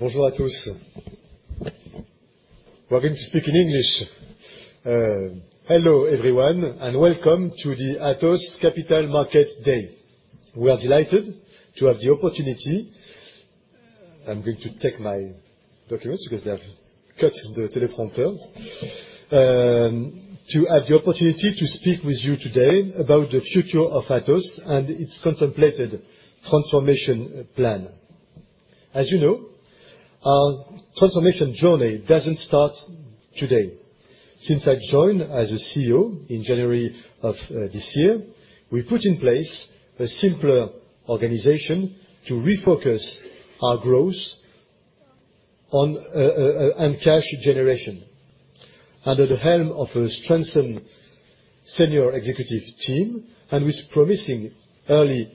Bonjour tous. We're going to speak in English. Hello, everyone, and welcome to the Atos Capital Market Day. We are delighted. I'm going to take my documents because they have cut the teleprompter. To have the opportunity to speak with you today about the future of Atos and its contemplated transformation plan. As you know, our transformation journey doesn't start today. Since I joined as a CEO in January of this year, we put in place a simpler organization to refocus our growth on cash generation under the helm of a strengthened senior executive team and with promising early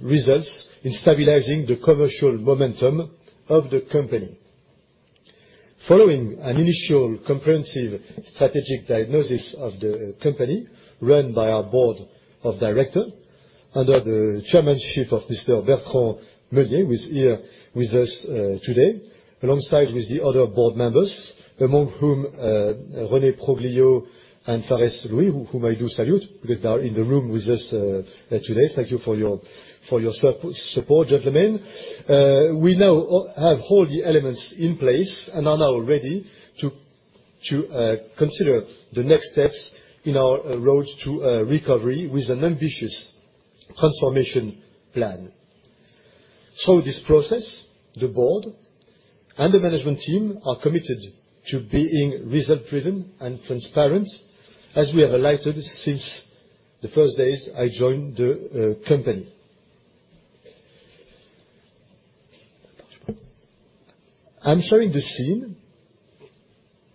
results in stabilizing the commercial momentum of the company. Following an initial comprehensive strategic diagnosis of the company run by our board of directors under the chairmanship of Mr. Bertrand Meunier, who is here with us today, alongside with the other board members, among whom René Proglio and Fares Louis, whom I do salute because they are in the room with us today. Thank you for your support, gentlemen. We now have all the elements in place and are now ready to consider the next steps in our road to recovery with an ambitious transformation plan. Through this process, the board and the management team are committed to being result-driven and transparent, as we have highlighted since the first days I joined the company. I'm sharing the scene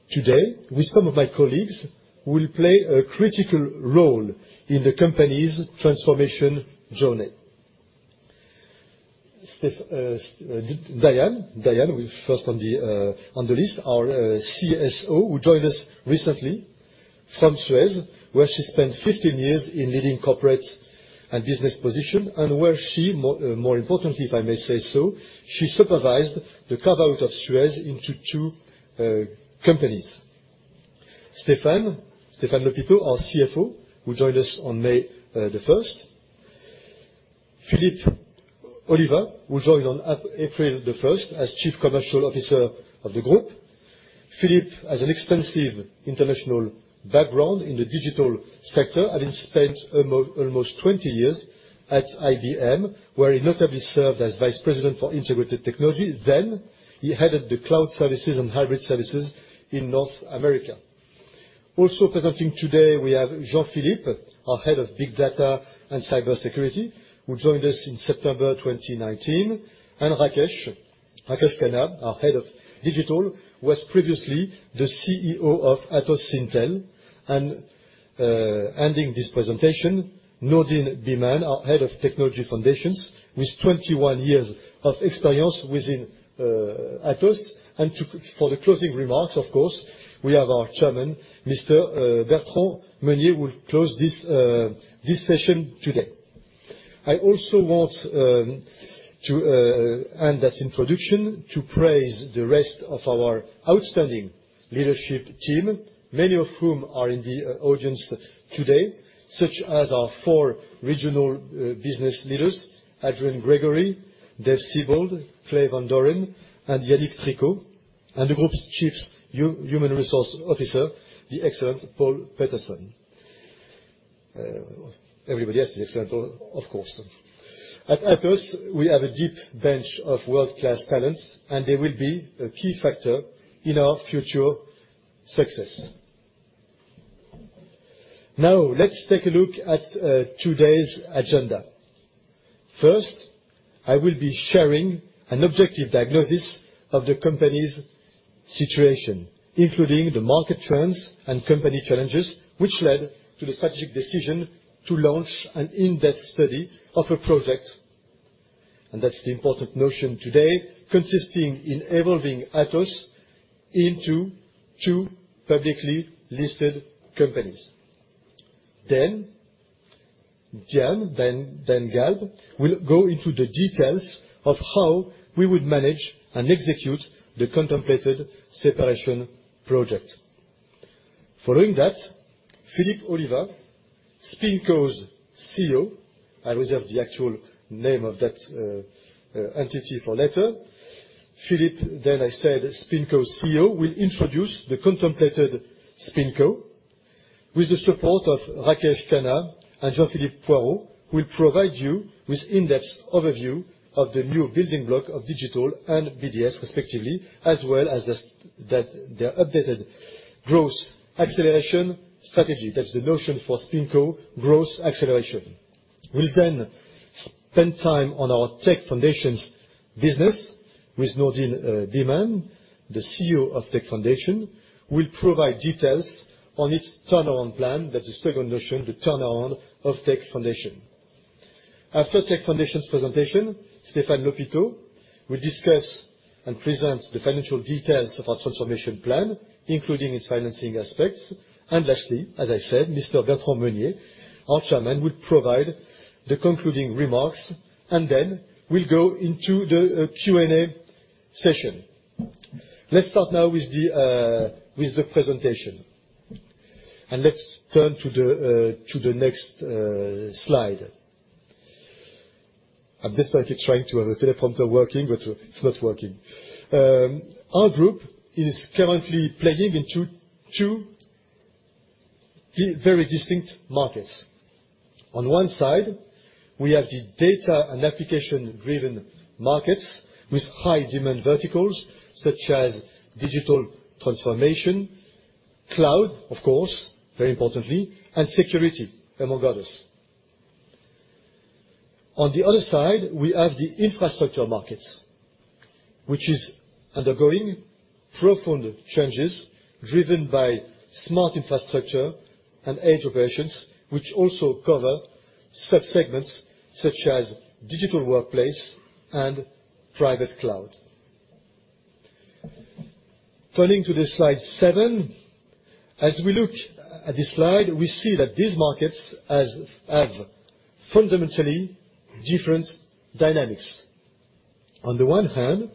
today with some of my colleagues who will play a critical role in the company's transformation journey. Stéph. Diane, first on the list, our CSO who joined us recently from Suez, where she spent 15 years in leading corporate and business position, and where she more importantly, if I may say so, she supervised the carve-out of Suez into two companies. Stéphane Lhopiteau, our CFO, who joined us on May 1st. Philippe Oliva, who joined on April 1st as Chief Commercial Officer of the group. Philippe has an extensive international background in the digital sector, having spent almost 20 years at IBM, where he notably served as Vice President for Integrated Technology. He headed the cloud services and hybrid services in North America. Presenting today, we have Jean-Philippe Poirault, our Head of Big Data and Security, who joined us in September 2019, and Rakesh Khanna, our Head of Digital, was previously the CEO of Atos Syntel. Ending this presentation, Nourdine Bihmane, our Head of Tech Foundations, with 21 years of experience within Atos. For the closing remarks, of course, we have our chairman, Mr. Bertrand Meunier, will close this session today. I also want to praise the rest of our outstanding leadership team, many of whom are in the audience today, such as our four regional business leaders, Adrian Gregory, Uwe Stelter, Clay Van Doren, and Yannick Tricaud, and the group's Chief Human Resources Officer, the excellent Paul Peterson. Everybody is excellent, of course. At Atos, we have a deep bench of world-class talents, and they will be a key factor in our future success. Now, let's take a look at today's agenda. First, I will be sharing an objective diagnosis of the company's situation, including the market trends and company challenges, which led to the strategic decision to launch an in-depth study of a project, and that's the important notion today, consisting in evolving Atos into two publicly listed companies. Diane Galbe will go into the details of how we would manage and execute the contemplated separation project. Following that, Philippe Oliva, SpinCo's CEO. I reserve the actual name of that entity for later. Philippe, then I said SpinCo's CEO, will introduce the contemplated SpinCo with the support of Rakesh Khanna and Jean-Philippe Poirault, who will provide you with in-depth overview of the new building block of Digital and BDS, respectively, as well as their updated growth acceleration strategy. That's the notion for SpinCo growth acceleration. We'll then spend time on our Tech Foundations business with Nourdine Bihmane, the CEO of Tech Foundations, will provide details on its turnaround plan. That's the second notion, the turnaround of Tech Foundations. After Tech Foundations's presentation, Stéphane Lhopiteau will discuss and present the financial details of our transformation plan, including its financing aspects. Lastly, as I said, Mr. Bertrand Meunier, our chairman, will provide the concluding remarks, and then we'll go into the Q&A session. Let's start now with the presentation. Let's turn to the next slide. At this point, keep trying to have the teleprompter working, but it's not working. Our group is currently playing in two very distinct markets. On one side, we have the data and application-driven markets with high demand verticals such as digital transformation, cloud, of course, very importantly, and security, among others. On the other side, we have the infrastructure markets, which is undergoing profound changes driven by smart infrastructure and edge operations, which also cover sub-segments such as digital workplace and private cloud. Turning to the Slide 7, as we look at this slide, we see that these markets have fundamentally different dynamics. On the one hand,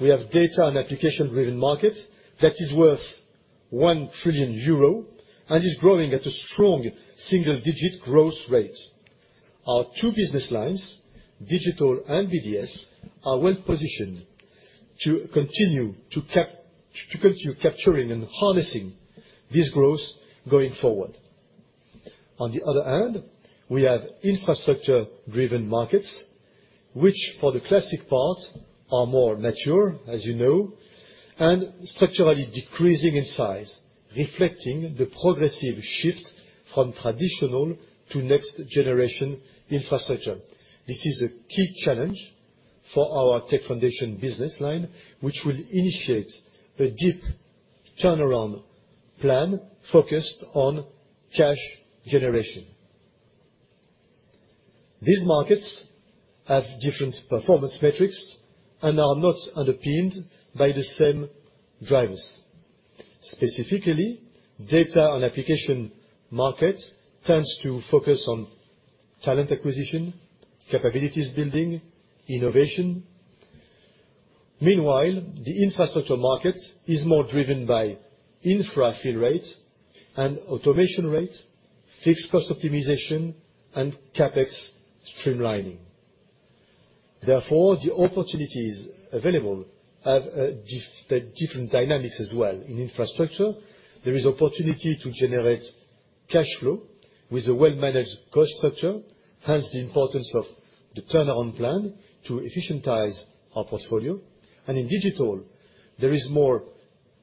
we have data and application-driven market that is worth 1 trillion euro and is growing at a strong single-digit growth rate. Our two business lines, digital and BDS, are well-positioned to continue capturing and harnessing this growth going forward. On the other hand, we have infrastructure-driven markets, which for the classic parts are more mature, as you know, and structurally decreasing in size, reflecting the progressive shift from traditional to next generation infrastructure. This is a key challenge for our Tech Foundations business line, which will initiate a deep turnaround plan focused on cash generation. These markets have different performance metrics and are not underpinned by the same drivers. Specifically, data and application market tends to focus on talent acquisition, capabilities building, innovation. Meanwhile, the infrastructure market is more driven by Infra Fill Rate and automation rate, fixed cost optimization, and CapEx streamlining. Therefore, the opportunities available have different dynamics as well. In infrastructure, there is opportunity to generate cash flow with a well-managed cost structure, hence the importance of the turnaround plan to efficientize our portfolio. In digital, there is more,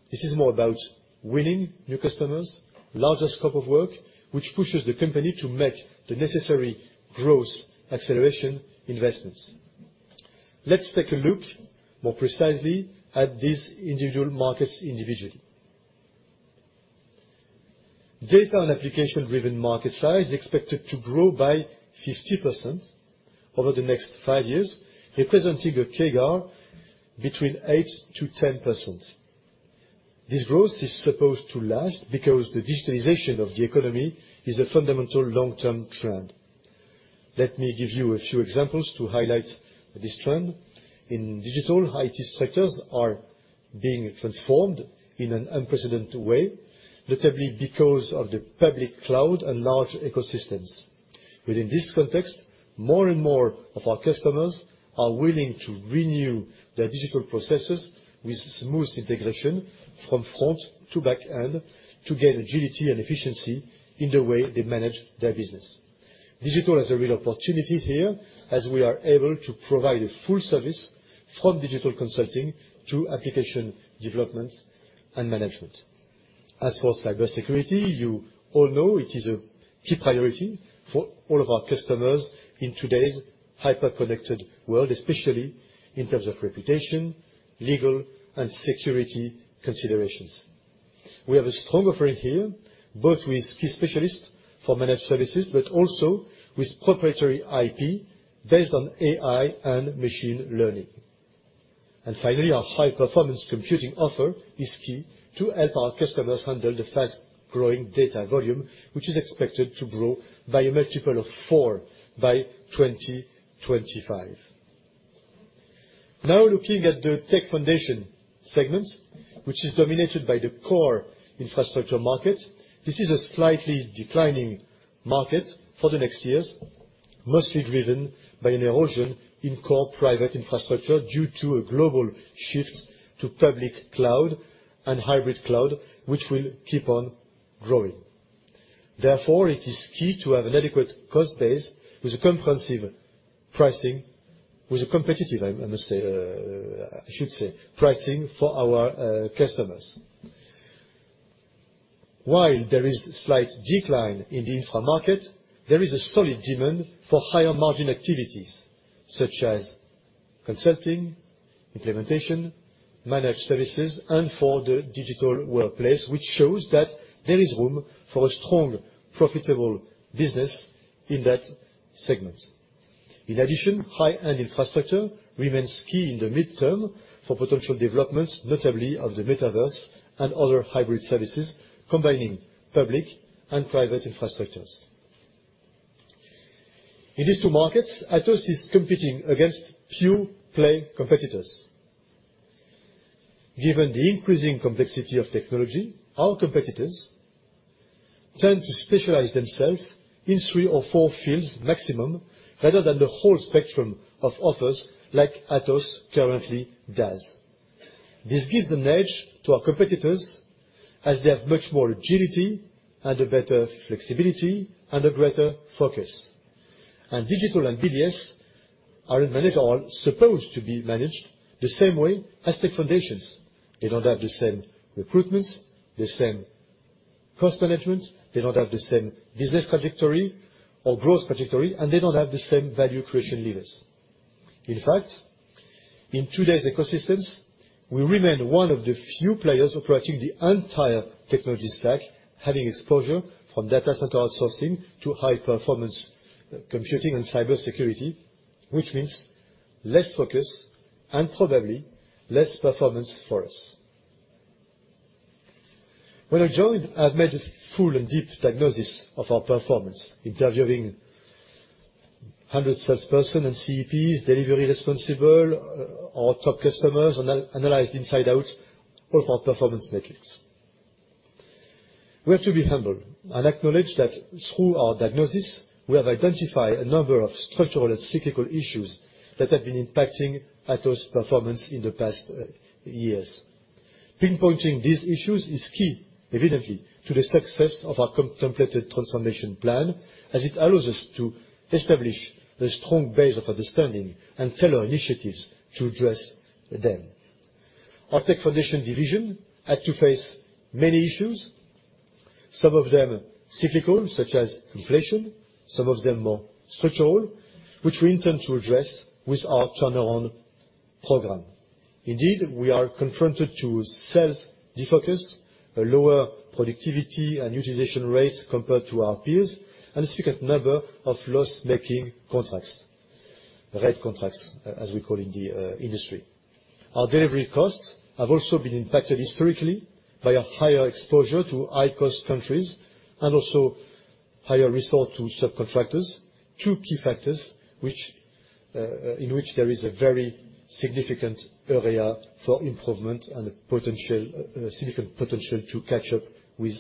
this is more about winning new customers, larger scope of work, which pushes the company to make the necessary growth acceleration investments. Let's take a look more precisely at these individual markets individually. Data and application-driven market size is expected to grow by 50% over the next five years, representing a CAGR between 8%-10%. This growth is supposed to last because the digitalization of the economy is a fundamental long-term trend. Let me give you a few examples to highlight this trend. In digital, IT sectors are being transformed in an unprecedented way, notably because of the public cloud and large ecosystems. Within this context, more and more of our customers are willing to renew their digital processes with smooth integration from front to back-end to gain agility and efficiency in the way they manage their business. Digital has a real opportunity here as we are able to provide a full service from digital consulting to application development and management. As for cybersecurity, you all know it is a key priority for all of our customers in today's hyper-connected world, especially in terms of reputation, legal, and security considerations. We have a strong offering here, both with key specialists for managed services, but also with proprietary IP based on AI and machine learning. Finally, our high-performance computing offer is key to help our customers handle the fast-growing data volume, which is expected to grow by a multiple of four by 2025. Now looking at the Tech Foundations segment, which is dominated by the core infrastructure market. This is a slightly declining market for the next years, mostly driven by an erosion in core private infrastructure due to a global shift to public cloud and hybrid cloud, which will keep on growing. Therefore, it is key to have an adequate cost base with a comprehensive pricing, with a competitive, I should say, pricing for our customers. While there is slight decline in the infra market, there is a solid demand for higher margin activities such as consulting, implementation, managed services, and for the digital workplace, which shows that there is room for a strong, profitable business in that segment. In addition, high-end infrastructure remains key in the mid-term for potential developments, notably of the metaverse and other hybrid services combining public and private infrastructures. In these two markets, Atos is competing against few playing competitors. Given the increasing complexity of technology, our competitors tend to specialize themselves in three or four fields maximum, rather than the whole spectrum of offers like Atos currently does. This gives an edge to our competitors as they have much more agility and a better flexibility and a greater focus. Digital and BDS are managed or supposed to be managed the same way as Tech Foundations. They don't have the same recruitments, the same cost management, they don't have the same business trajectory or growth trajectory, and they don't have the same value creation levers. In fact, in today's ecosystems, we remain one of the few players operating the entire technology stack, having exposure from data center outsourcing to high performance computing and cybersecurity, which means less focus and probably less performance for us. When I joined, I made a full and deep diagnosis of our performance, interviewing 100 salespersons and CEOs, delivery responsibles, our top customers, and analyzed inside out all of our performance metrics. We have to be humble and acknowledge that through our diagnosis, we have identified a number of structural and cyclical issues that have been impacting Atos' performance in the past years. Pinpointing these issues is key, evidently, to the success of our contemplated transformation plan, as it allows us to establish a strong base of understanding and tailor initiatives to address them. Our Tech Foundations division had to face many issues, some of them cyclical, such as inflation, some of them more structural, which we intend to address with our turnaround program. Indeed, we are confronted to sales defocus, a lower productivity and utilization rate compared to our peers, and a significant number of loss-making contracts. Red contracts, as we call in the industry. Our delivery costs have also been impacted historically by a higher exposure to high-cost countries, and also higher resort to subcontractors. Two key factors which, in which there is a very significant area for improvement and potential, significant potential to catch up with,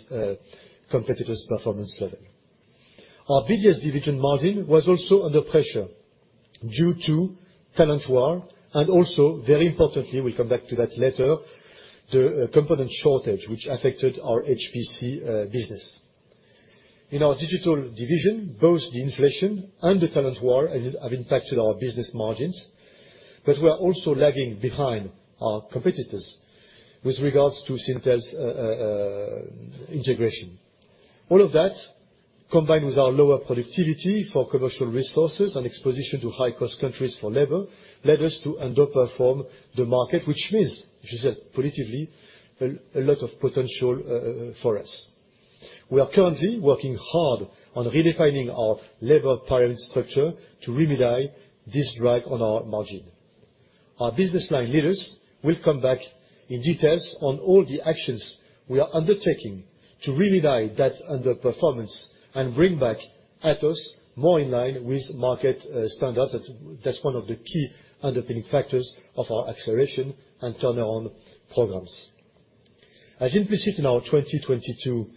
competitors' performance level. Our BDS division margin was also under pressure due to talent war, and also, very importantly, we come back to that later, the component shortage which affected our HPC business. In our digital division, both the inflation and the talent war have impacted our business margins, but we're also lagging behind our competitors with regards to Syntel integration. All of that, combined with our lower productivity for commercial resources and exposure to high-cost countries for labor, led us to underperform the market, which is positively a lot of potential for us. We are currently working hard on redefining our workforce structure to remedy this drag on our margin. Our business line leaders will come back in detail on all the actions we are undertaking to remedy that underperformance and bring back Atos more in line with market standards. That's one of the key underpinning factors of our acceleration and turnaround programs. As implicit in our 2022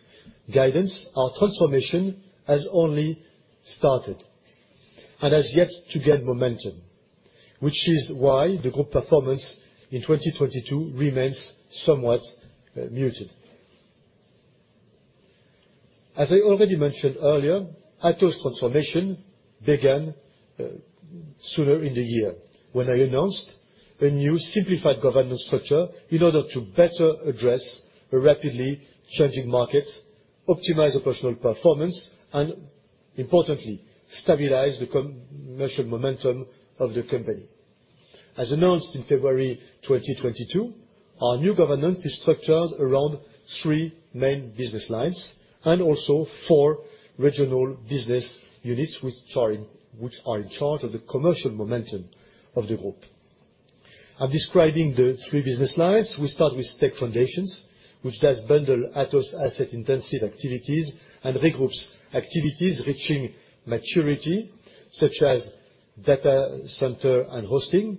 guidance, our transformation has only started and has yet to get momentum, which is why the group performance in 2022 remains somewhat muted. As I already mentioned earlier, Atos' transformation began sooner in the year when I announced a new simplified governance structure in order to better address a rapidly changing market, optimize operational performance, and importantly, stabilize the commercial momentum of the company. As announced in February 2022, our new governance is structured around three main business lines, and also four regional business units which are in charge of the commercial momentum of the group. I'm describing the three business lines. We start with Tech Foundations, which does bundle Atos asset-intensive activities and regroups activities reaching maturity, such as data center and hosting,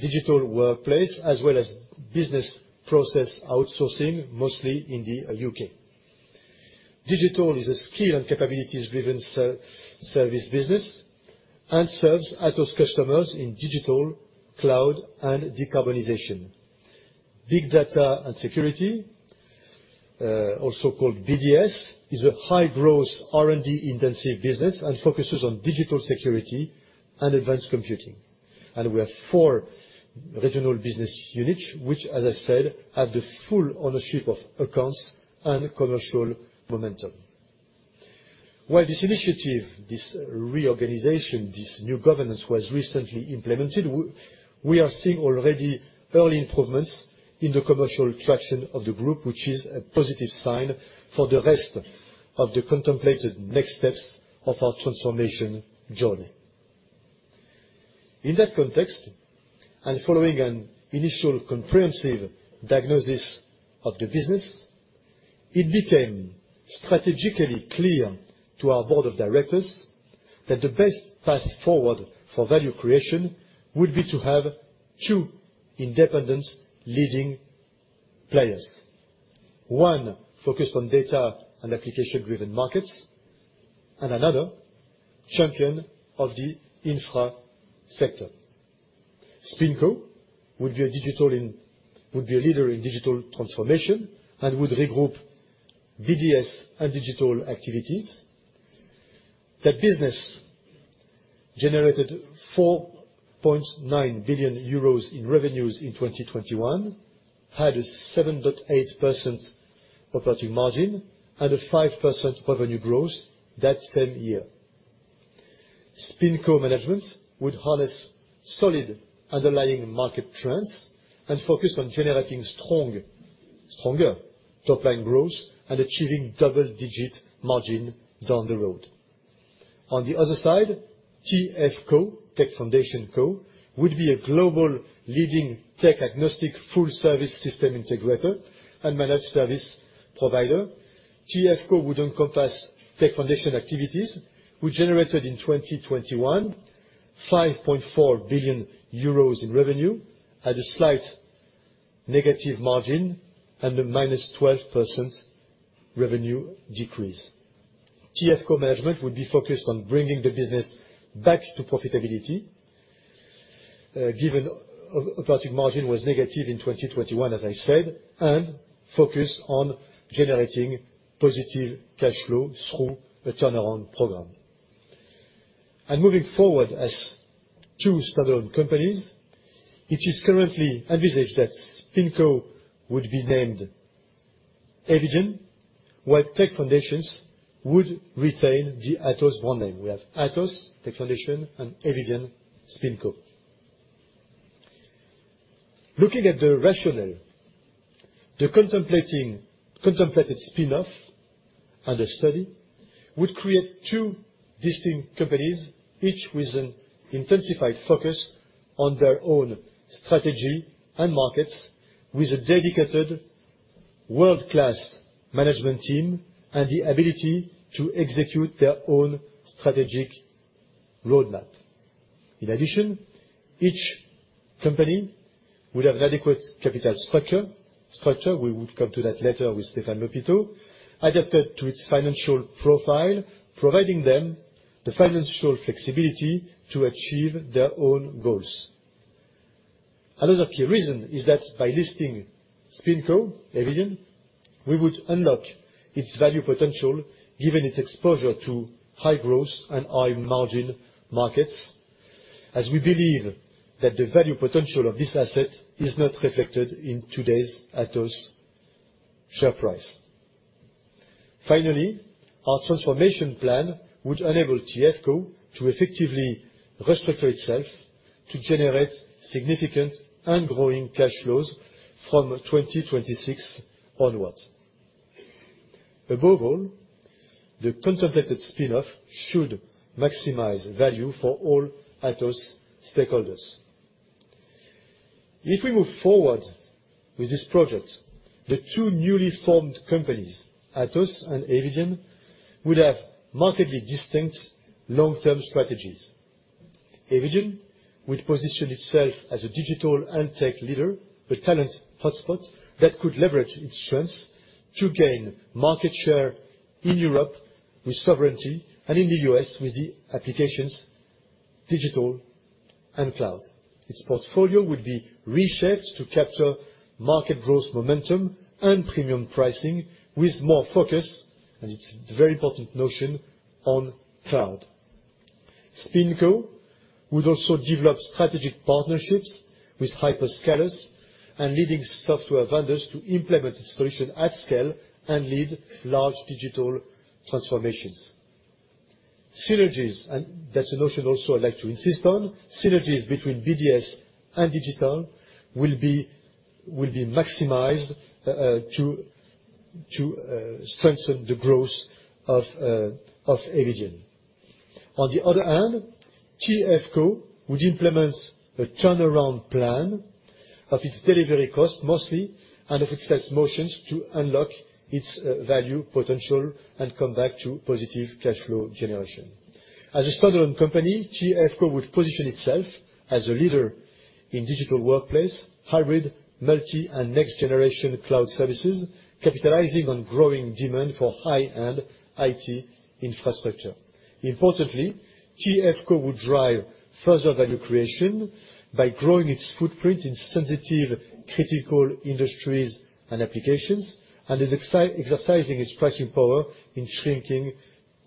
digital workplace, as well as business process outsourcing, mostly in the UK. Digital is a skill-and-capabilities-driven service business, and serves Atos customers in digital, cloud, and decarbonization. Big data and security, also called BDS, is a high-growth, R&D-intensive business, and focuses on digital security and advanced computing. We have four regional business units which, as I said, have the full ownership of accounts and commercial momentum. While this initiative, this reorganization, this new governance was recently implemented, we are seeing already early improvements in the commercial traction of the group, which is a positive sign for the rest of the contemplated next steps of our transformation journey. In that context, and following an initial comprehensive diagnosis of the business, it became strategically clear to our board of directors that the best path forward for value creation would be to have two independent leading players. One focused on data and application-driven markets, and another champion of the infra sector. SpinCo would be a leader in digital transformation and would regroup BDS and digital activities. That business generated 4.9 billion euros in revenues in 2021, had a 7.8% operating margin, and a 5% revenue growth that same year. SpinCo management would harness solid underlying market trends and focus on generating stronger top-line growth and achieving double-digit margin down the road. On the other side, TFCo, Tech Foundations Co, would be a global leading tech-agnostic full service system integrator and managed service provider. TFCo would encompass Tech Foundations activities, which generated in 2021 5.4 billion euros in revenue at a slight negative margin and a -12% revenue decrease. TFCo management would be focused on bringing the business back to profitability, given operating margin was negative in 2021, as I said, and focused on generating positive cash flow through a turnaround program. Moving forward as two standalone companies, it is currently envisaged that SpinCo would be named Eviden, while Tech Foundations would retain the Atos brand name. We have Atos, Tech Foundations, and Eviden SpinCo. Looking at the rationale, the contemplated spin-off under study would create two distinct companies, each with an intensified focus on their own strategy and markets, with a dedicated world-class management team and the ability to execute their own strategic roadmap. In addition, each company would have adequate capital structure, we would come to that later with Stéphane Lhopiteau, adapted to its financial profile, providing them the financial flexibility to achieve their own goals. Another key reason is that by listing SpinCo, Eviden, we would unlock its value potential given its exposure to high-growth and high-margin markets, as we believe that the value potential of this asset is not reflected in today's Atos share price. Finally, our transformation plan would enable TFCo to effectively restructure itself to generate significant and growing cash flows from 2026 onwards. Above all, the contemplated spin-off should maximize value for all Atos stakeholders. If we move forward with this project, the two newly formed companies, Atos and Eviden, would have markedly distinct long-term strategies. Eviden would position itself as a digital and tech leader, a talent hotspot that could leverage its strengths to gain market share in Europe with sovereignty and in the U.S. with the applications, digital and cloud. Its portfolio would be reshaped to capture market growth momentum and premium pricing with more focus, and it's a very important notion, on cloud. SpinCo would also develop strategic partnerships with hyperscalers and leading software vendors to implement its solution at scale and lead large digital transformations. Synergies, and that's a notion also I'd like to insist on, synergies between BDS and digital will be maximized to strengthen the growth of Eviden. On the other hand, TFCo would implement a turnaround plan of its delivery cost mostly, and of its operations to unlock its value potential and come back to positive cash flow generation. As a standalone company, TFCo would position itself as a leader in digital workplace, hybrid, multi, and next-generation cloud services, capitalizing on growing demand for high-end IT infrastructure. Importantly, TFCo would drive further value creation by growing its footprint in sensitive, critical industries and applications, and is exercising its pricing power in shrinking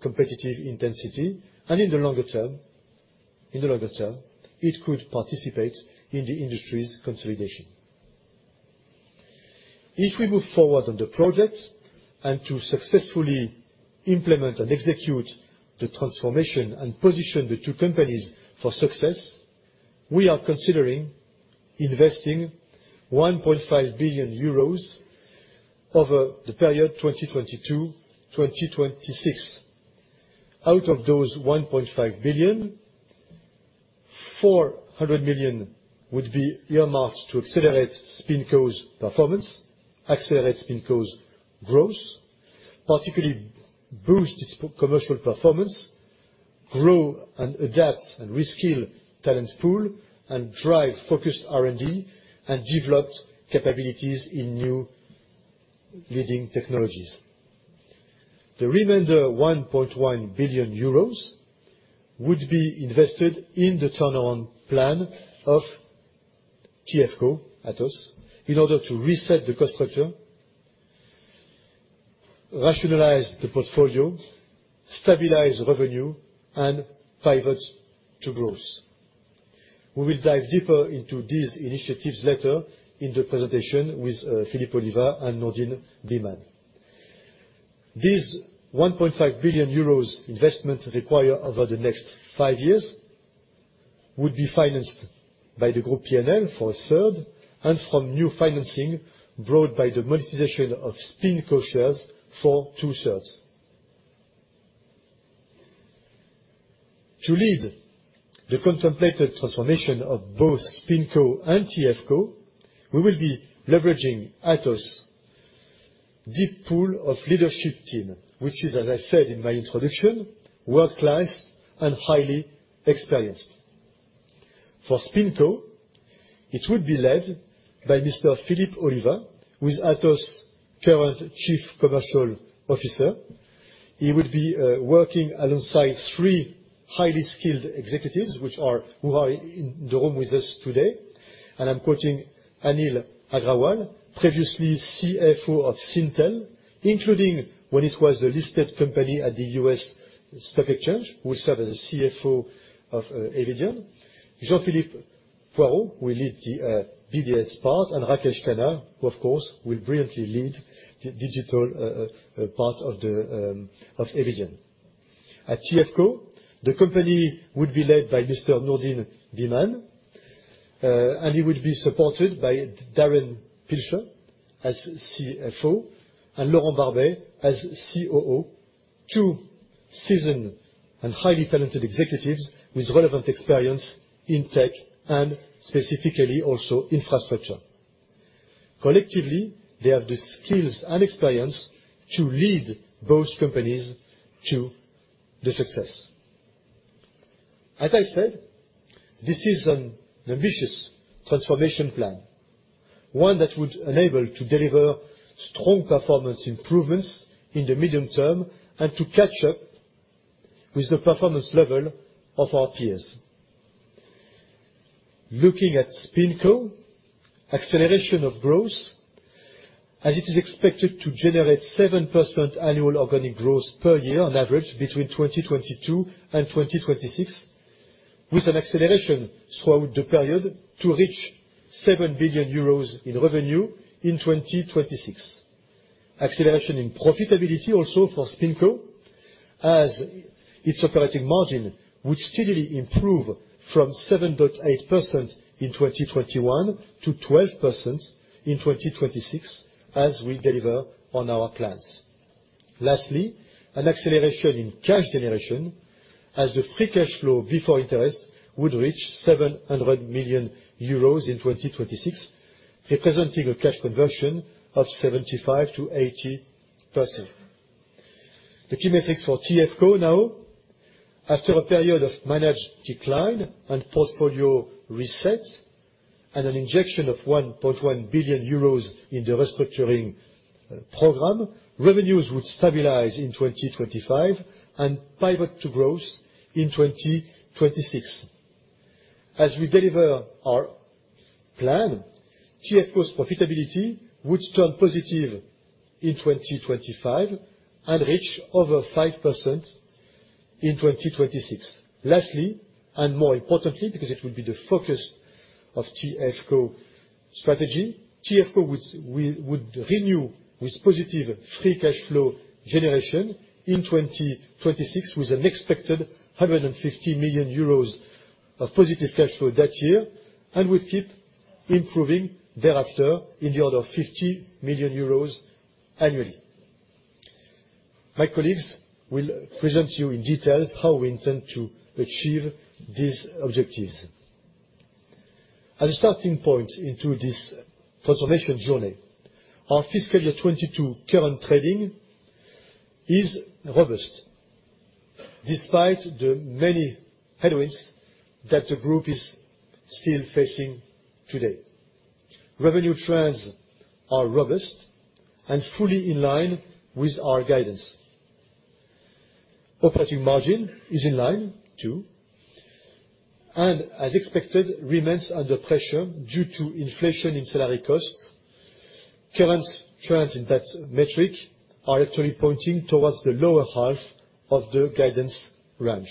competitive intensity. In the longer term, it could participate in the industry's consolidation. If we move forward on the project and to successfully implement and execute the transformation and position the two companies for success, we are considering investing 1.5 billion euros over the period 2022-2026. Out of those 1.5 billion, 400 million would be earmarked to accelerate SpinCo's performance, accelerate SpinCo's growth, particularly boost its commercial performance, grow and adapt and reskill talent pool, and drive focused R&D and developed capabilities in new leading technologies. The remainder 1.1 billion euros would be invested in the turnaround plan of TFCo Atos in order to reset the cost structure, rationalize the portfolio, stabilize revenue, and pivot to growth. We will dive deeper into these initiatives later in the presentation with Philippe Oliva and Nourdine Bihmane. This 1.5 billion euros investment required over the next five years would be financed by the group P&L for a third, and from new financing brought by the monetization of SpinCo shares for two-thirds. To lead the contemplated transformation of both SpinCo and TFCo, we will be leveraging Atos' deep pool of leadership team, which is, as I said in my introduction, world-class and highly experienced. For SpinCo, it will be led by Mr. Philippe Oliva, who is Atos current Chief Commercial Officer. He will be working alongside three highly skilled executives, who are in the room with us today. I'm quoting Anil Agrawal, previously CFO of Syntel, including when it was a listed company at the U.S. Stock Exchange, who serves as the CFO of Eviden. Jean-Philippe Poirault will lead the BDS part, and Rakesh Khanna, who of course, will brilliantly lead the digital part of Eviden. At TFCo, the company would be led by Mr. Nourdine Bihmane, and he would be supported by Darren Pilcher as CFO and Laurent Barbet as COO, two seasoned and highly talented executives with relevant experience in tech and specifically also infrastructure. Collectively, they have the skills and experience to lead both companies to the success. As I said, this is an ambitious transformation plan, one that would enable to deliver strong performance improvements in the medium term and to catch up with the performance level of our peers. Looking at SpinCo, acceleration of growth as it is expected to generate 7% annual organic growth per year on average between 2022 and 2026, with an acceleration throughout the period to reach 7 billion euros in revenue in 2026. Acceleration in profitability also for SpinCo as its operating margin would steadily improve from 7.8% in 2021 to 12% in 2026 as we deliver on our plans. Lastly, an acceleration in cash generation as the free cash flow before interest would reach 700 million euros in 2026, representing a cash conversion of 75%-80%. The key metrics for TFCo now. After a period of managed decline and portfolio reset, and an injection of 1.1 billion euros in the restructuring program, revenues would stabilize in 2025 and pivot to growth in 2026. As we deliver our plan, TFCo's profitability would turn positive in 2025 and reach over 5% in 2026. Lastly, and more importantly, because it will be the focus of TFCo strategy, TFCo would renew with positive free cash flow generation in 2026 with an expected 150 million euros of positive cash flow that year, and will keep improving thereafter in the order of 50 million euros annually. My colleagues will present to you in detail how we intend to achieve these objectives. As a starting point into this transformation journey, our FY22 current trading is robust, despite the many headwinds that the group is still facing today. Revenue trends are robust and fully in line with our guidance. Operating margin is in line too, and as expected, remains under pressure due to inflation in salary costs. Current trends in that metric are actually pointing towards the lower half of the guidance range.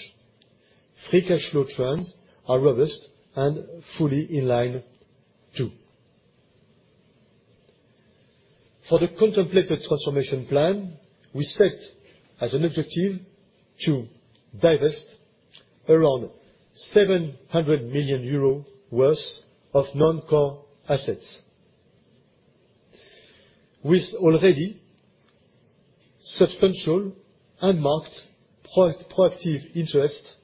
Free cash flow trends are robust and fully in line too. For the contemplated transformation plan, we set as an objective to divest around 700 million euro worth of non-core assets. With already substantial proactive interest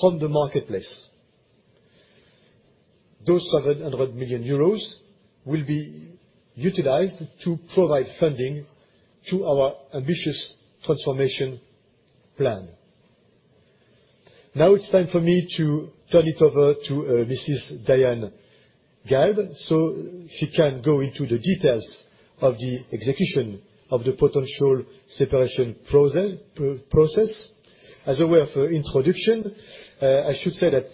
from the marketplace. Those 700 million euros will be utilized to provide funding to our ambitious transformation plan. Now it's time for me to turn it over to Mrs. Diane Galbe, she can go into the details of the execution of the potential separation process. As a way of introduction, I should say that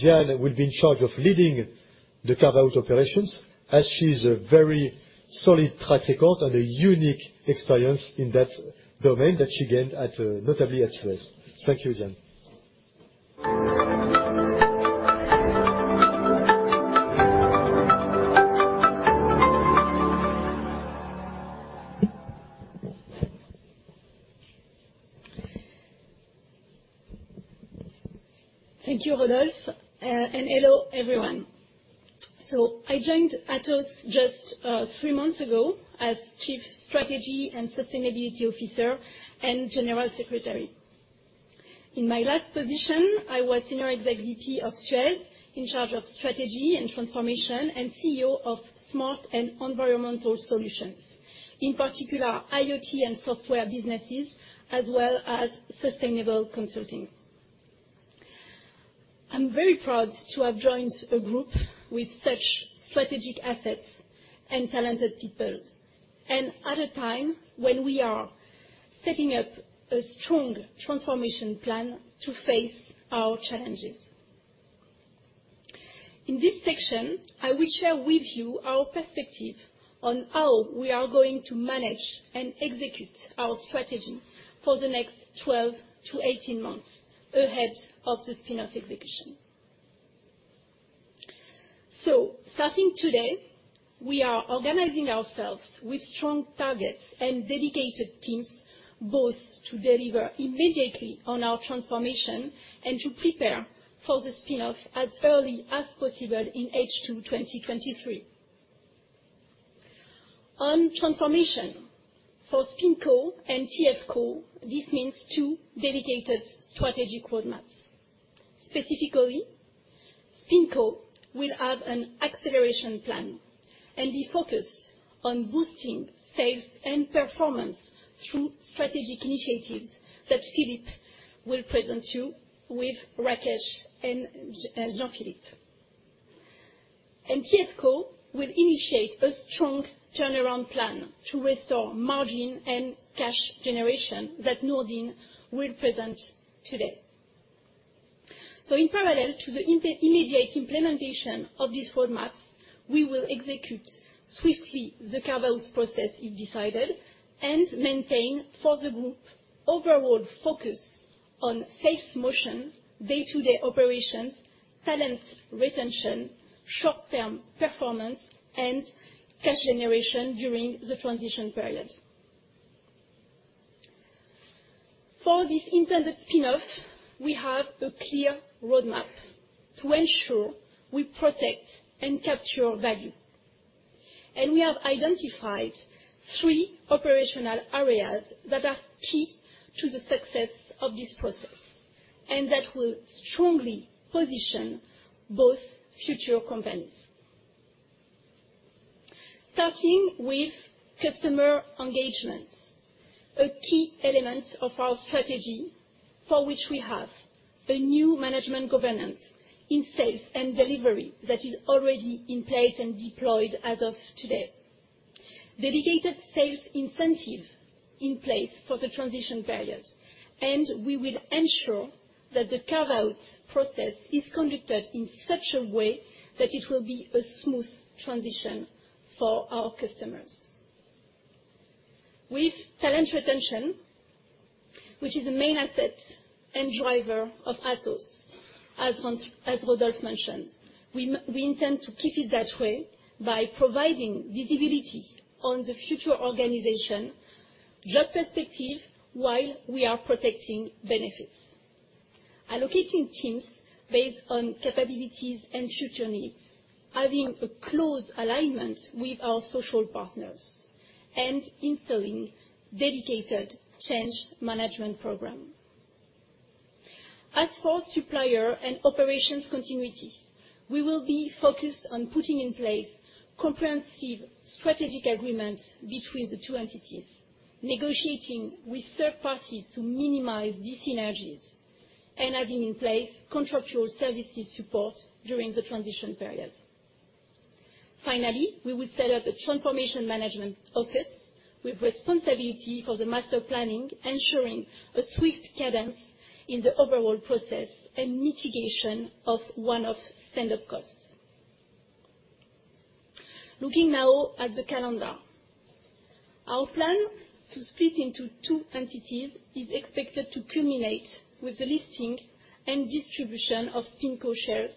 Diane will be in charge of leading the carve-out operations, as she has a very solid track record and a unique experience in that domain that she gained at, notably at Suez. Thank you, Diane. Thank you, Rodolphe. Hello, everyone. I joined Atos just three months ago as Chief Strategy and Sustainability Officer and General Secretary. In my last position, I was Senior Exec VP of Suez, in charge of strategy and transformation, and CEO of Smart & Environmental Solutions, in particular, IoT and software businesses, as well as sustainable consulting. I'm very proud to have joined a group with such strategic assets and talented people, and at a time when we are setting up a strong transformation plan to face our challenges. In this section, I will share with you our perspective on how we are going to manage and execute our strategy for the next 12-18 months ahead of the spin-off execution. Starting today, we are organizing ourselves with strong targets and dedicated teams, both to deliver immediately on our transformation and to prepare for the spin-off as early as possible in H2 2023. On transformation. For SpinCo and Tech Foundations, this means two dedicated strategy roadmaps. Specifically, SpinCo will have an acceleration plan and be focused on boosting sales and performance through strategic initiatives that Philippe will present you with Rakesh and Jean-Philippe. Tech Foundations will initiate a strong turnaround plan to restore margin and cash generation that Nourdine will present today. In parallel to the immediate implementation of these roadmaps, we will execute swiftly the carve-outs process if decided, and maintain for the group overall focus on sales motion, day-to-day operations, talent retention, short-term performance, and cash generation during the transition period. For this intended spin-off, we have a clear roadmap to ensure we protect and capture value. We have identified three operational areas that are key to the success of this process and that will strongly position both future companies. Starting with customer engagement, a key element of our strategy for which we have a new management governance in sales and delivery that is already in place and deployed as of today. Dedicated sales incentive in place for the transition period, and we will ensure that the carve-out process is conducted in such a way that it will be a smooth transition for our customers. With talent retention, which is a main asset and driver of Atos, as Rodolphe mentioned, we intend to keep it that way by providing visibility on the future organization, job perspective, while we are protecting benefits. Allocating teams based on capabilities and future needs, having a close alignment with our social partners, and installing dedicated change management program. As for supplier and operations continuity, we will be focused on putting in place comprehensive strategic agreements between the two entities, negotiating with third parties to minimize dyssynergies, and having in place contractual services support during the transition period. Finally, we will set up a transformation management office with responsibility for the master planning, ensuring a swift cadence in the overall process and mitigation of one-off stand-up costs. Looking now at the calendar. Our plan to split into two entities is expected to culminate with the listing and distribution of SpinCo shares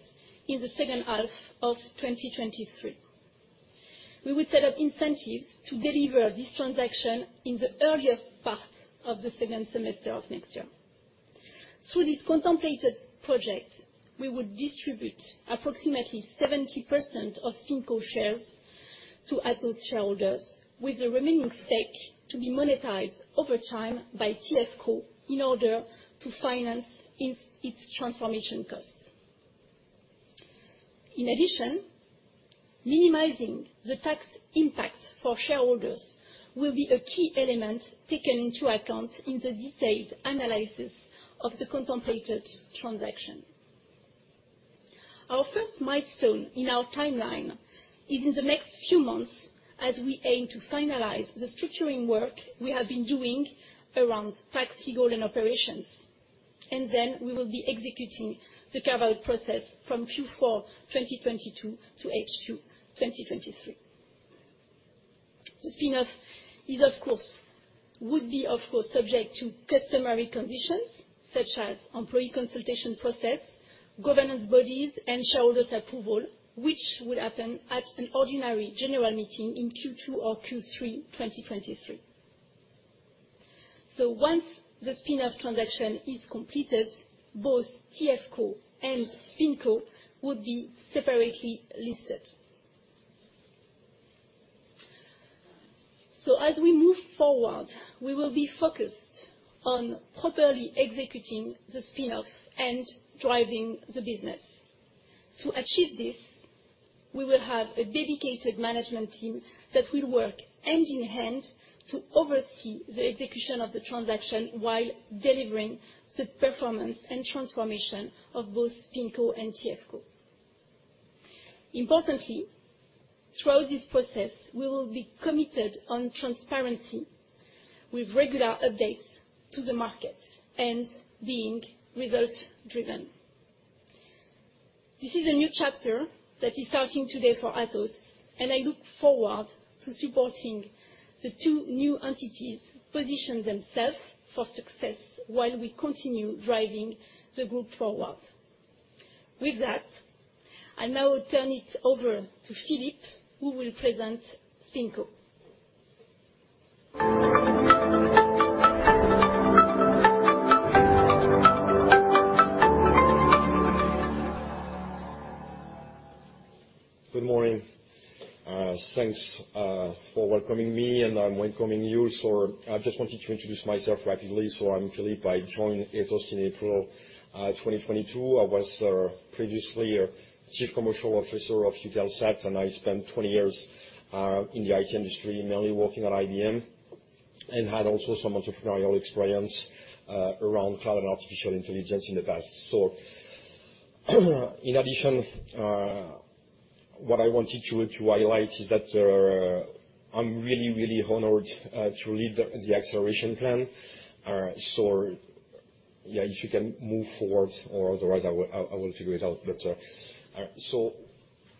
in the second half of 2023. We will set up incentives to deliver this transaction in the earliest part of the second semester of next year. Through this contemplated project, we will distribute approximately 70% of SpinCo shares to Atos shareholders, with the remaining stake to be monetized over time by TFCo in order to finance its transformation costs. In addition, minimizing the tax impact for shareholders will be a key element taken into account in the detailed analysis of the contemplated transaction. Our first milestone in our timeline is in the next few months as we aim to finalize the structuring work we have been doing around tax, legal, and operations, and then we will be executing the carve-out process from Q4 2022 to H2 2023. The spin-off would be, of course, subject to customary conditions such as employee consultation process, governance bodies, and shareholders approval, which will happen at an ordinary general meeting in Q2 or Q3 2023. Once the spin-off transaction is completed, both TFCo and SpinCo will be separately listed. As we move forward, we will be focused on properly executing the spin-off and driving the business. To achieve this, we will have a dedicated management team that will work hand in hand to oversee the execution of the transaction while delivering the performance and transformation of both SpinCo and TFCo. Importantly, throughout this process, we will be committed on transparency with regular updates to the market and being results-driven. This is a new chapter that is starting today for Atos, and I look forward to supporting the two new entities position themselves for success while we continue driving the group forward. With that, I now turn it over to Philippe, who will present SpinCo. Good morning. Thanks for welcoming me, and I'm welcoming you. I just wanted to introduce myself rapidly. I'm Philippe. I joined Atos in April 2022. I was previously a Chief Commercial Officer of Syntel, and I spent 20 years in the IT industry, mainly working at IBM, and had also some entrepreneurial experience around cloud and artificial intelligence in the past. In addition, what I wanted to highlight is that I'm really honored to lead the acceleration plan. If you can move forward, or otherwise I will figure it out.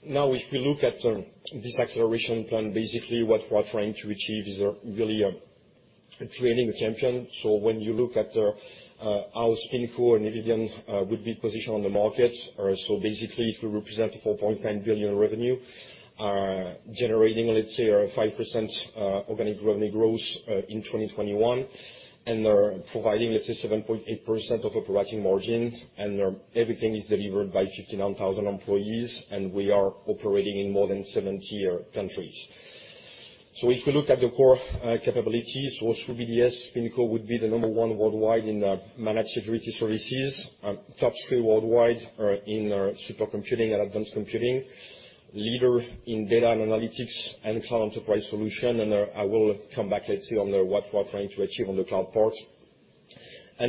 Now if we look at this acceleration plan, basically what we're trying to achieve is really training a champion. When you look at how SpinCo and Eviden would be positioned on the market. Basically, if we represent 4.9 billion revenue, generating, let's say, 5% organic revenue growth in 2021, and they're providing, let's say, 7.8% operating margin, and everything is delivered by 59,000 employees, and we are operating in more than 70 countries. If we look at the core capabilities, through BDS, Eviden would be the number one worldwide in the managed security services, top 3 worldwide in supercomputing and advanced computing, leader in data and analytics and cloud enterprise solution. I will come back later on what we're trying to achieve on the cloud part.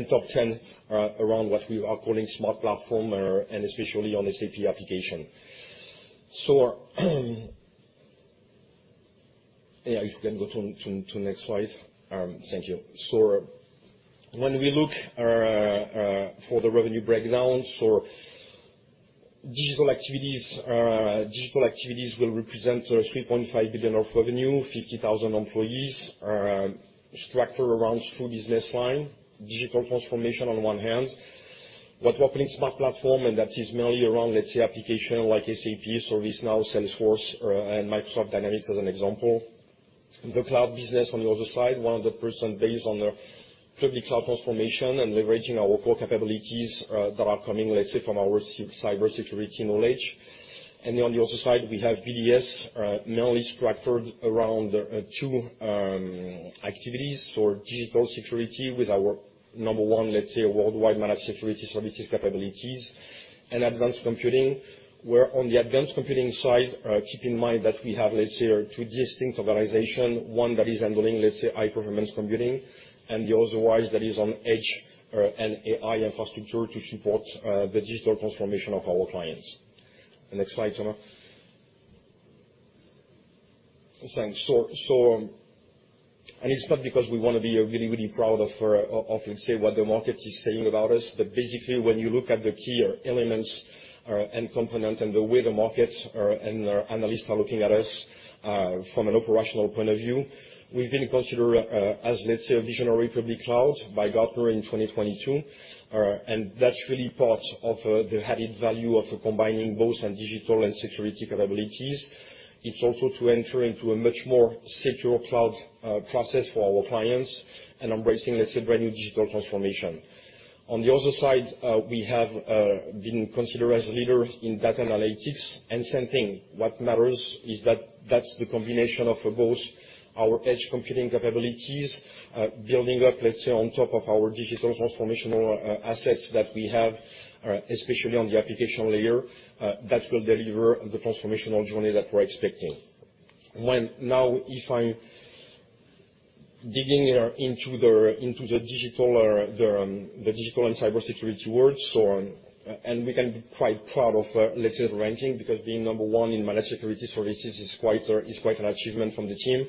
Top 10 around what we are calling smart platform, and especially on SAP application. If you can go to the next slide. Thank you. When we look for the revenue breakdown, digital activities will represent 3.5 billion of revenue, 50,000 employees, structured around three business lines, digital transformation on one hand. What we're calling smart platforms, and that is mainly around, let's say, applications like SAP, ServiceNow, Salesforce, and Microsoft Dynamics as an example. The cloud business on the other side, one of the pillars based on the public cloud transformation and leveraging our core capabilities that are coming, let's say, from our cybersecurity knowledge. On the other side, we have BDS, mainly structured around two activities. Digital security with our number one, let's say, worldwide managed security services capabilities and advanced computing. Where on the advanced computing side, keep in mind that we have, let's say, two distinct organization, one that is handling, let's say, high-performance computing and the other side that is on edge, and AI infrastructure to support the digital transformation of our clients. The next slide, Thomas. Thanks. And it's not because we want to be really, really proud of, let's say, what the market is saying about us. Basically, when you look at the key elements, and component and the way the markets, and analysts are looking at us, from an operational point of view, we've been considered, as, let's say, a visionary public cloud by Gartner in 2022. And that's really part of the added value of combining both digital and security capabilities. It's also to enter into a much more secure cloud process for our clients and embracing, let's say, brand new digital transformation. On the other side, we have been considered as leader in data analytics and same thing. What matters is that that's the combination of both our edge computing capabilities, building up, let's say, on top of our digital transformational assets that we have, especially on the application layer, that will deliver the transformational journey that we're expecting. Now, if I'm digging into the digital and cybersecurity world, so on. We can be quite proud of, let's say, the ranking, because being number one in managed security services is quite an achievement from the team.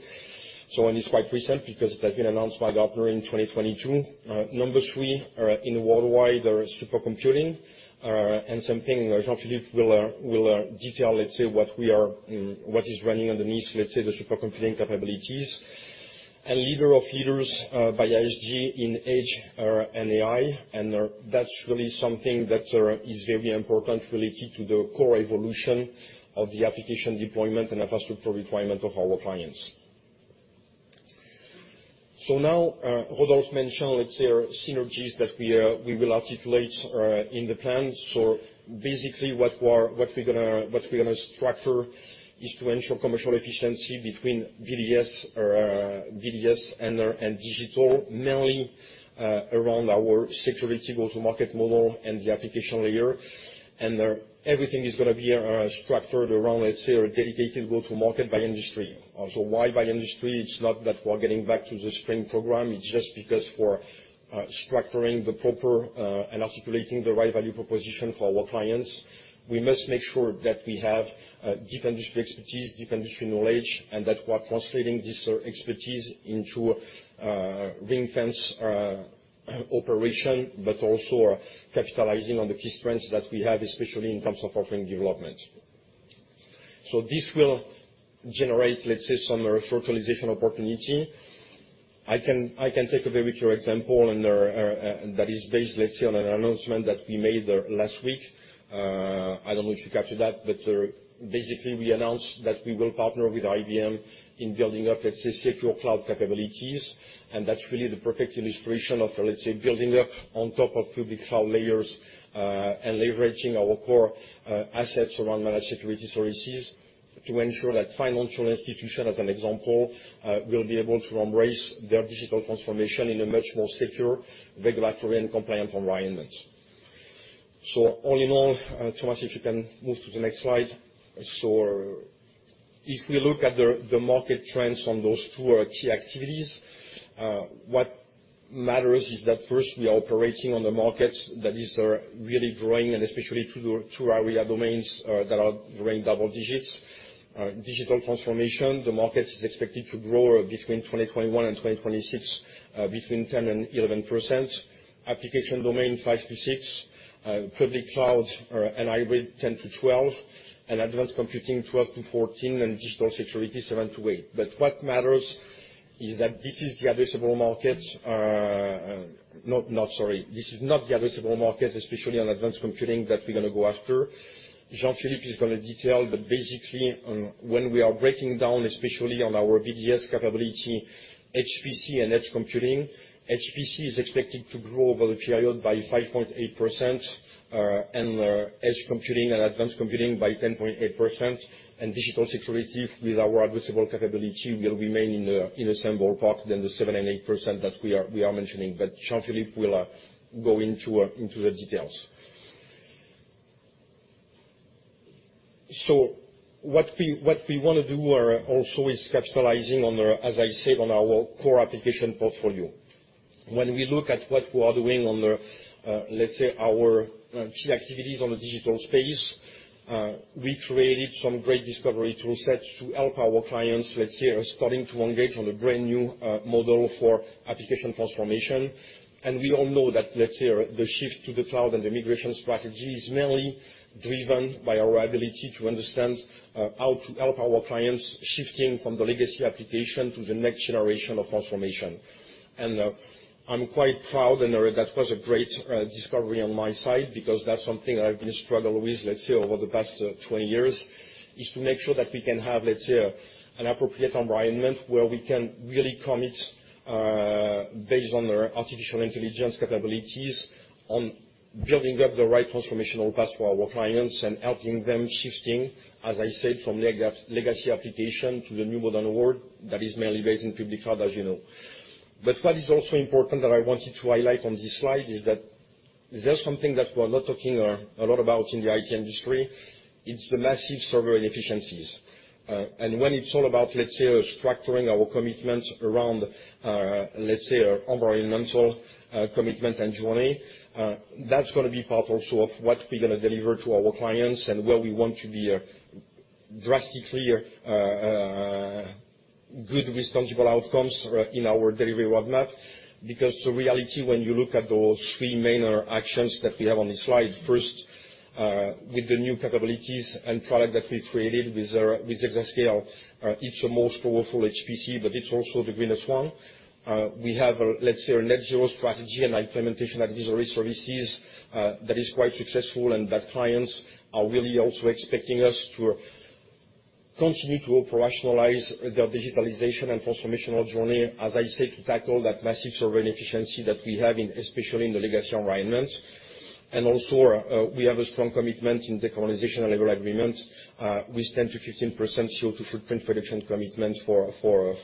It's quite recent because it has been announced by Gartner in 2022. Number three in worldwide supercomputing and something Jean-Philippe will detail, let's say, what is running underneath, let's say, the supercomputing capabilities. Leader of leaders by ISG in Edge and AI. That's really something that is very important related to the core evolution of the application deployment and infrastructure requirement of our clients. Now Rodolphe mentioned, let's say, synergies that we will articulate in the plan. Basically, what we're gonna structure is to ensure commercial efficiency between BDS and digital, mainly around our security go-to-market model and the application layer. Everything is gonna be structured around, let's say, a dedicated go-to-market by industry. Why by industry? It's not that we're getting back to the SPRING program. It's just because we're structuring the proper and articulating the right value proposition for our clients. We must make sure that we have deep industry expertise, deep industry knowledge, and that we're translating this expertise into ring-fence operation, but also capitalizing on the key strengths that we have, especially in terms of offering development. This will generate, let's say, some revitalization opportunity. I can take a very pure example and that is based, let's say, on an announcement that we made last week. I don't know if you captured that, but basically, we announced that we will partner with IBM in building up, let's say, secure cloud capabilities. That's really the perfect illustration of, let's say, building up on top of public cloud layers, and leveraging our core assets around managed security services to ensure that financial institutions, as an example, will be able to embrace their digital transformation in a much more secure regulatory and compliant environment. All in all, Thomas, if you can move to the next slide. If we look at the market trends on those two key activities, what matters is that first we are operating on the market that is really growing, and especially to the two area domains that are growing double digits. Digital transformation, the market is expected to grow between 2021 and 2026, between 10%-11%. Application domain, 5%-6%. Public cloud and hybrid, 10%-12%, and advanced computing, 12%-14%, and digital security, 7%-8%. What matters is that this is not the addressable market, especially on advanced computing, that we're gonna go after. Jean-Philippe is gonna detail, but basically, when we are breaking down, especially on our BDS capability, HPC and edge computing, HPC is expected to grow over the period by 5.8%, and edge computing and advanced computing by 10.8%, and digital security with our addressable capability will remain in the same ballpark than the 7%-8% that we are mentioning. Jean-Philippe will go into the details. What we wanna do is also capitalizing on the, as I said, on our core application portfolio. When we look at what we are doing on the, let's say, our key activities on the digital space, we created some great discovery tool sets to help our clients, let's say, starting to engage on a brand-new model for application transformation. We all know that, let's say, the shift to the cloud and the migration strategy is mainly driven by our ability to understand how to help our clients shifting from the legacy application to the next generation of transformation. I'm quite proud, and that was a great discovery on my side, because that's something I've been struggling with, let's say, over the past 20 years, is to make sure that we can have, let's say, an appropriate environment where we can really commit based on the artificial intelligence capabilities on building up the right transformational path for our clients and helping them shifting, as I said, from legacy application to the new modern world that is mainly based in public cloud, as you know. What is also important that I wanted to highlight on this slide is that there's something that we're not talking a lot about in the IT industry. It's the massive server inefficiencies. When it's all about, let's say, structuring our commitments around, let's say, our environmental commitment and journey, that's gonna be part also of what we're gonna deliver to our clients and where we want to be drastically good with tangible outcomes in our delivery roadmap. Because the reality when you look at those three main actions that we have on this slide, first, with the new capabilities and product that we created with Exascale, it's the most powerful HPC, but it's also the greenest one. We have, let's say, a net zero strategy and implementation advisory services that is quite successful and that clients are really also expecting us to continue to operationalize their digitalization and transformational journey, as I said, to tackle that massive server inefficiency that we have in, especially in, the legacy environment. We have a strong commitment in the Decarbonization Level Agreement with 10%-15% CO2 footprint reduction commitment for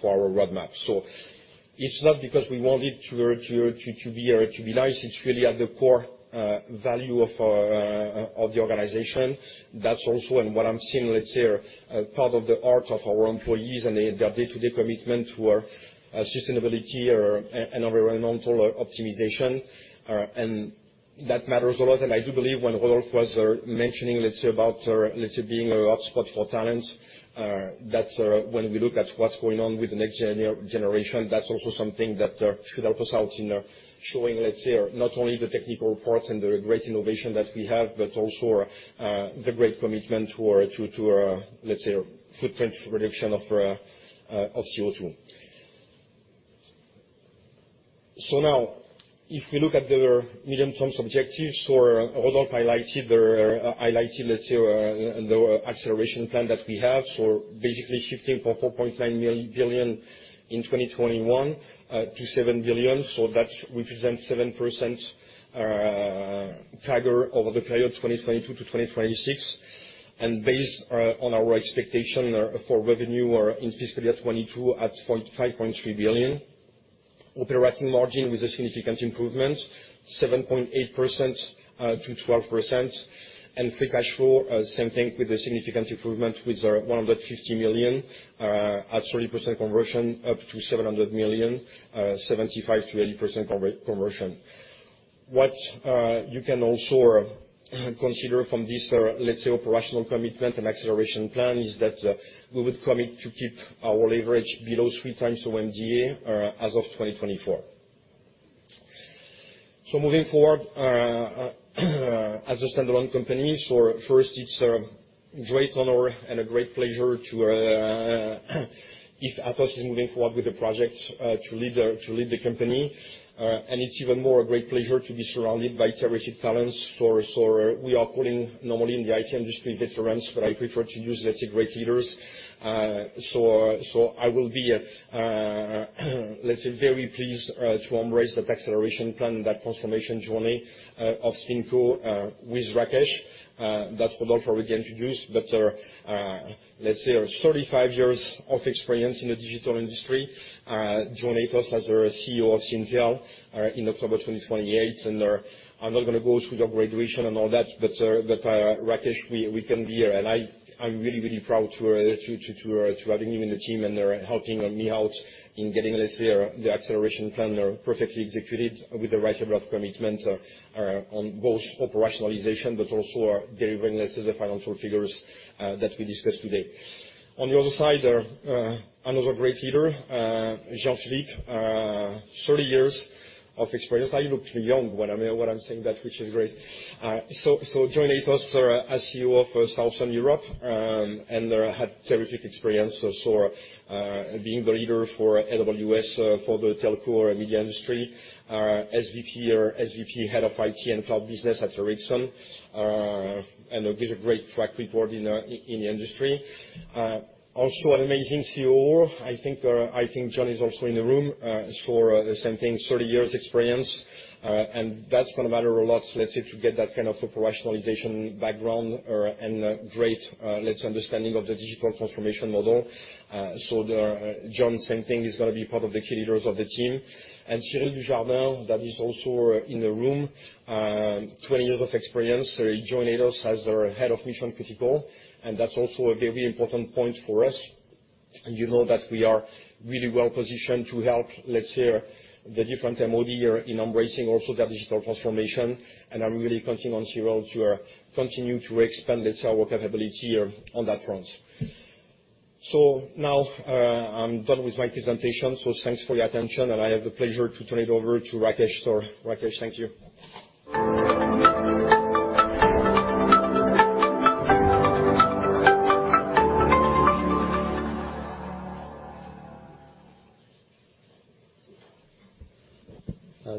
our roadmap. It's not because we want it to be nice. It's really at the core value of the organization. That's also what I'm seeing, let's say, part of the heart of our employees and their day-to-day commitment to sustainability or environmental optimization. That matters a lot. I do believe when Rodolphe was mentioning, let's say, about, let's say, being a hotspot for talent, that's, when we look at what's going on with the next generation, that's also something that, should help us out in, showing, let's say, not only the technical part and the great innovation that we have, but also, the great commitment to, footprint reduction of CO2. Now, if we look at the medium-term objectives, Rodolphe highlighted, let's say, the acceleration plan that we have. Basically shifting from 4.9 billion in 2021, to 7 billion. That represents 7% CAGR over the period 2022 to 2026. Based on our expectation for revenue in FY22 at 5.3 billion. Operating margin with a significant improvement, 7.8%-12%. Free cash flow, same thing with a significant improvement with 150 million at 30% conversion, up to 700 million, 75%-80% conversion. What you can also consider from this, let's say, operational commitment and acceleration plan is that we would commit to keep our leverage below 3x OMDA as of 2024. Moving forward as a standalone company. First, it's a great honor and a great pleasure to, if Atos is moving forward with the project, to lead the company. It's even more a great pleasure to be surrounded by terrific talents. We normally call them IT industry veterans, but I prefer to use, let's say, great leaders. I will be, let's say, very pleased to embrace that acceleration plan and that transformation journey of SpinCo with Rakesh that Rodolphe already introduced. 35 years of experience in the digital industry joined Atos as the CEO of Syntel in October 2028. I'm not gonna go through the bio and all that, but Rakesh, we come here. I'm really, really proud to having him in the team and helping me out in getting, let's say, the acceleration plan perfectly executed with the right level of commitment on both operationalization, but also delivering, let's say, the financial figures that we discussed today. On the other side, another great leader, Jean-Philippe Poirault, 30 years of experience. I look too young when I'm saying that, which is great. Joined Atos as CEO of Southern Europe, and had terrific experience also, being the leader for AWS for the telco and media industry. Our SVP, Head of IT and Cloud Business at Ericsson, and with a great track record in the industry. Also an amazing COO. I think John is also in the room, for the same thing, 30 years experience. That's gonna matter a lot, let's say, to get that kind of operationalization background, and great understanding of the digital transformation model. John, same thing, is gonna be part of the key leaders of the team. Cyril Dujardin, that is also in the room, 20 years of experience. He joined Atos as their head of mission critical, and that's also a very important point for us. You know that we are really well positioned to help, let's say, the different MOD in embracing also their digital transformation. I'm really counting on Cyril to continue to expand, let's say, our capability on that front. Now, I'm done with my presentation, so thanks for your attention. I have the pleasure to turn it over to Rakesh. Rakesh, thank you.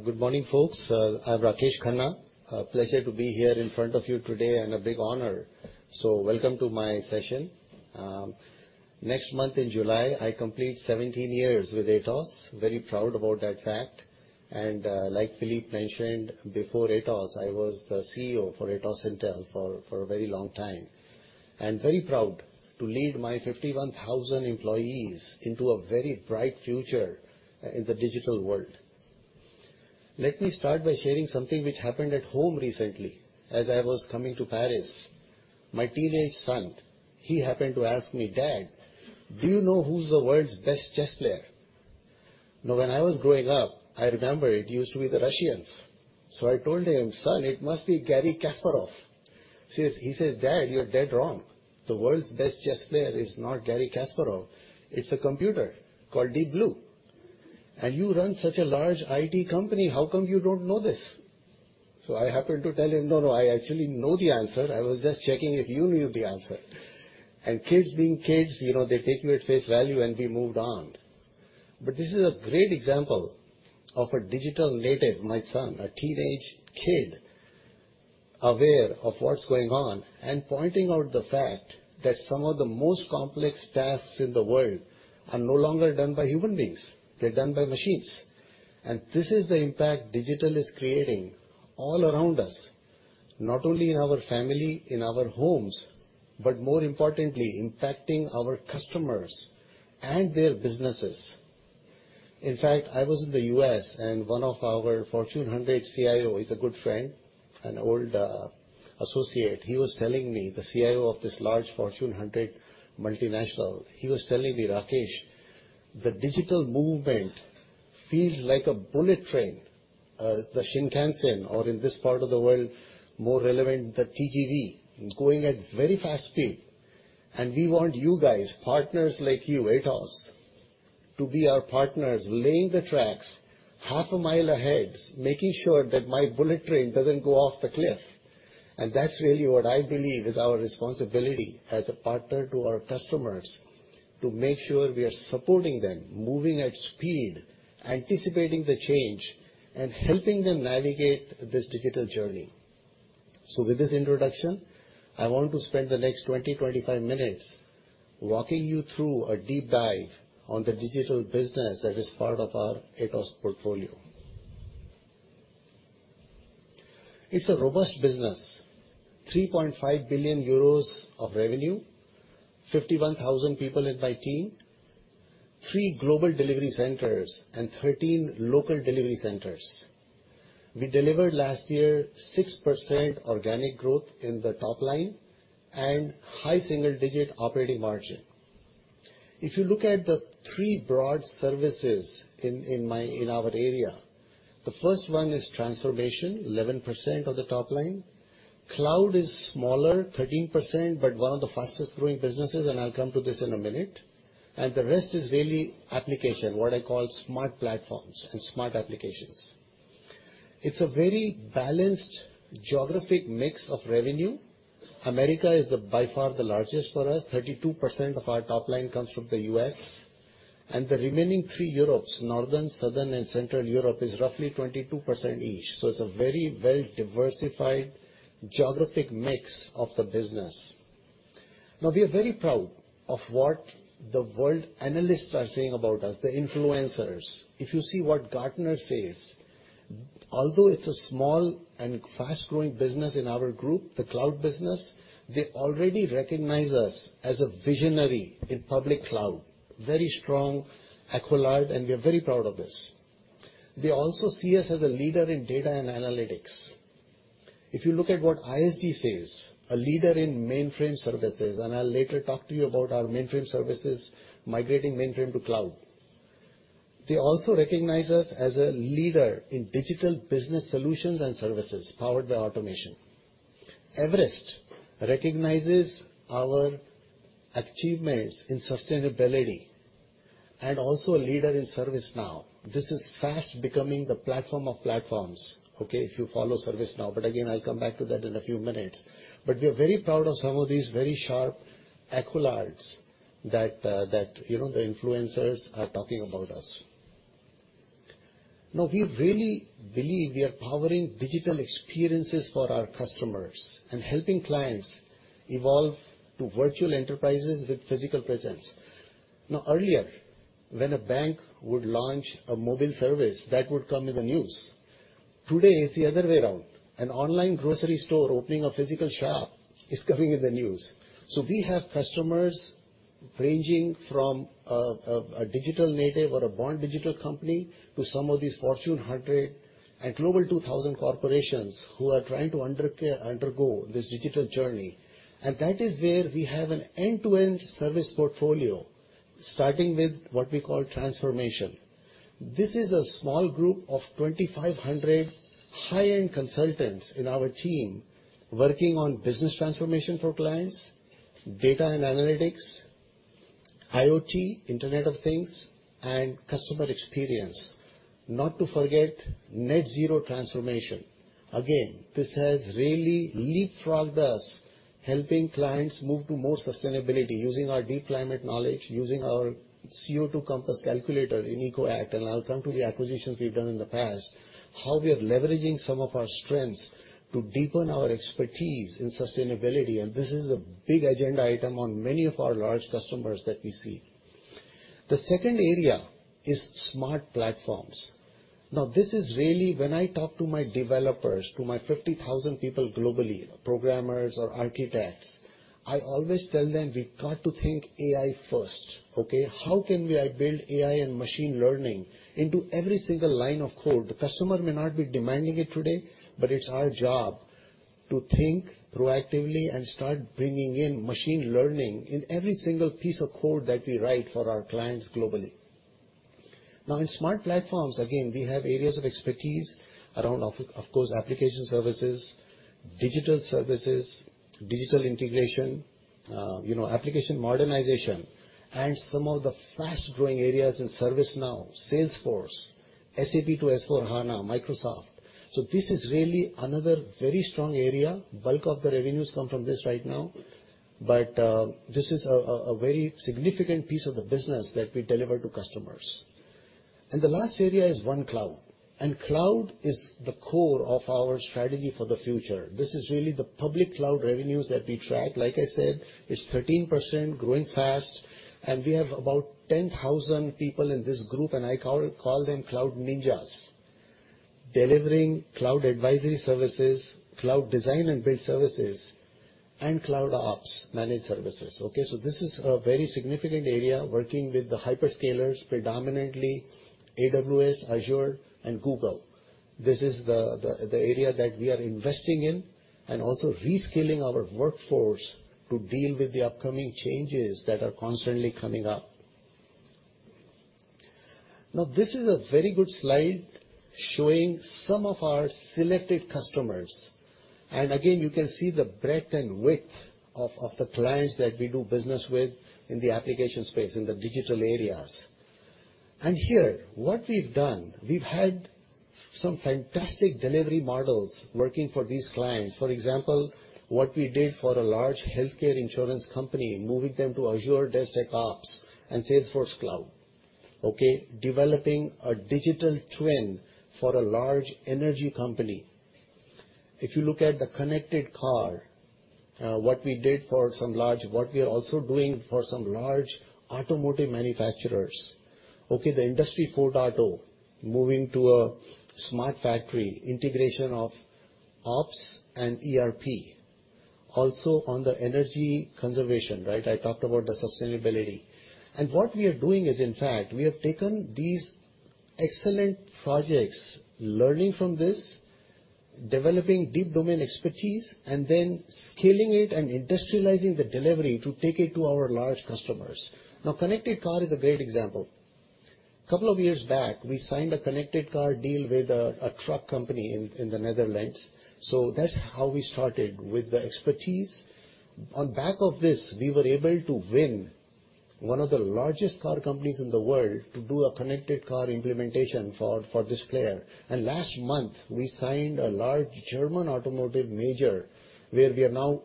Good morning, folks. I'm Rakesh Khanna. A pleasure to be here in front of you today and a big honor. Welcome to my session. Next month in July, I complete 17 years with Atos. Very proud about that fact. Like Philippe mentioned, before Atos, I was the CEO for Atos Syntel for a very long time. I'm very proud to lead my 51,000 employees into a very bright future in the digital world. Let me start by sharing something which happened at home recently. As I was coming to Paris, my teenage son, he happened to ask me, "Dad, do you know who's the world's best chess player?" Now, when I was growing up, I remember it used to be the Russians. I told him, "Son, it must be Garry Kasparov." He says, "Dad, you're dead wrong. The world's best chess player is not Garry Kasparov. It's a computer called Deep Blue. And you run such a large IT company, how come you don't know this?" I happened to tell him, "No, no, I actually know the answer. I was just checking if you knew the answer." Kids being kids, you know, they take me at face value, and we moved on. This is a great example of a digital native, my son, a teenage kid. Aware of what's going on and pointing out the fact that some of the most complex tasks in the world are no longer done by human beings, they're done by machines. This is the impact digital is creating all around us, not only in our family, in our homes, but more importantly, impacting our customers and their businesses. In fact, I was in the U.S., and one of our Fortune 100 CIO is a good friend, an old associate. He was telling me, the CIO of this large Fortune 100 multinational, "Rakesh, the digital movement feels like a bullet train, the Shinkansen, or in this part of the world, more relevant, the TGV, going at very fast speed. We want you guys, partners like you, Atos, to be our partners laying the tracks half a mile ahead, making sure that my bullet train doesn't go off the cliff. That's really what I believe is our responsibility as a partner to our customers, to make sure we are supporting them, moving at speed, anticipating the change, and helping them navigate this digital journey. With this introduction, I want to spend the next 20-25 minutes walking you through a deep dive on the digital business that is part of our Atos portfolio. It's a robust business, 3.5 billion euros of revenue, 51,000 people in my team, three global delivery centers, and 13 local delivery centers. We delivered last year 6% organic growth in the top line and high single-digit operating margin. If you look at the three broad services in my, in our area, the first one is transformation, 11% of the top line. Cloud is smaller, 13%, but one of the fastest growing businesses, and I'll come to this in a minute. The rest is really application, what I call smart platforms and smart applications. It's a very balanced geographic mix of revenue. America is by far the largest for us. 32% of our top line comes from the US. The remaining three Europes, Northern, Southern, and Central Europe, is roughly 22% each. It's a very, very diversified geographic mix of the business. Now, we are very proud of what the world analysts are saying about us, the influencers. If you see what Gartner says, although it's a small and fast-growing business in our group, the cloud business, they already recognize us as a visionary in public cloud. Very strong accolade, and we are very proud of this. They also see us as a leader in data and analytics. If you look at what ISG says, a leader in mainframe services, and I'll later talk to you about our mainframe services, migrating mainframe to cloud. They also recognize us as a leader in digital business solutions and services powered by automation. Everest recognizes our achievements in sustainability and also a leader in ServiceNow. This is fast becoming the platform of platforms, okay, if you follow ServiceNow, but again, I'll come back to that in a few minutes. We are very proud of some of these very sharp accolades that you know the influencers are talking about us. Now, we really believe we are powering digital experiences for our customers and helping clients evolve to virtual enterprises with physical presence. Now, earlier, when a bank would launch a mobile service, that would come in the news. Today, it's the other way around. An online grocery store opening a physical shop is coming in the news. We have customers ranging from a digital native or a born digital company to some of these Fortune 100 and Global 2000 corporations who are trying to undergo this digital journey. That is where we have an end-to-end service portfolio, starting with what we call transformation. This is a small group of 2,500 high-end consultants in our team working on business transformation for clients, data and analytics, IoT, Internet of Things, and customer experience. Not to forget net zero transformation. Again, this has really leapfrogged us helping clients move to more sustainability using our deep climate knowledge, using our CO2Compass calculator in EcoAct. I'll come to the acquisitions we've done in the past, how we are leveraging some of our strengths to deepen our expertise in sustainability, and this is a big agenda item on many of our large customers that we see. The second area is smart platforms. Now, this is really when I talk to my developers, to my 50,000 people globally, programmers or architects, I always tell them we've got to think AI first, okay? How can we build AI and machine learning into every single line of code? The customer may not be demanding it today, but it's our job to think proactively and start bringing in machine learning in every single piece of code that we write for our clients globally. Now, in smart platforms, again, we have areas of expertise around, of course, application services, digital services, digital integration, you know, application modernization and some of the fast-growing areas in ServiceNow, Salesforce, SAP to S/4HANA, Microsoft. This is really another very strong area. Bulk of the revenues come from this right now, but this is a very significant piece of the business that we deliver to customers. The last area is One Cloud. Cloud is the core of our strategy for the future. This is really the public cloud revenues that we track. Like I said, it's 13% growing fast, and we have about 10,000 people in this group, and I call them cloud ninjas, delivering cloud advisory services, cloud design and build services, and cloud ops managed services. Okay? This is a very significant area working with the hyperscalers, predominantly AWS, Azure and Google. This is the area that we are investing in and also reskilling our workforce to deal with the upcoming changes that are constantly coming up. Now, this is a very good slide showing some of our selected customers. Again, you can see the breadth and depth of the clients that we do business with in the application space, in the digital areas. Here, what we've done, we've had some fantastic delivery models working for these clients. For example, what we did for a large healthcare insurance company, moving them to Azure DevOps and Salesforce cloud. Okay. Developing a digital twin for a large energy company. If you look at the connected car, what we are also doing for some large automotive manufacturers. Okay, the Industry 4.0, moving to a smart factory, integration of ops and ERP. Also on the energy conservation, right? I talked about the sustainability. What we are doing is, in fact, we have taken these excellent projects, learning from this, developing deep domain expertise, and then scaling it and industrializing the delivery to take it to our large customers. Now, connected car is a great example. A couple of years back, we signed a connected car deal with a truck company in the Netherlands. That's how we started with the expertise. On back of this, we were able to win one of the largest car companies in the world to do a connected car implementation for this player. Last month, we signed a large German automotive major, where we are now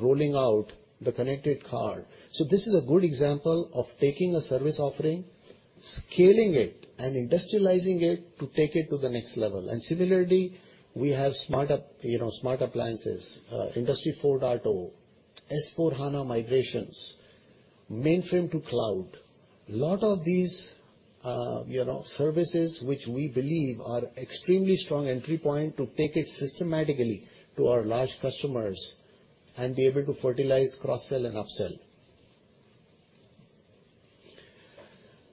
rolling out the connected car. This is a good example of taking a service offering, scaling it and industrializing it to take it to the next level. Similarly, we have smart appliances, Industry 4.0, S/4HANA migrations, mainframe to cloud. A lot of these, you know, services which we believe are extremely strong entry point to take it systematically to our large customers and be able to fertilize, cross-sell and upsell.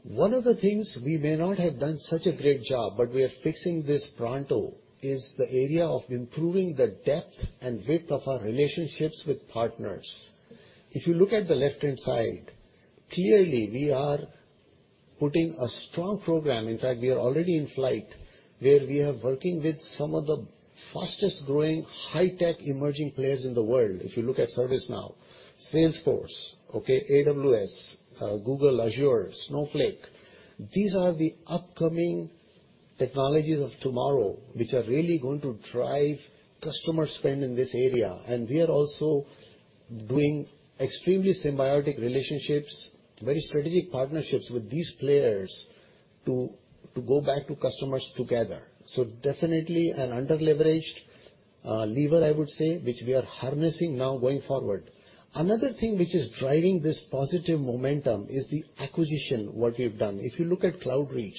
One of the things we may not have done such a great job, but we are fixing this pronto, is the area of improving the depth and width of our relationships with partners. If you look at the left-hand side, clearly we are putting a strong program. In fact, we are already in flight, where we are working with some of the fastest-growing high-tech emerging players in the world. If you look at ServiceNow, Salesforce, okay, AWS, Google, Azure, Snowflake. These are the upcoming technologies of tomorrow, which are really going to drive customer spend in this area. We are also doing extremely symbiotic relationships, very strategic partnerships with these players to go back to customers together. Definitely an under-leveraged lever, I would say, which we are harnessing now going forward. Another thing which is driving this positive momentum is the acquisition, what we've done. If you look at Cloudreach,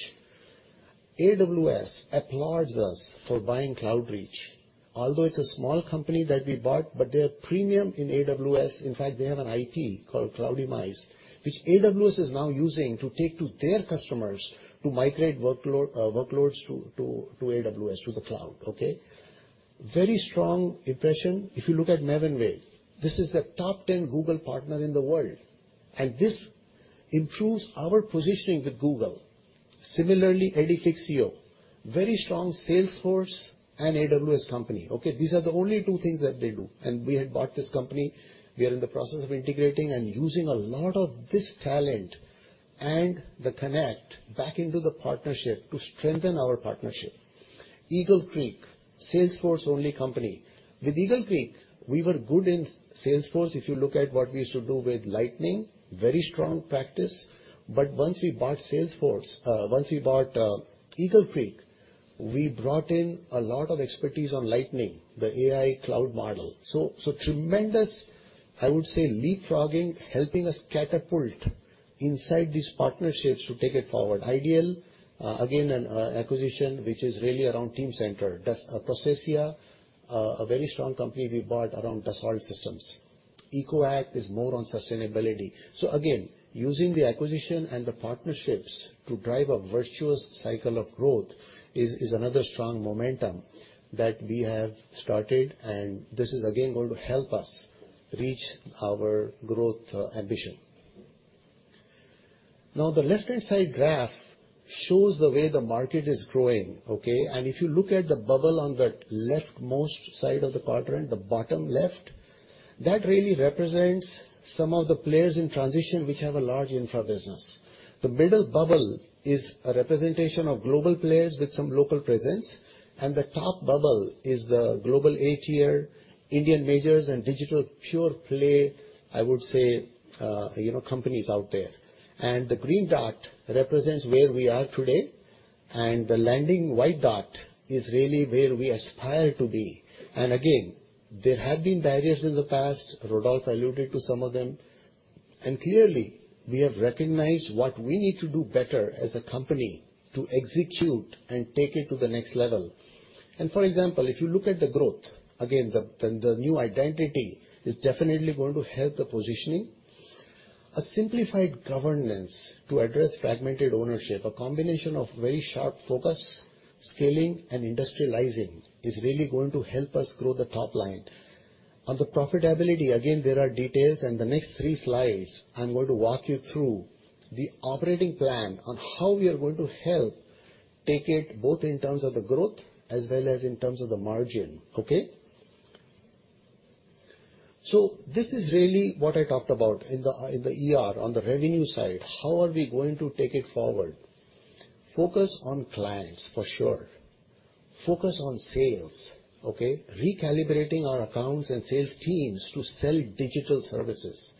AWS applauds us for buying Cloudreach. Although it's a small company that we bought. They are premium in AWS. In fact, they have an IT called Cloudamize, which AWS is now using to take to their customers to migrate workloads to AWS, to the cloud. Okay? Very strong impression. If you look at Maven Wave, this is the top ten Google partner in the world, and this improves our positioning with Google. Similarly, Edifixio, very strong Salesforce and AWS company, okay? These are the only two things that they do. We had bought this company. We are in the process of integrating and using a lot of this talent and the connections back into the partnership to strengthen our partnership. Eagle Creek, Salesforce-only company. With Eagle Creek, we were good in Salesforce. If you look at what we used to do with Lightning, very strong practice. Once we bought Salesforce. Once we bought Eagle Creek, we brought in a lot of expertise on Lightning, the AI cloud model. Tremendous, I would say, leapfrogging, helping us catapult inside these partnerships to take it forward. IDEAL GRP, again, an acquisition which is really around Teamcenter. Processia, a very strong company we bought around Dassault Systèmes. EcoAct is more on sustainability. Again, using the acquisition and the partnerships to drive a virtuous cycle of growth is another strong momentum that we have started, and this is again going to help us reach our growth ambition. Now, the left-hand side graph shows the way the market is growing, okay? If you look at the bubble on the leftmost side of the quadrant, the bottom left, that really represents some of the players in transition which have a large infra business. The middle bubble is a representation of global players with some local presence, and the top bubble is the global A-tier Indian majors and digital pure play, I would say, companies out there. The green dot represents where we are today. The landing white dot is really where we aspire to be. Again, there have been barriers in the past. Rodolphe alluded to some of them. Clearly, we have recognized what we need to do better as a company to execute and take it to the next level. For example, if you look at the growth, again, the new identity is definitely going to help the positioning. A simplified governance to address fragmented ownership, a combination of very sharp focus, scaling, and industrializing is really going to help us grow the top line. On the profitability, again, there are details, and the next three slides, I'm going to walk you through the operating plan on how we are going to help take it, both in terms of the growth as well as in terms of the margin. Okay? This is really what I talked about in the ER on the revenue side. How are we going to take it forward? Focus on clients, for sure. Focus on sales, okay? Recalibrating our accounts and sales teams to sell digital services.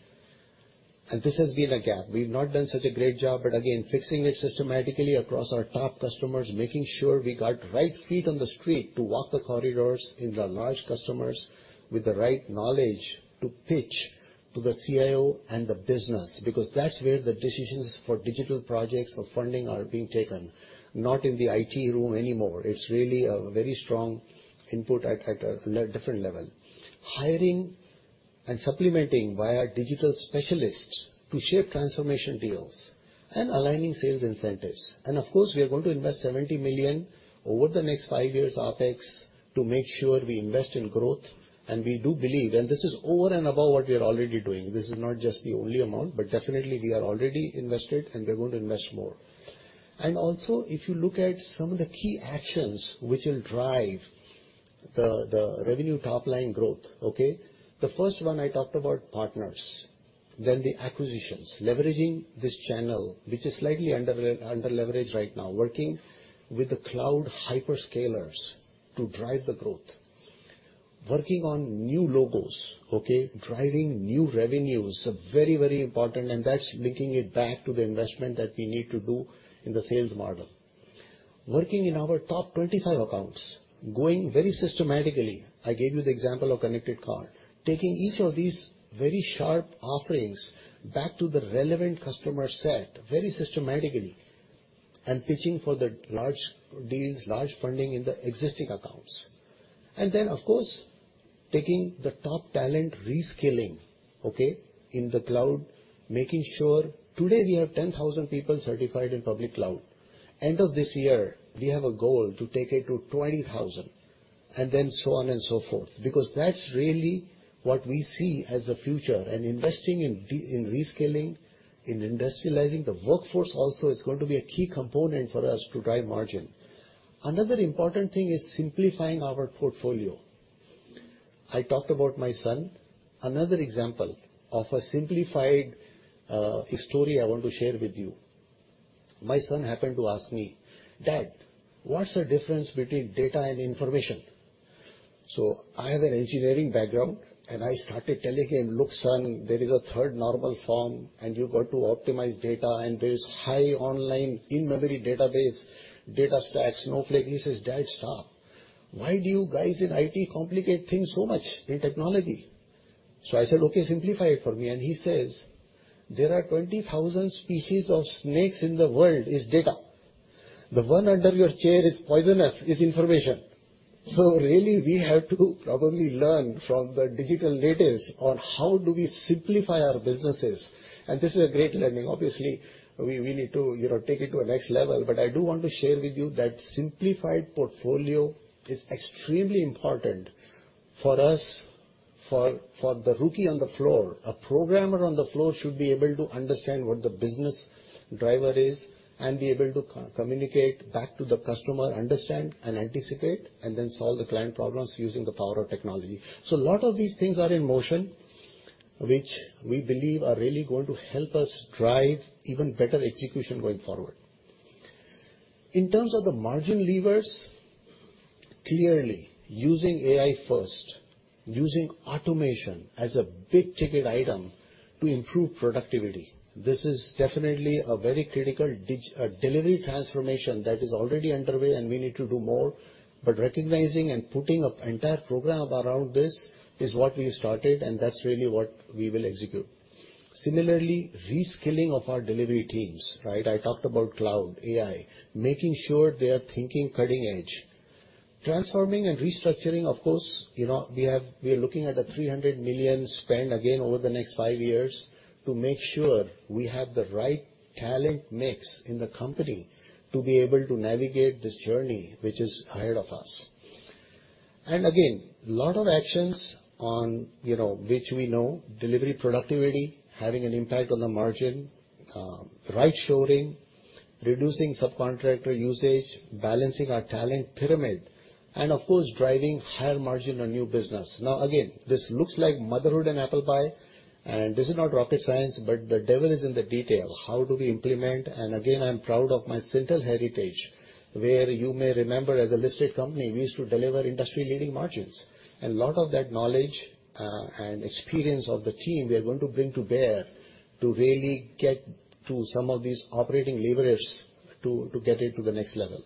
This has been a gap. We've not done such a great job, but again, fixing it systematically across our top customers, making sure we got right feet on the street to walk the corridors in the large customers with the right knowledge to pitch to the CIO and the business, because that's where the decisions for digital projects or funding are being taken, not in the IT room anymore. It's really a very strong input at a different level. Hiring and supplementing via digital specialists to shape transformation deals and aligning sales incentives. Of course, we are going to invest 70 million over the next five years OpEx to make sure we invest in growth. We do believe this is over and above what we are already doing. This is not just the only amount, but definitely we are already invested, and we're going to invest more. If you look at some of the key actions which will drive the revenue top-line growth, okay? The first one I talked about partners, then the acquisitions. Leveraging this channel, which is slightly under leveraged right now. Working with the cloud hyperscalers to drive the growth. Working on new logos, okay? Driving new revenues are very, very important, and that's linking it back to the investment that we need to do in the sales model. Working in our top 25 accounts, going very systematically. I gave you the example of connected car. Taking each of these very sharp offerings back to the relevant customer set very systematically and pitching for the large deals, large funding in the existing accounts. Then, of course, taking the top talent reskilling, okay? In the cloud, making sure. Today, we have 10,000 people certified in public cloud. End of this year, we have a goal to take it to 20,000, and then so on and so forth, because that's really what we see as the future. Investing in reskilling, in industrializing the workforce also is going to be a key component for us to drive margin. Another important thing is simplifying our portfolio. I talked about my son. Another example of a simplified story I want to share with you. My son happened to ask me, "Dad, what's the difference between data and information?" So I have an engineering background, and I started telling him, "Look, son, there is a third normal form, and you've got to optimize data, and there is high online in-memory database, data stacks, Snowflake." He says, "Dad, stop. Why do you guys in IT complicate things so much in technology?" So I said, "Okay, simplify it for me." He says, "There are 20,000 species of snakes in the world, is data. The one under your chair is poisonous, is information." Really we have to probably learn from the digital natives on how do we simplify our businesses. This is a great learning. Obviously, we need to, you know, take it to a next level. I do want to share with you that simplified portfolio is extremely important for us, for the rookie on the floor. A programmer on the floor should be able to understand what the business driver is and be able to co-communicate back to the customer, understand and anticipate, and then solve the client problems using the power of technology. A lot of these things are in motion, which we believe are really going to help us drive even better execution going forward. In terms of the margin levers, clearly using AI first, using automation as a big-ticket item to improve productivity. This is definitely a very critical delivery transformation that is already underway, and we need to do more. Recognizing and putting an entire program around this is what we started, and that's really what we will execute. Similarly, reskilling of our delivery teams, right? I talked about cloud, AI, making sure they are thinking cutting edge. Transforming and restructuring, of course, you know, we're looking at a 300 million spend again over the next five years to make sure we have the right talent mix in the company to be able to navigate this journey which is ahead of us. Again, lot of actions on, you know, which we know, delivery productivity, having an impact on the margin, right shoring, reducing subcontractor usage, balancing our talent pyramid, and of course, driving higher margin on new business. Now again, this looks like motherhood and apple pie, and this is not rocket science, but the devil is in the detail. How do we implement? Again, I'm proud of my Syntel heritage, where you may remember as a listed company, we used to deliver industry-leading margins. And a lot of that knowledge, and experience of the team, we are going to bring to bear to really get to some of these operating levers to get it to the next level.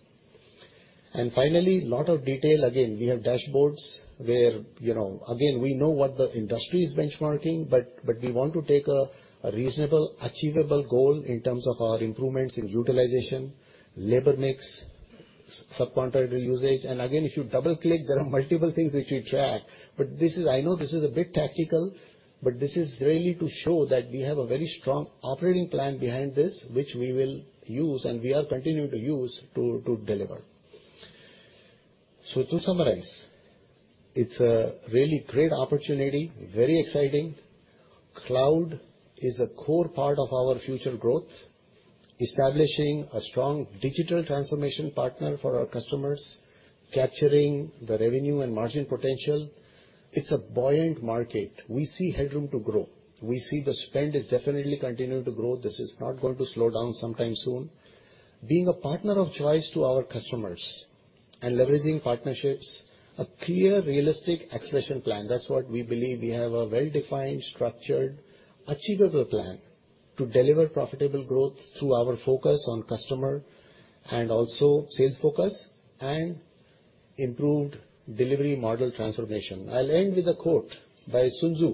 Finally, lot of detail. Again, we have dashboards where, you know, again, we know what the industry is benchmarking, but we want to take a reasonable, achievable goal in terms of our improvements in utilization, labor mix, subcontractor usage. Again, if you double-click, there are multiple things which we track, but this is. I know this is a bit tactical, but this is really to show that we have a very strong operating plan behind this, which we will use, and we are continuing to use to deliver. To summarize, it's a really great opportunity. Very exciting. Cloud is a core part of our future growth. Establishing a strong digital transformation partner for our customers, capturing the revenue and margin potential. It's a buoyant market. We see headroom to grow. We see the spend is definitely continuing to grow. This is not going to slow down sometime soon. Being a partner of choice to our customers and leveraging partnerships, a clear, realistic acceleration plan. That's what we believe. We have a well-defined, structured, achievable plan to deliver profitable growth through our focus on customer and also sales focus and improved delivery model transformation. I'll end with a quote by Sun Tzu.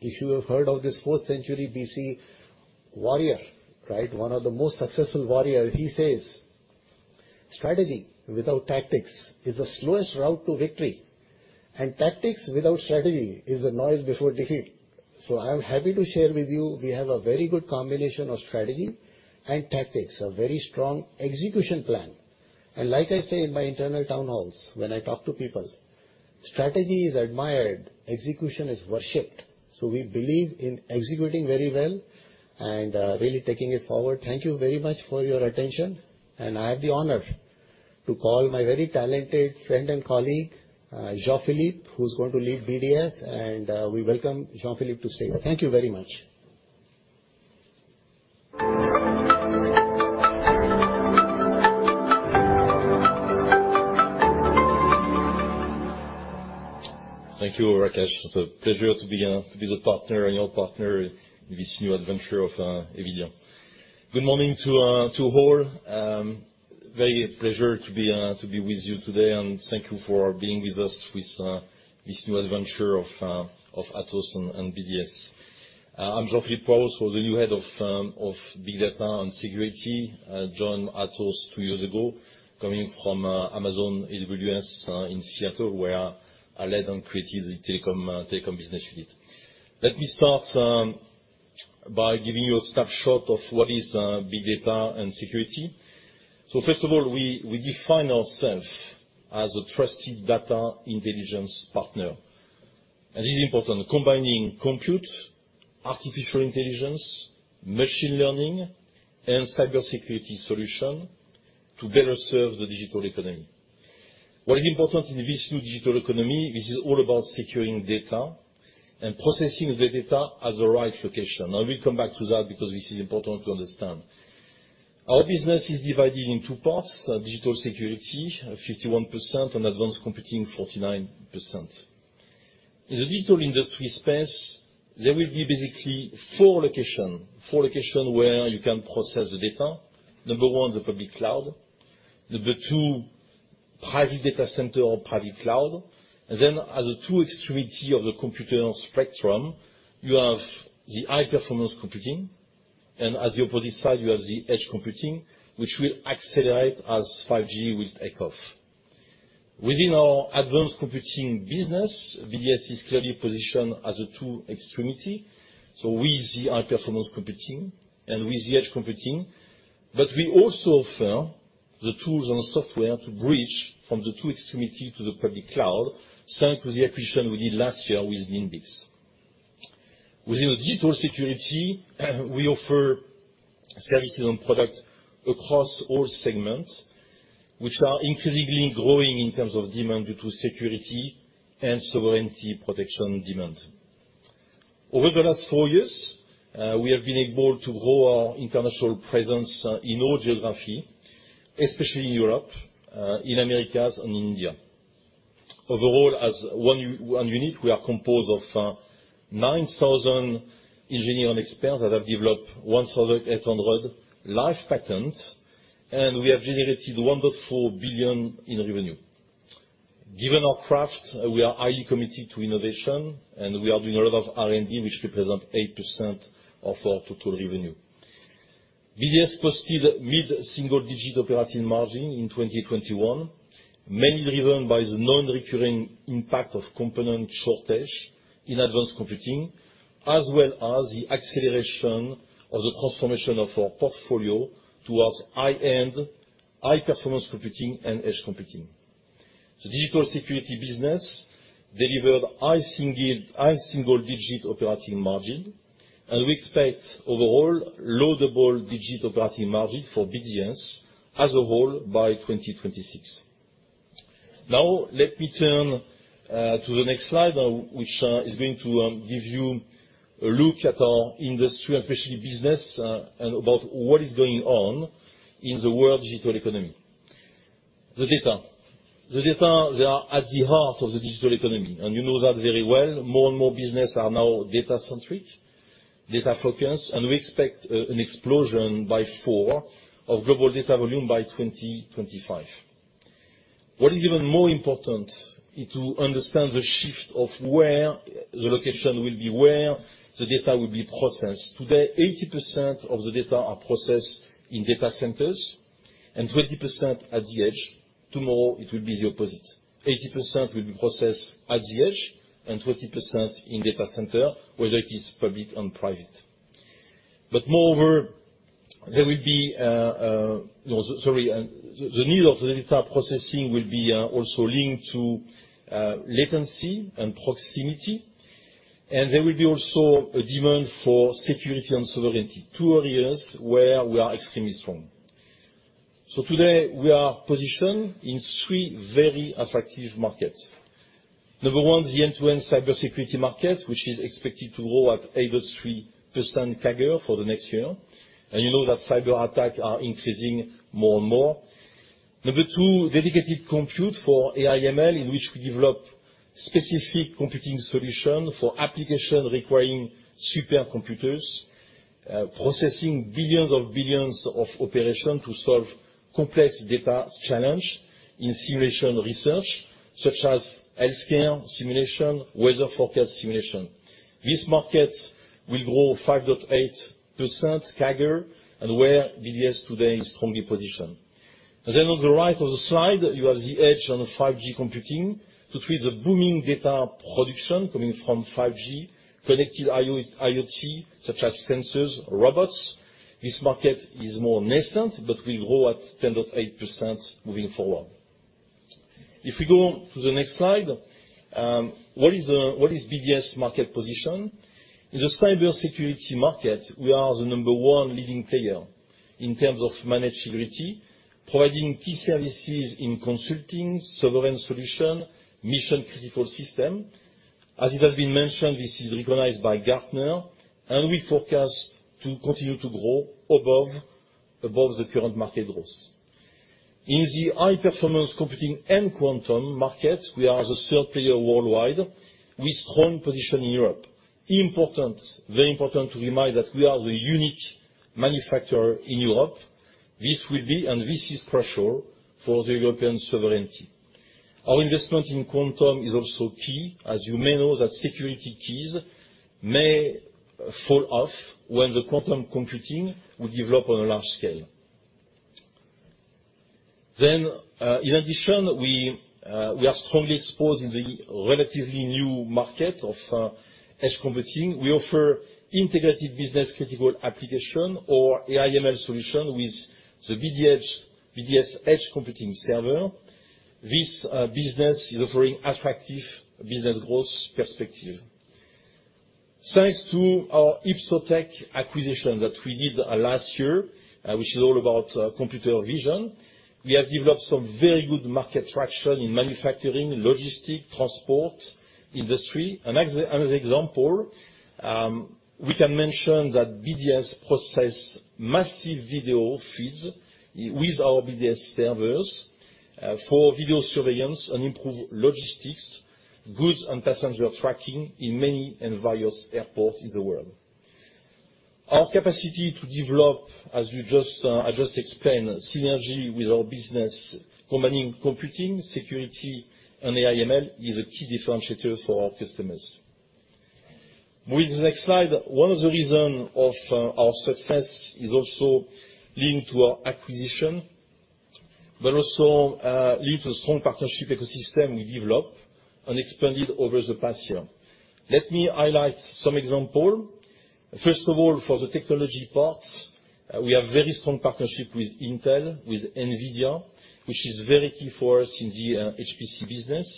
If you have heard of this fourth century B.C. warrior, right? One of the most successful warrior, he says, "Strategy without tactics is the slowest route to victory. And tactics without strategy is the noise before defeat." I'm happy to share with you we have a very good combination of strategy and tactics, a very strong execution plan. Like I say in my internal town halls when I talk to people, strategy is admired, execution is worshipped. We believe in executing very well and really taking it forward. Thank you very much for your attention. I have the honor to call my very talented friend and colleague, Jean-Philippe, who's going to lead BDS, and we welcome Jean-Philippe to stay. Thank you very much. Thank you, Rakesh. It's a pleasure to be your partner in this new adventure of Eviden. Good morning to all. Very pleased to be with you today, and thank you for being with us in this new adventure of Atos and BDS. I'm Jean-Philippe Poirault, the new head of Big Data and Security. I joined Atos two years ago, coming from Amazon AWS in Seattle, where I led and created the telecom business unit. Let me start by giving you a snapshot of what Big Data and Security is. First of all, we define ourselves as a trusted data intelligence partner. This is important, combining compute, artificial intelligence, machine learning and cybersecurity solutions to better serve the digital economy. What is important in this new digital economy, this is all about securing data and processing the data at the right location. I will come back to that because this is important to understand. Our business is divided in two parts, digital security, 51%, and advanced computing, 49%. In the digital industry space, there will be basically four locations where you can process the data. Number one, the public cloud. Number two, private data center or private cloud. At the two extremities of the computational spectrum, you have the high-performance computing, and at the opposite side you have the edge computing, which will accelerate as 5G will take off. Within our advanced computing business, BDS is clearly positioned as a two extremities, so with the high-performance computing and with the edge computing. We also offer the tools and software to bridge from the two extremities to the public cloud, same with the acquisition we did last year with Cloudreach. Within the digital security, we offer services and products across all segments, which are increasingly growing in terms of demand due to security and sovereignty protection demand. Over the last four years, we have been able to grow our international presence in all geographies, especially in Europe, in the Americas and in India. Overall, as one unit, we are composed of 9,000 engineering experts that have developed 1,800 live patents, and we have generated 1 billion in revenue. Given our craft, we are highly committed to innovation, and we are doing a lot of R&D, which represents 8% of our total revenue. BDS posted mid-single digit operating margin in 2021, mainly driven by the non-recurring impact of component shortage in advanced computing, as well as the acceleration of the transformation of our portfolio towards high-end, high-performance computing and edge computing. The digital security business delivered high single digit operating margin, and we expect overall low double-digit operating margin for BDS as a whole by 2026. Now let me turn to the next slide, which is going to give you a look at our industry, especially business, and about what is going on in the world digital economy. The data, they are at the heart of the digital economy, and you know that very well. More and more business are now data-centric, data focused, and we expect a fourfold explosion of global data volume by 2025. What is even more important is to understand the shift of where the location will be, where the data will be processed. Today, 80% of the data are processed in data centers and 20% at the edge. Tomorrow it will be the opposite. 80% will be processed at the edge and 20% in data center, whether it is public and private. Moreover, the need of the data processing will be also linked to latency and proximity. There will be also a demand for security and sovereignty, two areas where we are extremely strong. Today we are positioned in three very attractive markets. Number one, the end-to-end cybersecurity market, which is expected to grow at 8.3% CAGR for the next year. You know that cyber attacks are increasing more and more. Number two, dedicated compute for AI/ML, in which we develop specific computing solution for application requiring super computers, processing billions of billions of operation to solve complex data challenge in simulation research such as healthcare simulation, weather forecast simulation. This market will grow 5.8% CAGR and where BDS today is strongly positioned. On the right of the slide you have the edge on 5G computing to treat the booming data production coming from 5G connected IoT such as sensors or robots. This market is more nascent but will grow at 10.8% moving forward. If we go to the next slide, what is BDS market position? In the cybersecurity market, we are the number one leading player in terms of managed security, providing key services in consulting, sovereign solution, mission-critical system. As it has been mentioned, this is recognized by Gartner, and we forecast to continue to grow above the current market growth. In the high-performance computing and quantum markets, we are the third player worldwide with strong position in Europe. Important, very important to remind that we are the unique manufacturer in Europe. This will be and this is crucial for the European sovereignty. Our investment in quantum is also key, as you may know that security keys may fall off when the quantum computing will develop on a large scale. In addition, we are strongly exposed in the relatively new market of edge computing. We offer integrated business-critical application or AI/ML solution with the BDS edge computing server. This business is offering attractive business growth perspective. Thanks to our Ipsotek acquisition that we did last year, which is all about computer vision, we have developed some very good market traction in manufacturing, logistics, transport industry. As an example, we can mention that BDS processes massive video feeds with our BDS servers for video surveillance and improve logistics, goods and passenger tracking in many and various airports in the world. Our capacity to develop, as I just explained, synergy with our business combining computing, security and AI/ML is a key differentiator for our customers. With the next slide, one of the reason of our success is also linked to our acquisition, but also linked to strong partnership ecosystem we developed and expanded over the past year. Let me highlight some example. First of all, for the technology part, we have very strong partnership with Intel, with NVIDIA, which is very key for us in the HPC business.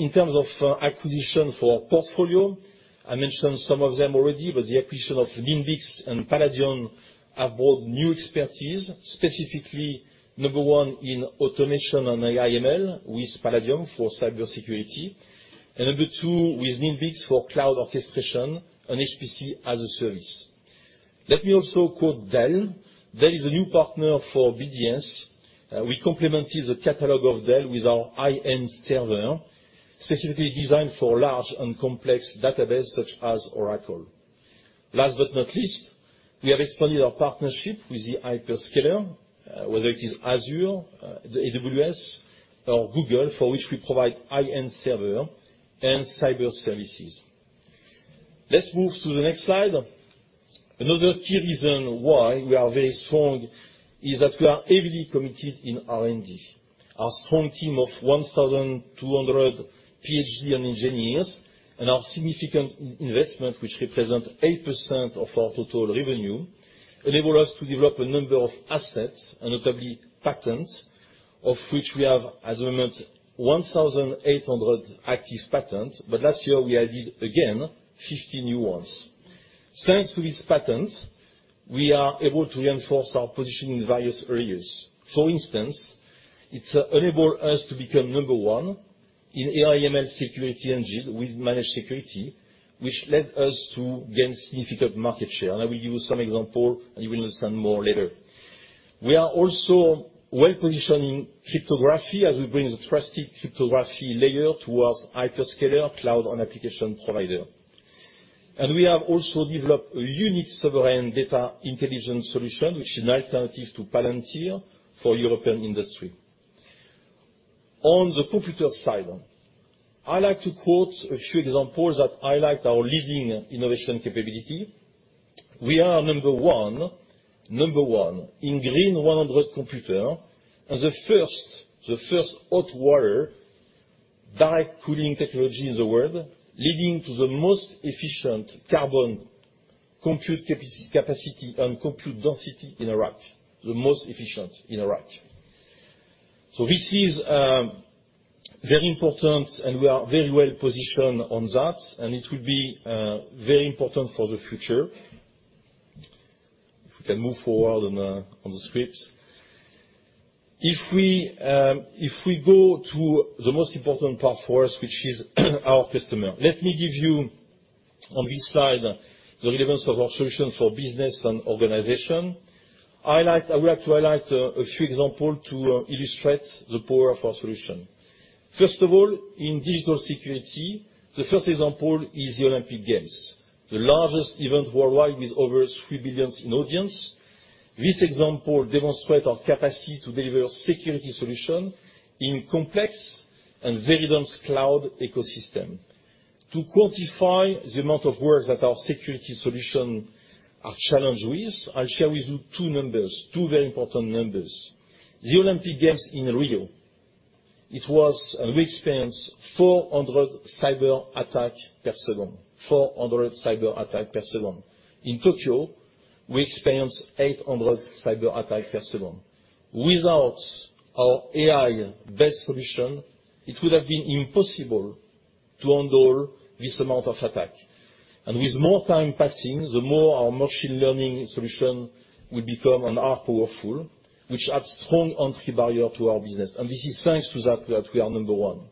In terms of acquisition for portfolio, I mentioned some of them already, but the acquisition of Nimbix and Paladion have brought new expertise, specifically number one in automation and AI/ML with Paladion for cybersecurity. Number two with Nimbix for cloud orchestration and HPC as a service. Let me also quote Dell. Dell is a new partner for BDS. We complemented the catalog of Dell with our high-end server, specifically designed for large and complex database such as Oracle. Last but not least, we have expanded our partnership with the hyperscaler, whether it is Azure, AWS or Google, for which we provide high-end server and cyber services. Let's move to the next slide. Another key reason why we are very strong is that we are heavily committed in R&D. Our strong team of 1,200 PhD and engineers, and our significant investment, which represent 8% of our total revenue, enable us to develop a number of assets and notably patents, of which we have as at moment 1,800 active patents, but last year we added again 50 new ones. Thanks to these patents, we are able to reinforce our position in various areas. For instance, it's enable us to become number one in AI/ML security engine with managed security, which led us to gain significant market share. I will give you some example, and you will understand more later. We are also well-positioned in cryptography as we bring the trusted cryptography layer towards hyperscaler cloud and application provider. We have also developed a unique sovereign data intelligence solution, which is an alternative to Palantir for European industry. On the computer side, I like to quote a few examples that highlight our leading innovation capability. We are number one in Green500 computer and the first hot water direct cooling technology in the world, leading to the most efficient low-carbon compute capacity and compute density in a rack, the most efficient in a rack. This is very important, and we are very well positioned on that, and it will be very important for the future. If we can move forward on the script. If we go to the most important part for us, which is our customer. Let me give you on this slide the relevance of our solution for business and organization. I would like to highlight a few examples to illustrate the power of our solution. First of all, in digital security, the first example is the Olympic Games, the largest event worldwide with over 3 billion in audience. This example demonstrates our capacity to deliver security solutions in complex and very dense cloud ecosystem. To quantify the amount of work that our security solutions are challenged with, I'll share with you two numbers, two very important numbers. The Olympic Games in Rio, we experienced 400 cyber attacks per second. 400 cyber attacks per second. In Tokyo, we experienced 800 cyber attacks per second. Without our AI-based solution, it would have been impossible to handle this amount of attacks. With more time passing, the more our machine learning solution will become and are powerful, which adds strong entry barrier to our business. This is thanks to that we are number one.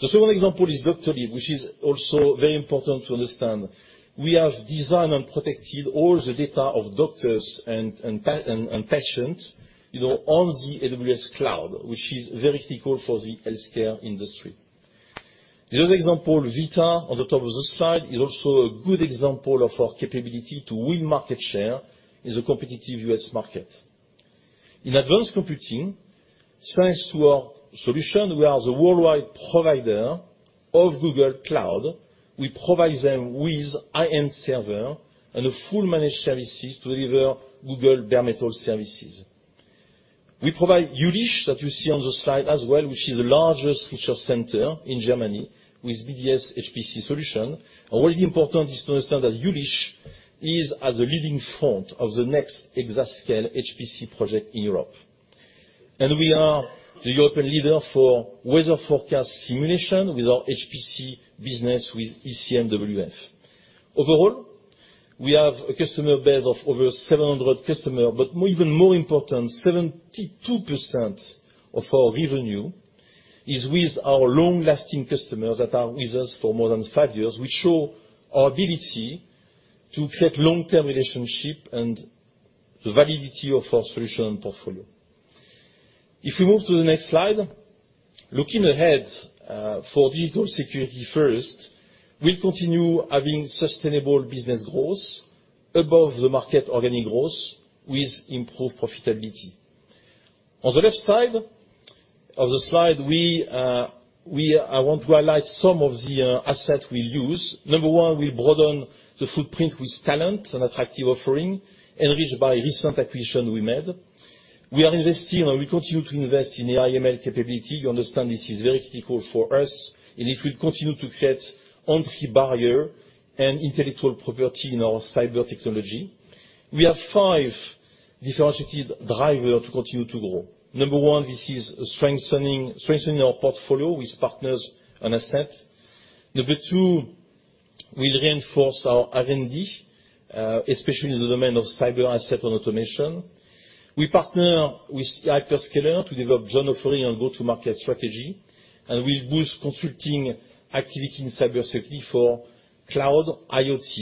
The second example is Doctolib, which is also very important to understand. We have designed and protected all the data of doctors and patients, you know, on the AWS cloud, which is very critical for the healthcare industry. The other example, VITA, on the top of this slide, is also a good example of our capability to win market share in the competitive US market. In advanced computing, thanks to our solution, we are the worldwide provider of Google Cloud. We provide them with high-end server and a full managed services to deliver Google bare metal services. We provide Jülich that you see on the slide as well, which is the largest research center in Germany with BDS HPC solution. What is important is to understand that Jülich is at the forefront of the next Exascale HPC project in Europe. We are the European leader for weather forecast simulation with our HPC business with ECMWF. Overall, we have a customer base of over 700 customers, but even more important, 72% of our revenue is with our long-lasting customers that are with us for more than five years. Which shows our ability to create long-term relationships and the validity of our solution portfolio. If we move to the next slide, looking ahead, for digital security first, we'll continue having sustainable business growth above the market organic growth with improved profitability. On the left side of the slide, I want to highlight some of the assets we use. Number 1, we broaden the footprint with talent and attractive offering, enriched by recent acquisition we made. We are investing and we continue to invest in AI/ML capability. You understand this is very critical for us, and it will continue to create entry barrier and intellectual property in our cyber technology. We have 5 differentiated driver to continue to grow. Number 1, this is strengthening our portfolio with partners and asset. Number 2, we reinforce our R&D, especially in the domain of cyber asset and automation. We partner with hyperscaler to develop joint offering and go-to-market strategy. We boost consulting activity in cybersecurity for cloud IoT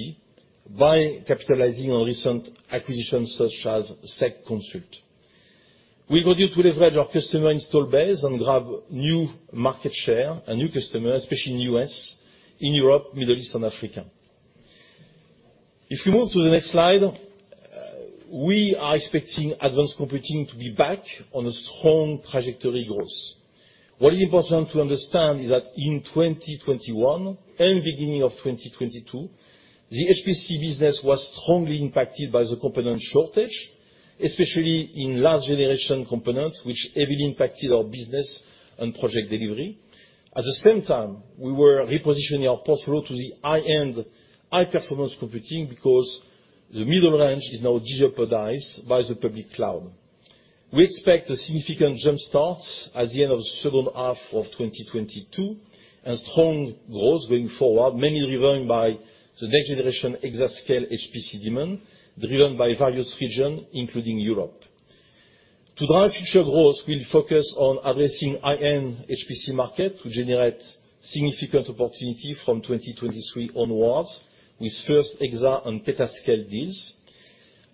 by capitalizing on recent acquisitions such as SEC Consult. We continue to leverage our customer install base and grab new market share and new customers, especially in U.S., in Europe, Middle East and Africa. If we move to the next slide, we are expecting advanced computing to be back on a strong trajectory growth. What is important to understand is that in 2021 and beginning of 2022, the HPC business was strongly impacted by the component shortage, especially in last generation components, which heavily impacted our business and project delivery. At the same time, we were repositioning our portfolio to the high-end high-performance computing because the middle range is now jeopardized by the public cloud. We expect a significant jump-start at the end of the second half of 2022 and strong growth going forward, mainly driven by the next generation exascale HPC demand, driven by various region, including Europe. To drive future growth, we'll focus on addressing high-end HPC market to generate significant opportunity from 2023 onwards, with first exa and peta-scale deals.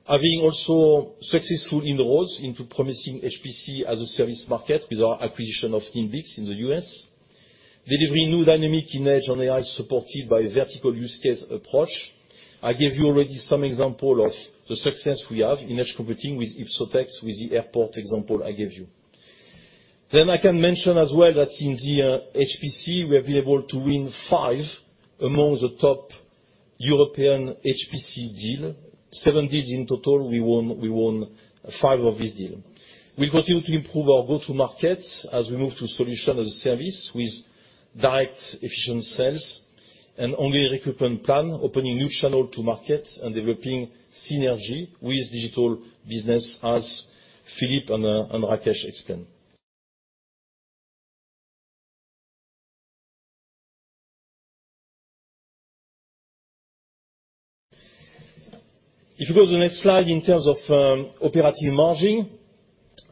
Having also successful inroads into promising HPC as a service market with our acquisition of Nimbix in the US. Delivering new dynamic in edge and AI supported by vertical use case approach. I gave you already some example of the success we have in edge computing with Ipsotek, with the airport example I gave you. I can mention as well that in the HPC, we have been able to win 5 among the top European HPC deals. 7 deals in total, we won 5 of these deals. We continue to improve our go-to markets as we move to solution as a service with direct efficient sales and ongoing recruitment plan, opening new channel to market and developing synergy with digital business as Philippe and Rakesh explained. If you go to the next slide in terms of operating margin,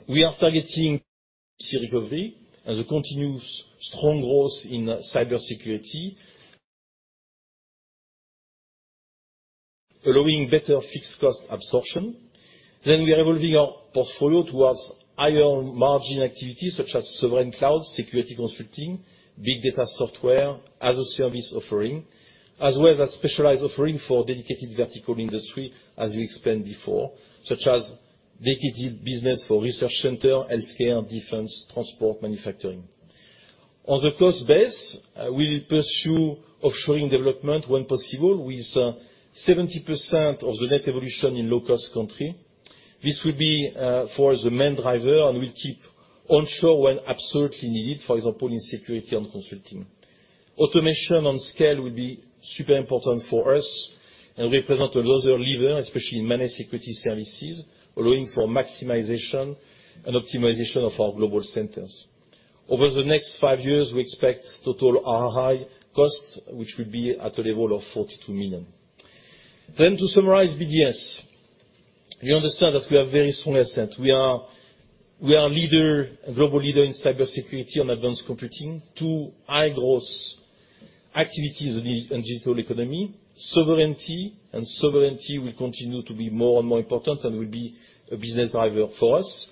we are targeting recovery as a continuous strong growth in cybersecurity. Allowing better fixed cost absorption. We are evolving our portfolio towards higher margin activities such as sovereign cloud, security consulting, big data software as a service offering, as well as specialized offering for dedicated vertical industry, as we explained before, such as dedicated business for research center, healthcare, defense, transport, manufacturing. On the cost base, we will pursue offshoring development when possible with 70% of the net evolution in low-cost country. This will be for the main driver, and we'll keep onshore when absolutely needed, for example, in security and consulting. Automation and scale will be super important for us, and represent another lever, especially in managed security services, allowing for maximization and optimization of our global centers. Over the next five years, we expect total RI costs, which will be at a level of 42 million. To summarize BDS, we understand that we are a very strong asset. We are a leader, a global leader in cybersecurity and advanced computing, two high-growth activities in the digital economy. Sovereignty will continue to be more and more important and will be a business driver for us.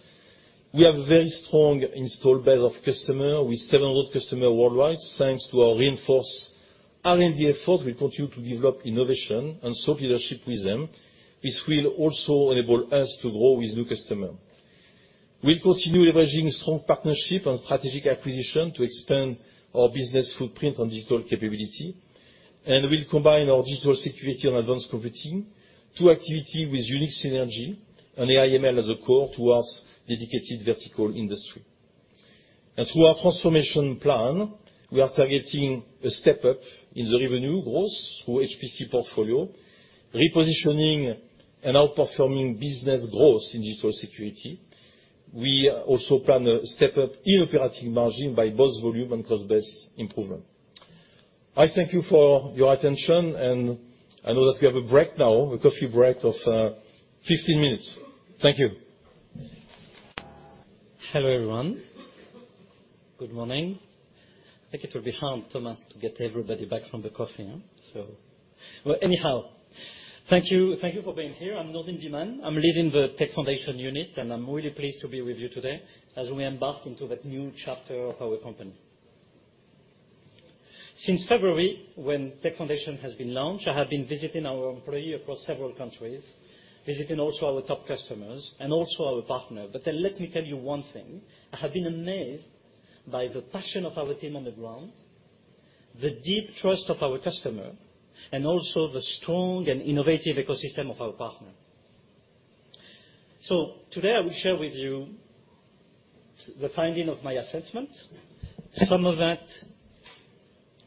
We have a very strong installed base of customers with 700 customers worldwide, thanks to our reinforced R&D effort. We continue to develop innovation and thought leadership with them, which will also enable us to grow with new customers. We'll continue leveraging strong partnerships and strategic acquisitions to expand our business footprint in digital capabilities, and we'll combine our digital, security and advanced computing activities with unique synergies and AI/ML at the core toward dedicated vertical industries. Through our transformation plan, we are targeting a step up in the revenue growth through HPC portfolio, repositioning and outperforming business growth in digital security. We also plan a step up in operating margin by both volume and cost base improvement. I thank you for your attention, and I know that we have a break now, a coffee break of 15 minutes. Thank you. Hello, everyone. Good morning. I think it will be hard, Thomas, to get everybody back from the coffee, so. Well, anyhow, thank you. Thank you for being here. I'm Nourdine Bihmane. I'm leading the Tech Foundations unit, and I'm really pleased to be with you today as we embark into that new chapter of our company. Since February, when Tech Foundations has been launched, I have been visiting our employees across several countries, visiting also our top customers and also our partners. Let me tell you one thing. I have been amazed by the passion of our team on the ground, the deep trust of our customers, and also the strong and innovative ecosystem of our partners. Today I will share with you the findings of my assessment. Some of that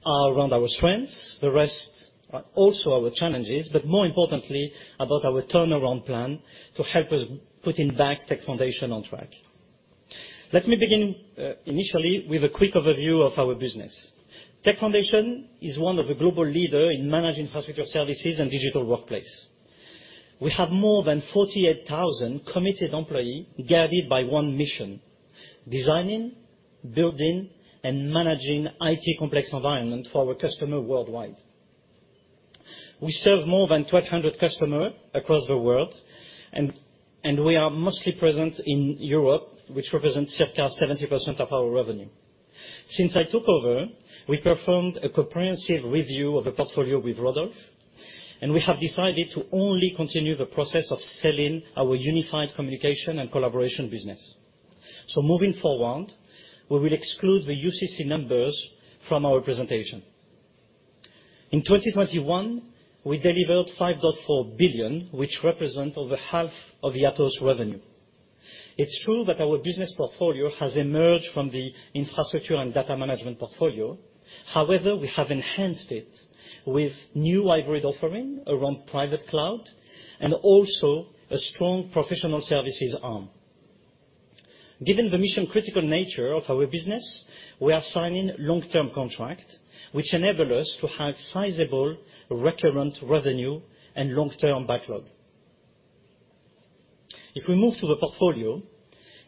are around our strengths, the rest are also our challenges, but more importantly about our turnaround plan to help us putting back Tech Foundations on track. Let me begin initially with a quick overview of our business. Tech Foundations is one of the global leader in managed infrastructure services and digital workplace. We have more than 48,000 committed employee guided by one mission: designing, building, and managing IT complex environment for our customer worldwide. We serve more than 1,200 customer across the world, and we are mostly present in Europe, which represents circa 70% of our revenue. Since I took over, we performed a comprehensive review of the portfolio with Rodolphe, and we have decided to only continue the process of selling our unified communication and collaboration business. Moving forward, we will exclude the UCC numbers from our presentation. In 2021, we delivered 5.4 billion, which represent over half of the Atos revenue. It's true that our business portfolio has emerged from the infrastructure and data management portfolio. However, we have enhanced it with new hybrid offering around private cloud and also a strong professional services arm. Given the mission-critical nature of our business, we are signing long-term contract, which enable us to have sizable recurrent revenue and long-term backlog. If we move to the portfolio,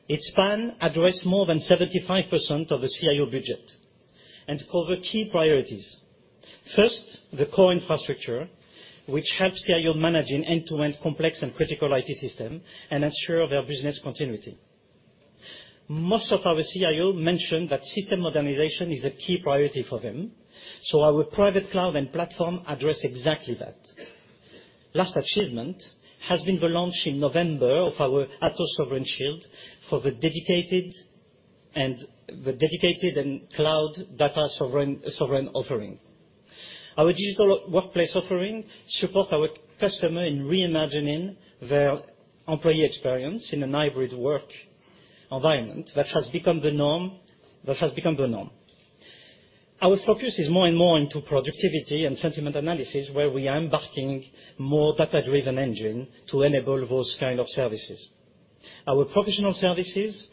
its span address more than 75% of the CIO budget and cover key priorities. First, the core infrastructure, which helps CIO managing end-to-end complex and critical IT system and ensure their business continuity. Most of our CIO mention that system modernization is a key priority for them, so our private cloud and platform address exactly that. Last achievement has been the launch in November of our Atos Sovereign Shield for the dedicated and cloud data sovereign offering. Our digital workplace offering support our customer in reimagining their employee experience in a hybrid work environment that has become the norm. Our focus is more and more into productivity and sentiment analysis, where we are embarking more data-driven engine to enable those kind of services. Our professional services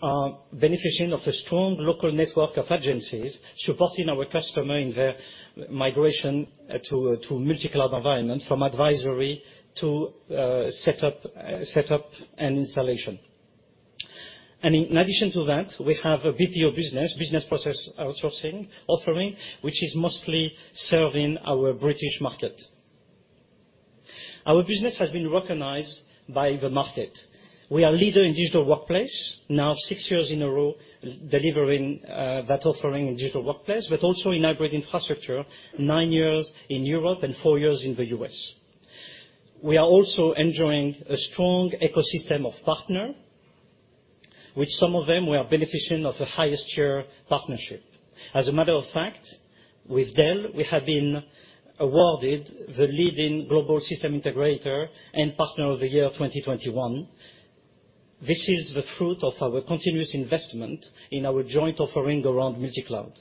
are benefiting of a strong local network of agencies supporting our customer in their migration to multi-cloud environment from advisory to setup and installation. In addition to that, we have a BPO business process outsourcing offering, which is mostly serving our British market. Our business has been recognized by the market. We are leaders in digital workplace now six years in a row, delivering that offering in digital workplace, but also in hybrid infrastructure nine years in Europe and four years in the US. We are also enjoying a strong ecosystem of partners, which some of them were benefiting from the highest tier partnership. As a matter of fact, with Dell, we have been awarded the leading global system integrator and partner of the year 2021. This is the fruit of our continuous investment in our joint offering around multi-cloud.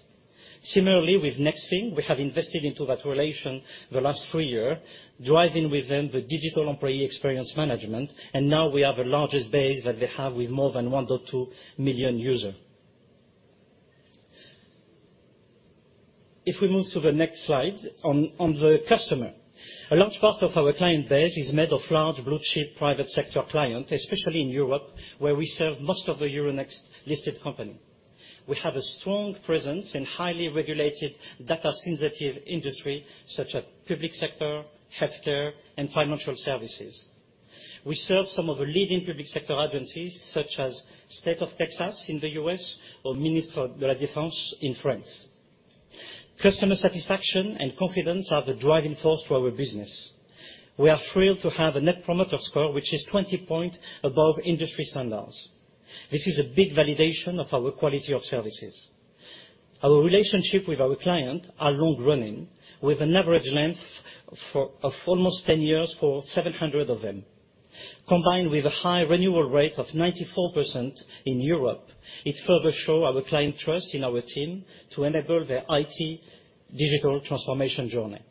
Similarly, with Nexthink, we have invested into that relation the last three years, driving with them the digital employee experience management, and now we have the largest base that they have with more than 1.2 million users. If we move to the next slide, on the customer. A large part of our client base is made of large blue-chip private sector clients, especially in Europe, where we serve most of the Euronext-listed companies. We have a strong presence in highly regulated data-sensitive industries such as public sector, healthcare, and financial services. We serve some of the leading public sector agencies such as State of Texas in the U.S. or Ministry of the Armed Forces in France. Customer satisfaction and confidence are the driving force for our business. We are thrilled to have a Net Promoter Score, which is 20 points above industry standards. This is a big validation of our quality of services. Our relationships with our clients are long-running, with an average length of almost 10 years for 700 of them. Combined with a high renewal rate of 94% in Europe, it further show our client trust in our team to enable their IT digital transformation journey.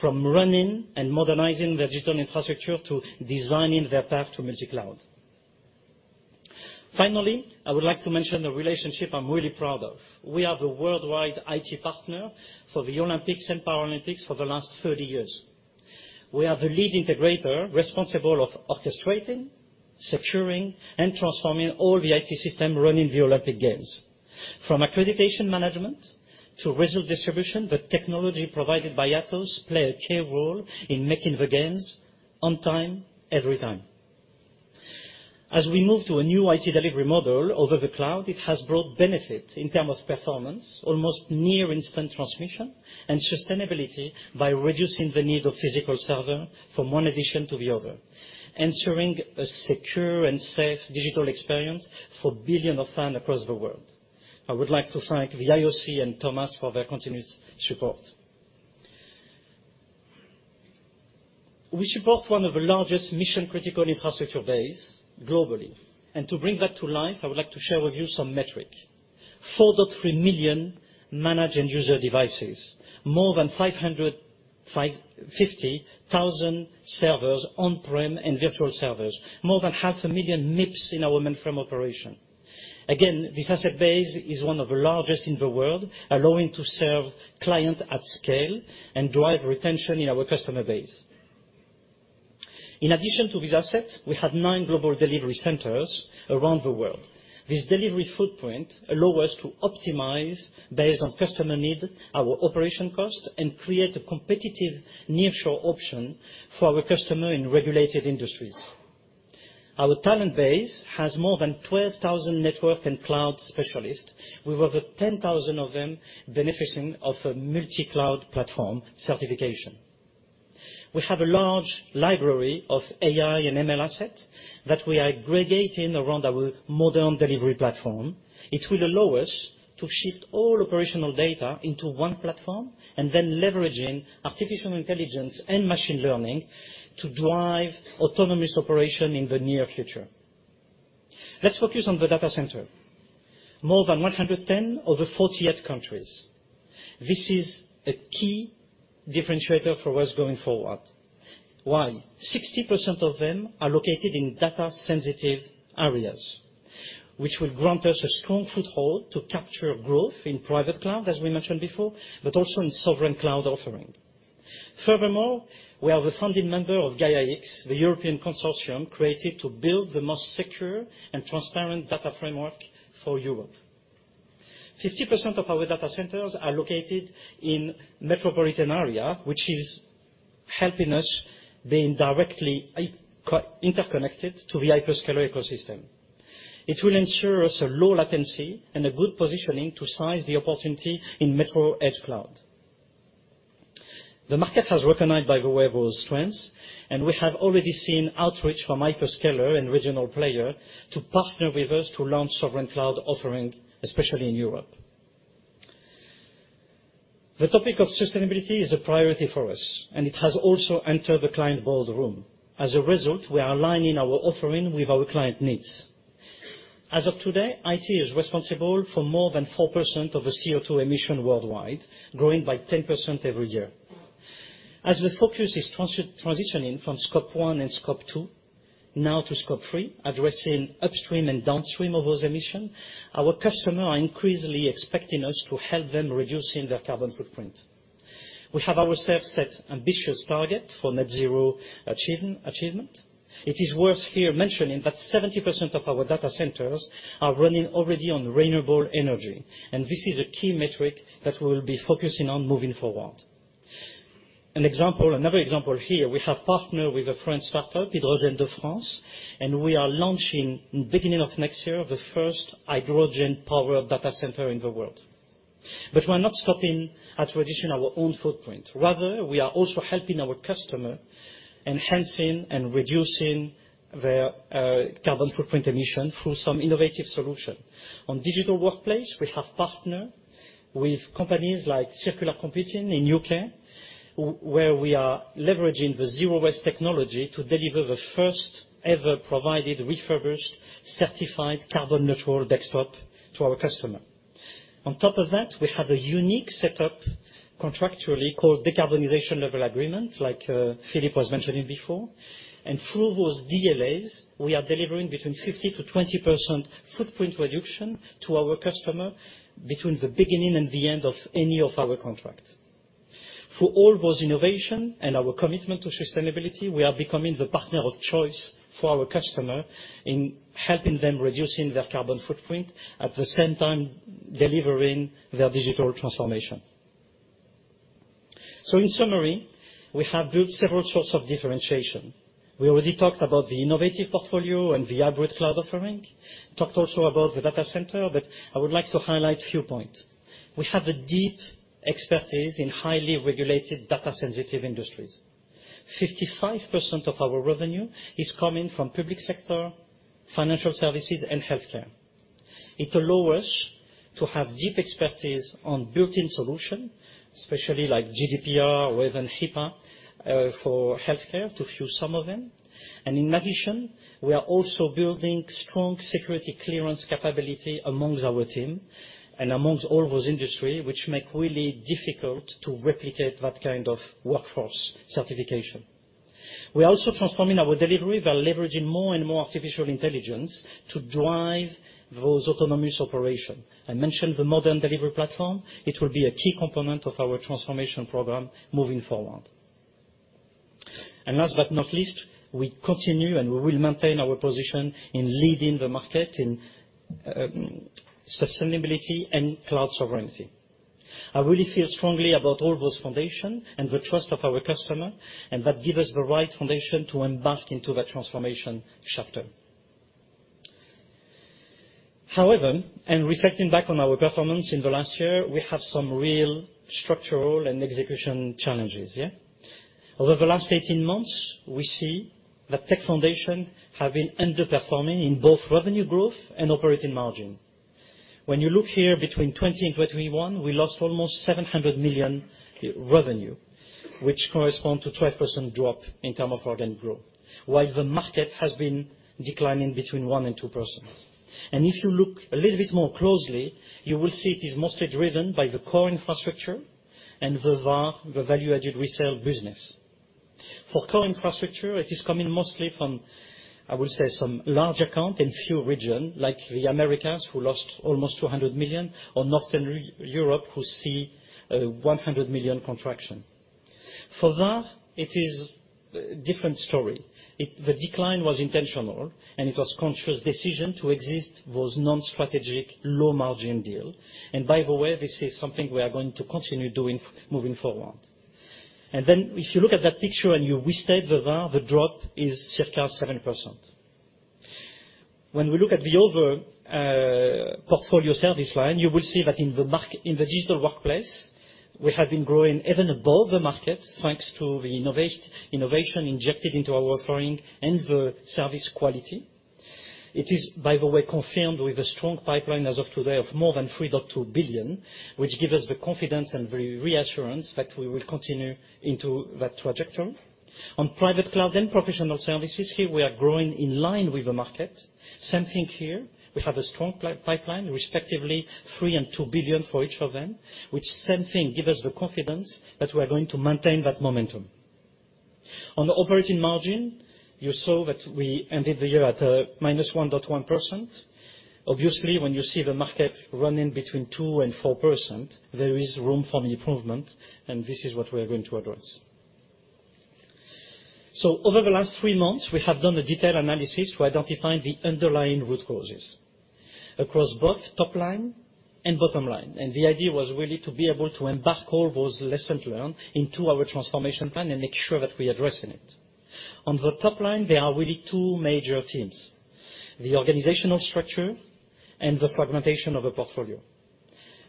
From running and modernizing their digital infrastructure to designing their path to multi-cloud. Finally, I would like to mention a relationship I'm really proud of. We are the worldwide IT partner for the Olympics and Paralympics for the last 30 years. We are the lead integrator responsible of orchestrating, securing, and transforming all the IT system running the Olympic Games. From accreditation management to result distribution, the technology provided by Atos play a key role in making the games on time, every time. As we move to a new IT delivery model over the cloud, it has brought benefits in terms of performance, almost near instant transmission and sustainability by reducing the need of physical servers from one edition to the other, ensuring a secure and safe digital experience for billions of fans across the world. I would like to thank the IOC and Thomas for their continuous support. We support one of the largest mission-critical infrastructure bases globally. To bring that to life, I would like to share with you some metrics. 4.3 million managed end-user devices. More than 50,000 servers on-prem and virtual servers. More than 500,000 MIPS in our mainframe operation. Again, this asset base is one of the largest in the world, allowing to serve clients at scale and drive retention in our customer base. In addition to these assets, we have 9 global delivery centers around the world. This delivery footprint allows us to optimize based on customer need, our operation cost, and create a competitive nearshore option for our customer in regulated industries. Our talent base has more than 12,000 network and cloud specialists, with over 10,000 of them benefiting from a multi-cloud platform certification. We have a large library of AI and ML assets that we are aggregating around our modern delivery platform. It will allow us to shift all operational data into one platform and then leveraging artificial intelligence and machine learning to drive autonomous operation in the near future. Let's focus on the data center. More than 110 over 48 countries. This is a key differentiator for what's going forward. Why? 60% of them are located in data sensitive areas, which will grant us a strong foothold to capture growth in private cloud, as we mentioned before, but also in sovereign cloud offering. Furthermore, we are the founding member of Gaia-X, the European Consortium created to build the most secure and transparent data framework for Europe. 50% of our data centers are located in metropolitan area, which is helping us being directly interconnected to the hyperscaler ecosystem. It will ensure us a low latency and a good positioning to seize the opportunity in metro edge cloud. The market has recognized by the way those strengths, and we have already seen outreach from hyperscaler and regional player to partner with us to launch sovereign cloud offering, especially in Europe. The topic of sustainability is a priority for us, and it has also entered the client boardroom. As a result, we are aligning our offering with our client needs. As of today, IT is responsible for more than 4% of the CO2 emissions worldwide, growing by 10% every year. As the focus is transitioning from Scope 1 and Scope 2 now to Scope 3, addressing upstream and downstream of those emissions, our customers are increasingly expecting us to help them reducing their carbon footprint. We have ourselves set ambitious target for net zero achievement. It is worth here mentioning that 70% of our data centers are running already on renewable energy, and this is a key metric that we will be focusing on moving forward. Another example here, we have partnered with a French startup, HDF Energy, and we are launching in beginning of next year, the first hydrogen power data center in the world. We're not stopping at reducing our own footprint. Rather, we are also helping our customer enhancing and reducing their carbon footprint emission through some innovative solution. On digital workplace, we have partnered with companies like Circular Computing in UK, where we are leveraging the zero-waste technology to deliver the first ever provided refurbished, certified carbon neutral desktop to our customer. On top of that, we have a unique setup contractually called Decarbonization Level Agreement, like Philippe was mentioning before. Through those DLAs, we are delivering between 50%-20% footprint reduction to our customer between the beginning and the end of any of our contracts. Through all those innovation and our commitment to sustainability, we are becoming the partner of choice for our customer in helping them reducing their carbon footprint, at the same time delivering their digital transformation. In summary, we have built several sorts of differentiation. We already talked about the innovative portfolio and the hybrid cloud offering. Talked also about the data center, but I would like to highlight few points. We have a deep expertise in highly regulated data sensitive industries. 55% of our revenue is coming from public sector, financial services and healthcare. It allows us to have deep expertise on built-in solutions, especially like GDPR or even HIPAA, for healthcare to name a few of them. In addition, we are also building strong security clearance capability amongst our team and amongst all those industries, which makes really difficult to replicate that kind of workforce certification. We are also transforming our delivery by leveraging more and more artificial intelligence to drive those autonomous operations. I mentioned the modern delivery platform, it will be a key component of our transformation program moving forward. Last but not least, we continue and we will maintain our position in leading the market in sustainability and cloud sovereignty. I really feel strongly about all those foundation and the trust of our customer, and that give us the right foundation to embark into the transformation chapter. However, reflecting back on our performance in the last year, we have some real structural and execution challenges. Over the last 18 months, we see that Tech Foundations have been underperforming in both revenue growth and operating margin. When you look here between 2020 and 2021, we lost almost 700 million revenue, which correspond to 12% drop in terms of organic growth, while the market has been declining between 1% and 2%. If you look a little bit more closely, you will see it is mostly driven by the core infrastructure and the VAR, the value-added resale business. For core infrastructure, it is coming mostly from, I would say, some large account in a few regions, like the Americas, who lost almost 200 million, or Northern Europe, who saw a 100 million contraction. For VAR, it is different story. The decline was intentional, and it was conscious decision to exit those non-strategic low-margin deals. By the way, this is something we are going to continue doing moving forward. Then if you look at that picture and you restate the VAR, the drop is circa 7%. When we look at the other portfolio service line, you will see that in the digital workplace, we have been growing even above the market, thanks to the innovation injected into our offering and the service quality. It is, by the way, confirmed with a strong pipeline as of today of more than 3.2 billion, which give us the confidence and the reassurance that we will continue into that trajectory. On private cloud and professional services, here we are growing in line with the market. Same thing here. We have a strong pipeline, respectively 3 billion and 2 billion for each of them, which same thing, give us the confidence that we are going to maintain that momentum. On the operating margin, you saw that we ended the year at -1.1%. Obviously, when you see the market running between 2%-4%, there is room for improvement, and this is what we are going to address. Over the last three months, we have done a detailed analysis to identify the underlying root causes across both top line and bottom line. The idea was really to be able to embark all those lessons learned into our transformation plan and make sure that we addressing it. On the top line, there are really two major themes, the organizational structure and the fragmentation of the portfolio.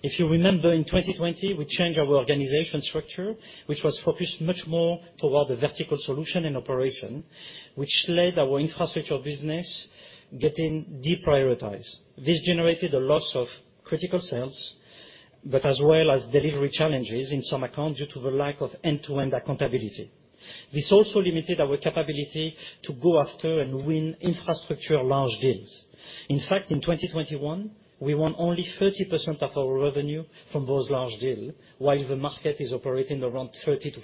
If you remember, in 2020, we changed our organization structure, which was focused much more toward the vertical solution and operation, which led our infrastructure business getting deprioritized. This generated a loss of critical sales, but as well as delivery challenges in some accounts due to the lack of end-to-end accountability. This also limited our capability to go after and win infrastructure large deals. In fact, in 2021, we won only 30% of our revenue from those large deals, while the market is operating around 30%-40%.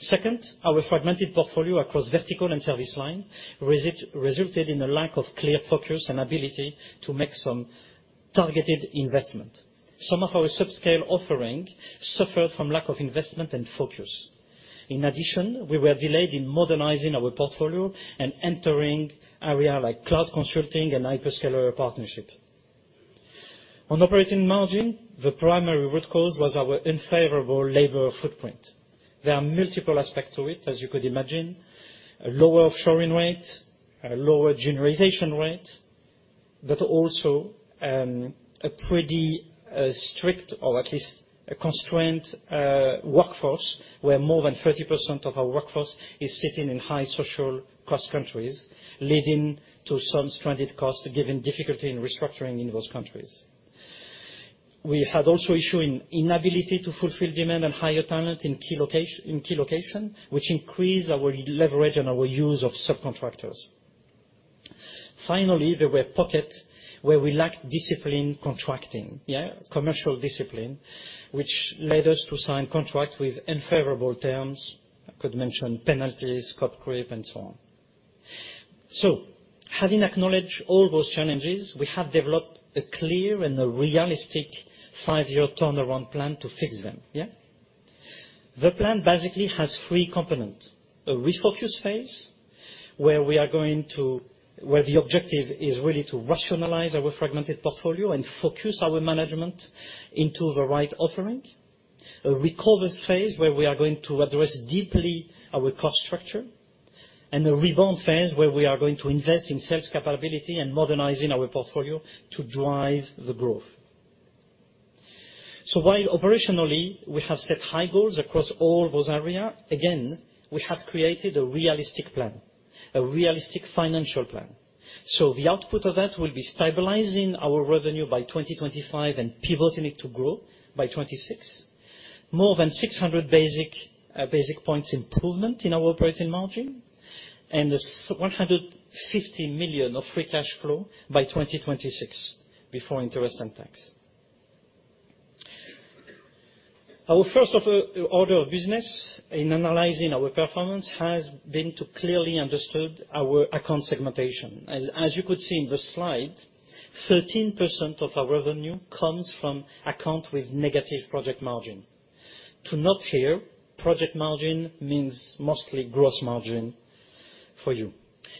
Second, our fragmented portfolio across verticals and service lines resulted in a lack of clear focus and ability to make some targeted investments. Some of our subscale offerings suffered from lack of investment and focus. In addition, we were delayed in modernizing our portfolio and entering areas like cloud consulting and hyperscaler partnerships. On operating margin, the primary root cause was our unfavorable labor footprint. There are multiple aspects to it, as you could imagine, a lower offshoring rate, a lower utilization rate, but also a pretty strict or at least constrained workforce, where more than 30% of our workforce is sitting in high social cost countries, leading to some stranded costs, given difficulty in restructuring in those countries. We had also issues in inability to fulfill demand and hire talent in key locations, which increased our leverage and our use of subcontractors. Finally, there were pockets where we lacked disciplined contracting, commercial discipline, which led us to sign contracts with unfavorable terms. I could mention penalties, scope creep, and so on. Having acknowledged all those challenges, we have developed a clear and a realistic five-year turnaround plan to fix them. The plan basically has three components. A refocus phase, where the objective is really to rationalize our fragmented portfolio and focus our management into the right offering. A recover phase, where we are going to address deeply our cost structure. A rebound phase, where we are going to invest in sales capability and modernizing our portfolio to drive the growth. While operationally we have set high goals across all those areas, again, we have created a realistic plan, a realistic financial plan. The output of that will be stabilizing our revenue by 2025 and pivoting it to growth by 2026. More than 600 basis points improvement in our operating margin, and 150 million of free cash flow by 2026 before interest and tax. Our first order of business in analyzing our performance has been to clearly understand our account segmentation. As you could see in the slide, 13% of our revenue comes from accounts with negative project margin. To note here, project margin means mostly gross margin for you.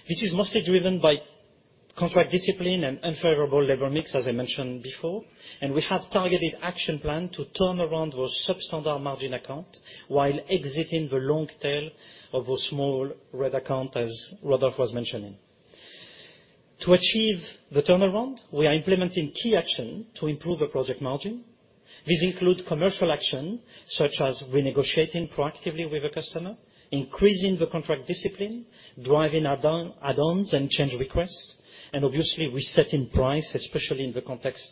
This is mostly driven by contract discipline and unfavorable labor mix, as I mentioned before. We have targeted action plan to turn around those substandard margin accounts while exiting the long tail of a small red accounts, as Rodolphe was mentioning. To achieve the turnaround, we are implementing key actions to improve the project margin. This includes commercial actions, such as renegotiating proactively with the customer, increasing the contract discipline, driving add-ons and change requests, and obviously resetting prices, especially in the context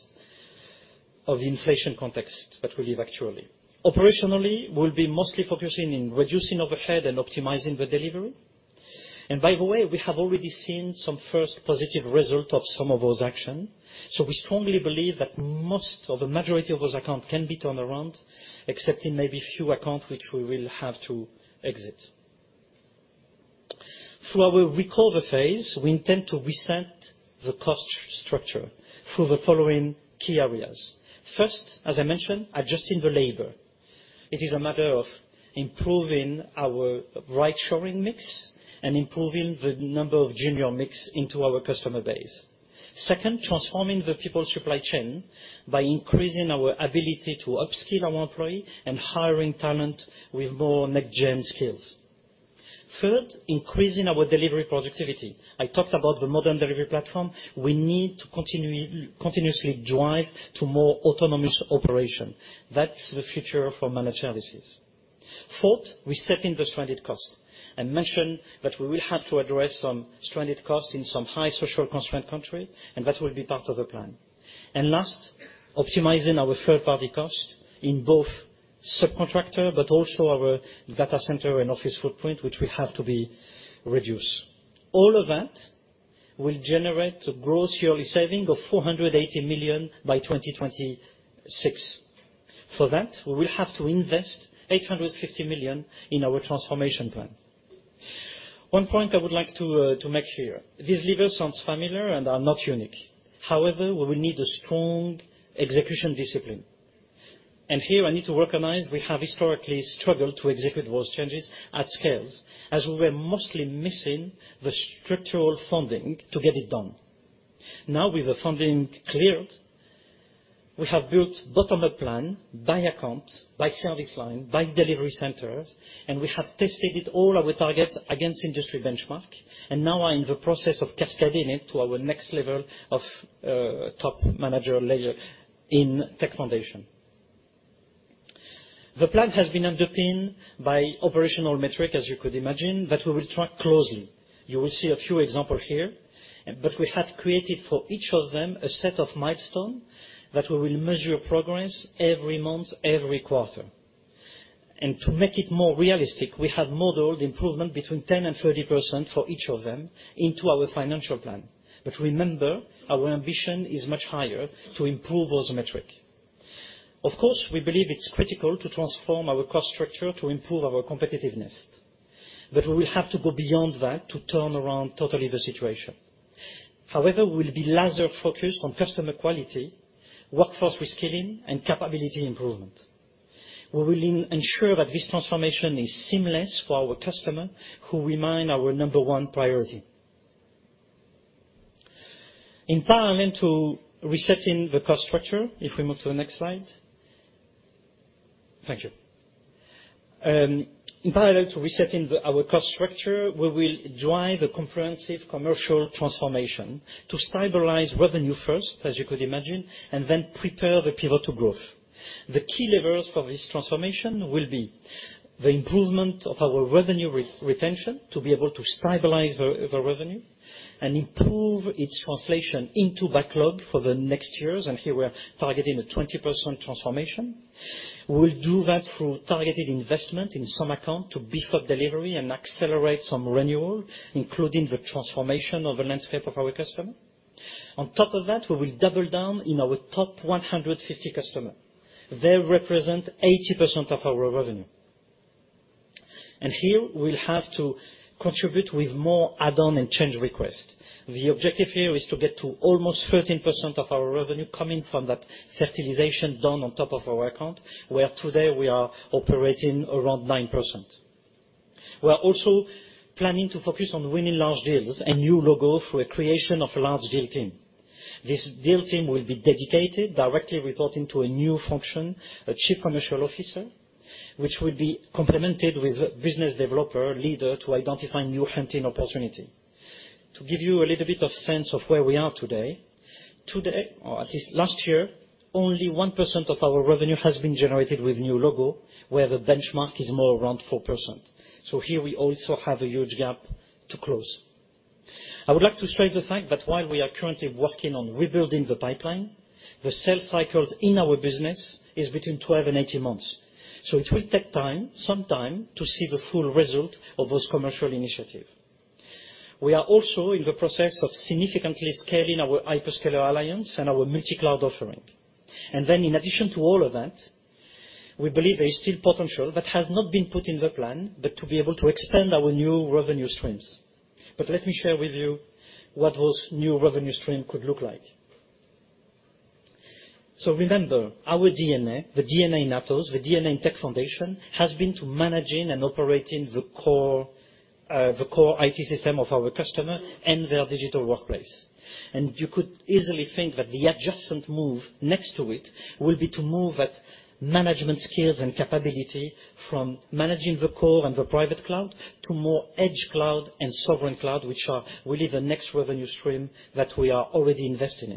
of inflation that we live actually. Operationally, we'll be mostly focusing on reducing overhead and optimizing the delivery. By the way, we have already seen some first positive results of some of those actions. We strongly believe that most of the majority of those accounts can be turned around, excepting maybe a few accounts which we will have to exit. Through our recovery phase, we intend to reset the cost structure through the following key areas. First, as I mentioned, adjusting the labor. It is a matter of improving our rightshoring mix and improving the number of junior mix into our customer base. Second, transforming the people supply chain by increasing our ability to upskill our employees and hiring talent with more next-gen skills. Third, increasing our delivery productivity. I talked about the modern delivery platform. We need to continuously drive to more autonomous operations. That's the future for Managed Services. Fourth, resetting the stranded cost and mention that we will have to address some stranded costs in some high social constraint country, and that will be part of the plan. Last, optimizing our third-party cost in both subcontractor but also our data center and office footprint, which will have to be reduced. All of that will generate a gross yearly saving of 480 million by 2026. For that, we will have to invest 850 million in our transformation plan. One point I would like to make here, these levers sounds familiar and are not unique. However, we will need a strong execution discipline. Here, I need to recognize we have historically struggled to execute those changes at scales, as we were mostly missing the structural funding to get it done. Now, with the funding cleared, we have built bottom-up plan by account, by service line, by delivery centers, and we have tested all our targets against industry benchmark, and now are in the process of cascading it to our next level of top manager layer in Tech Foundations. The plan has been underpinned by operational metric, as you could imagine, that we will track closely. You will see a few example here, but we have created for each of them a set of milestone that we will measure progress every month, every quarter. To make it more realistic, we have modeled improvement between 10% and 30% for each of them into our financial plan. Remember, our ambition is much higher to improve those metric. Of course, we believe it's critical to transform our cost structure to improve our competitiveness, but we will have to go beyond that to turn around totally the situation. However, we'll be laser-focused on customer quality, workforce reskilling, and capability improvement. We will ensure that this transformation is seamless for our customer, who remain our number one priority. In parallel to resetting the cost structure, we will drive a comprehensive commercial transformation to stabilize revenue first, as you could imagine, and then prepare the pivot to growth. The key levers for this transformation will be the improvement of our revenue retention to be able to stabilize the revenue and improve its translation into backlog for the next years. Here, we are targeting a 20% transformation. We'll do that through targeted investment in some account to beef up delivery and accelerate some renewal, including the transformation of the landscape of our customer. On top of that, we will double down in our top 150 customer. They represent 80% of our revenue. Here, we'll have to contribute with more add-on and change request. The objective here is to get to almost 13% of our revenue coming from that fertilization done on top of our account, where today we are operating around 9%. We are also planning to focus on winning large deals and new logo through a creation of a large deal team. This deal team will be dedicated, directly reporting to a new function, a chief commercial officer, which will be complemented with a business development leader to identify new hunting opportunity. To give you a little bit of sense of where we are today, to date, or at least last year, only 1% of our revenue has been generated with new logo, where the benchmark is more around 4%. Here we also have a huge gap to close. I would like to stress the fact that while we are currently working on rebuilding the pipeline, the sales cycles in our business is between 12 and 18 months. It will take time, some time to see the full result of those commercial initiative. We are also in the process of significantly scaling our hyperscaler alliance and our multi-cloud offering. In addition to all of that, we believe there is still potential that has not been put in the plan, but to be able to expand our new revenue streams. Let me share with you what those new revenue stream could look like. Remember, our DNA, the DNA in Atos, the DNA in Tech Foundations, has been to managing and operating the core, the core IT system of our customer and their digital workplace. You could easily think that the adjacent move next to it will be to move that management skills and capability from managing the core and the private cloud to more edge cloud and sovereign cloud, which are really the next revenue stream that we are already investing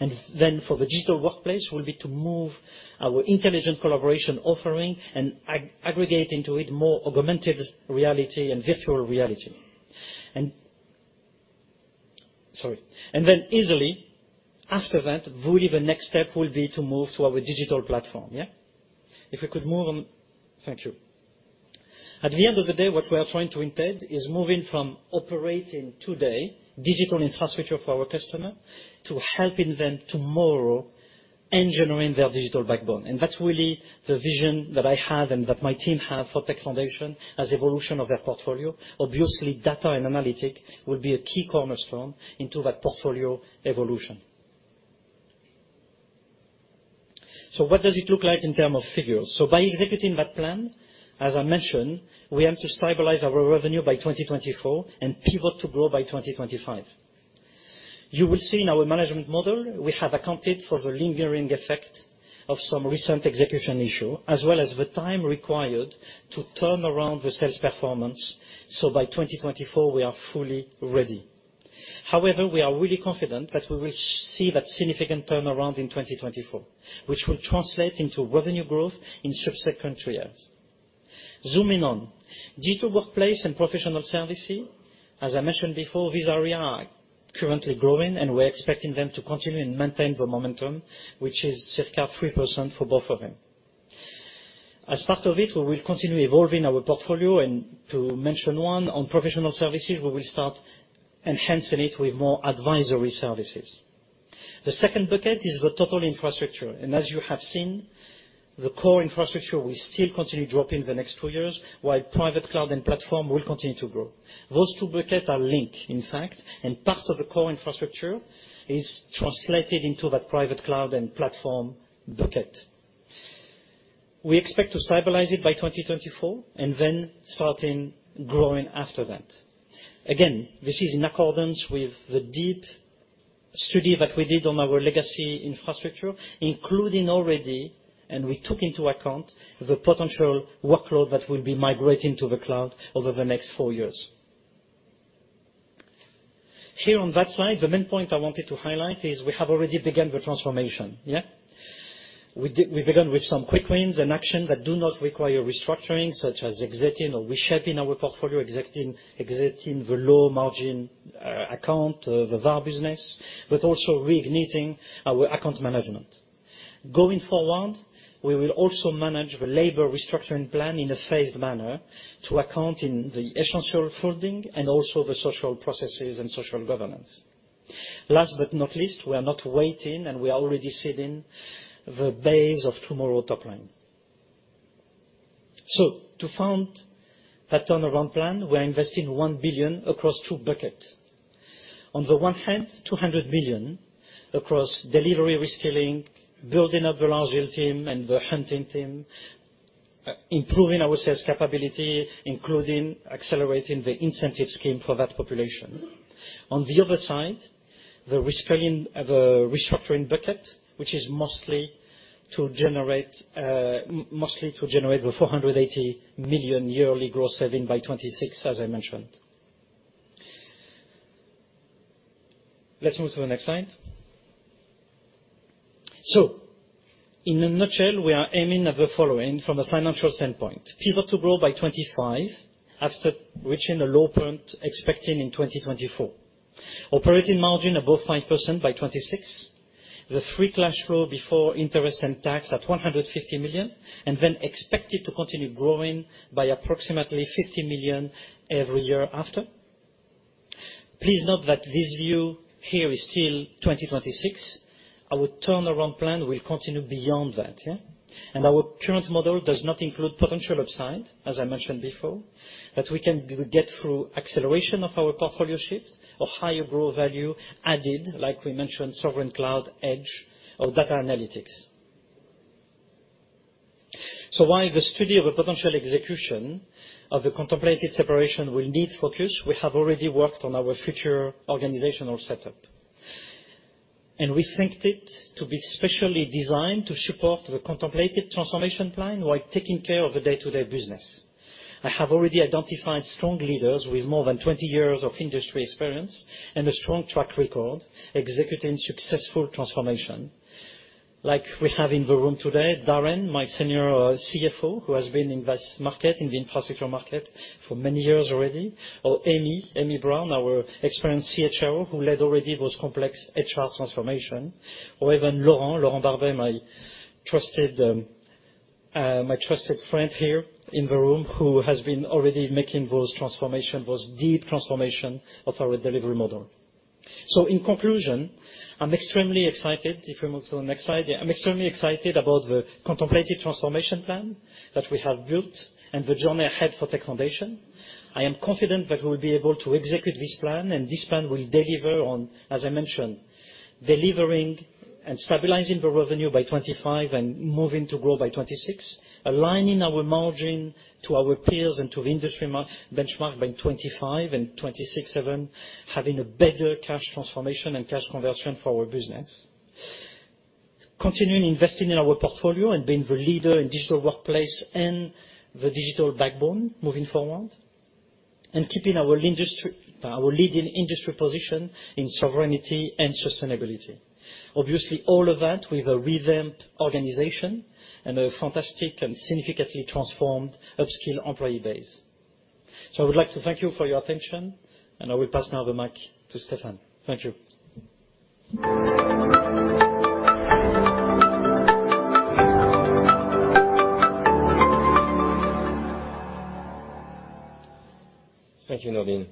in. For the digital workplace will be to move our intelligent collaboration offering and aggregate into it more augmented reality and virtual reality. Easily after that, really the next step will be to move to our digital platform, yeah. If we could move on. Thank you. At the end of the day, what we are trying to intend is moving from operating today digital infrastructure for our customer to helping them tomorrow engineering their digital backbone. That's really the vision that I have and that my team have for Tech Foundations as evolution of their portfolio. Obviously, data and analytics will be a key cornerstone into that portfolio evolution. What does it look like in terms of figures? By executing that plan, as I mentioned, we aim to stabilize our revenue by 2024 and pivot to grow by 2025. You will see in our management model, we have accounted for the lingering effect of some recent execution issue, as well as the time required to turn around the sales performance. By 2024, we are fully ready. However, we are really confident that we will see that significant turnaround in 2024, which will translate into revenue growth in subsequent years. Zooming on. Digital workplace and professional services, as I mentioned before, these areas are currently growing, and we're expecting them to continue and maintain the momentum, which is circa 3% for both of them. As part of it, we will continue evolving our portfolio. To mention one, on professional services, we will start enhancing it with more advisory services. The second bucket is the total infrastructure. As you have seen, the core infrastructure will still continue to drop in the next two years, while private cloud and platform will continue to grow. Those two buckets are linked, in fact, and part of the core infrastructure is translated into that private cloud and platform bucket. We expect to stabilize it by 2024, and then starting growing after that. Again, this is in accordance with the deep study that we did on our legacy infrastructure, including already, and we took into account, the potential workload that will be migrating to the cloud over the next four years. Here on that slide, the main point I wanted to highlight is we have already begun the transformation, yeah? We begun with some quick wins and action that do not require restructuring, such as exiting or reshaping our portfolio, exiting the low margin account, the VAR business, but also reigniting our account management. Going forward, we will also manage the labor restructuring plan in a phased manner to account in the essential funding and also the social processes and social governance. Last but not least, we are not waiting, and we are already seeding the base of tomorrow top line. To fund that turnaround plan, we are investing 1 billion across two buckets. On the one hand, 200 million across delivery reskilling, building up the large deal team and the hunting team, improving our sales capability, including accelerating the incentive scheme for that population. On the other side, the restructuring bucket, which is mostly to generate the 480 million yearly growth savings by 2026, as I mentioned. Let's move to the next slide. In a nutshell, we are aiming at the following from a financial standpoint. Pivot to growth by 2025 after reaching a low point expecting in 2024. Operating margin above 5% by 2026. The free cash flow before interest and tax at 150 million, and then expected to continue growing by approximately 50 million every year after. Please note that this view here is still 2026. Our turnaround plan will continue beyond that, yeah? Our current model does not include potential upside, as I mentioned before, that we can get through acceleration of our portfolio shift or higher growth value added, like we mentioned sovereign cloud, edge, or data analytics. While the study of a potential execution of the contemplated separation will need focus, we have already worked on our future organizational setup. We think it to be specially designed to support the contemplated transformation plan while taking care of the day-to-day business. I have already identified strong leaders with more than 20 years of industry experience and a strong track record executing successful transformation. Like we have in the room today, Darren, my senior CFO, who has been in this market, in the infrastructure market for many years already. Amy Brown, our experienced CHRO, who led already those complex HR transformation. Even Laurent Barbet, my trusted friend here in the room, who has been already making those deep transformation of our delivery model. In conclusion, I'm extremely excited. If we move to the next slide. I'm extremely excited about the contemplated transformation plan that we have built and the journey ahead for Tech Foundations. I am confident that we'll be able to execute this plan, and this plan will deliver on, as I mentioned, delivering and stabilizing the revenue by 2025 and moving to grow by 2026, aligning our margin to our peers and to the industry margin benchmark by 2025 and 2026 even, having a better cash transformation and cash conversion for our business. Continuing investing in our portfolio and being the leader in digital workplace and the digital backbone moving forward, and keeping our industry, our leading industry position in sovereignty and sustainability. Obviously, all of that with a revamped organization and a fantastic and significantly transformed upskill employee base. I would like to thank you for your attention, and I will pass now the mic to Stéphane. Thank you. Thank you, Nourdine Bihmane.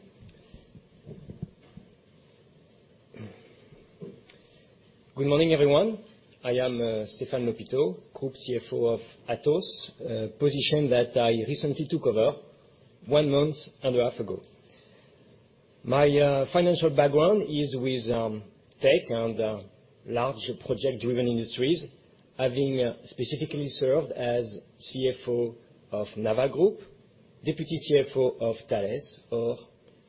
Good morning, everyone. I am Stéphane Lhopiteau, Group CFO of Atos, position that I recently took over one month and a half ago. My financial background is with tech and large project-driven industries, having specifically served as CFO of Naval Group, Deputy CFO of Thales, or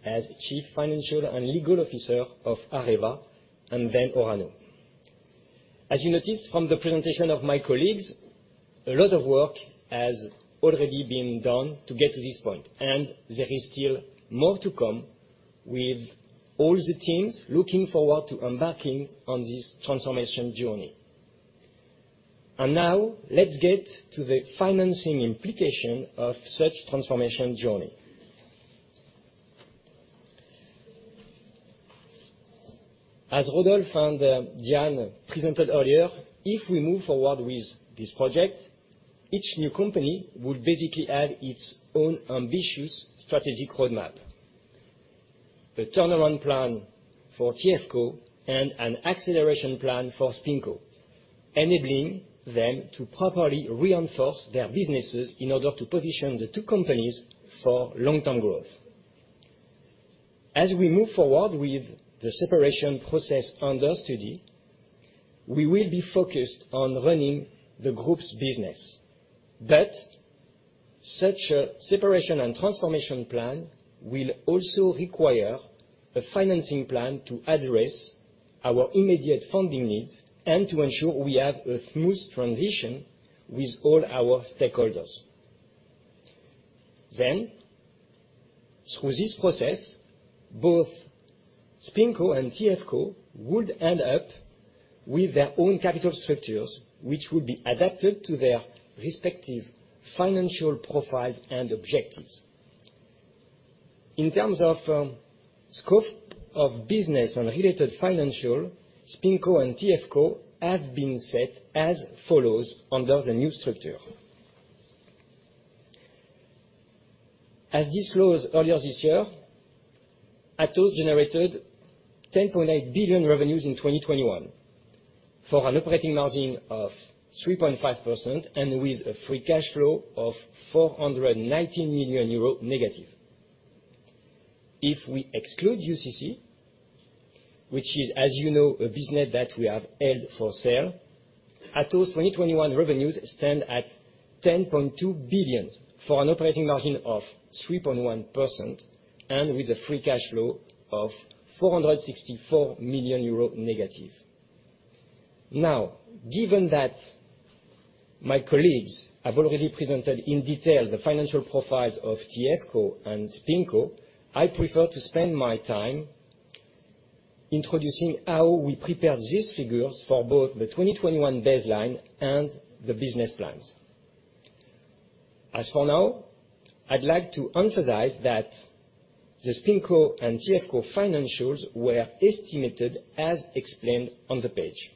as Chief Financial and Legal Officer of Areva, and then Orano. As you noticed from the presentation of my colleagues, a lot of work has already been done to get to this point, and there is still more to come with all the teams looking forward to embarking on this transformation journey. Now let's get to the financing implication of such transformation journey. As Rodolphe Belmer and Diane Galbe presented earlier, if we move forward with this project, each new company would basically add its own ambitious strategic roadmap. The turnaround plan for Tech Foundations and an acceleration plan for SpinCo, enabling them to properly reinforce their businesses in order to position the two companies for long-term growth. As we move forward with the separation process under study, we will be focused on running the group's business. Such a separation and transformation plan will also require a financing plan to address our immediate funding needs and to ensure we have a smooth transition with all our stakeholders. Through this process, both SpinCo and Tech Foundations would end up with their own capital structures, which would be adapted to their respective financial profiles and objectives. In terms of, scope of business and related financial, SpinCo and Tech Foundations have been set as follows under the new structure. As disclosed earlier this year, Atos generated 10.8 billion revenues in 2021 for an operating margin of 3.5% and with a free cash flow of -419 million euros. If we exclude UCC, which is, as you know, a business that we have held for sale, Atos 2021 revenues stand at 10.2 billion for an operating margin of 3.1% and with a free cash flow of -464 million euro. Now, given that my colleagues have already presented in detail the financial profiles of TFCco and SpinCo, I prefer to spend my time introducing how we prepare these figures for both the 2021 baseline and the business plans. As of now, I'd like to emphasize that the SpinCo and TFCco financials were estimated as explained on the page.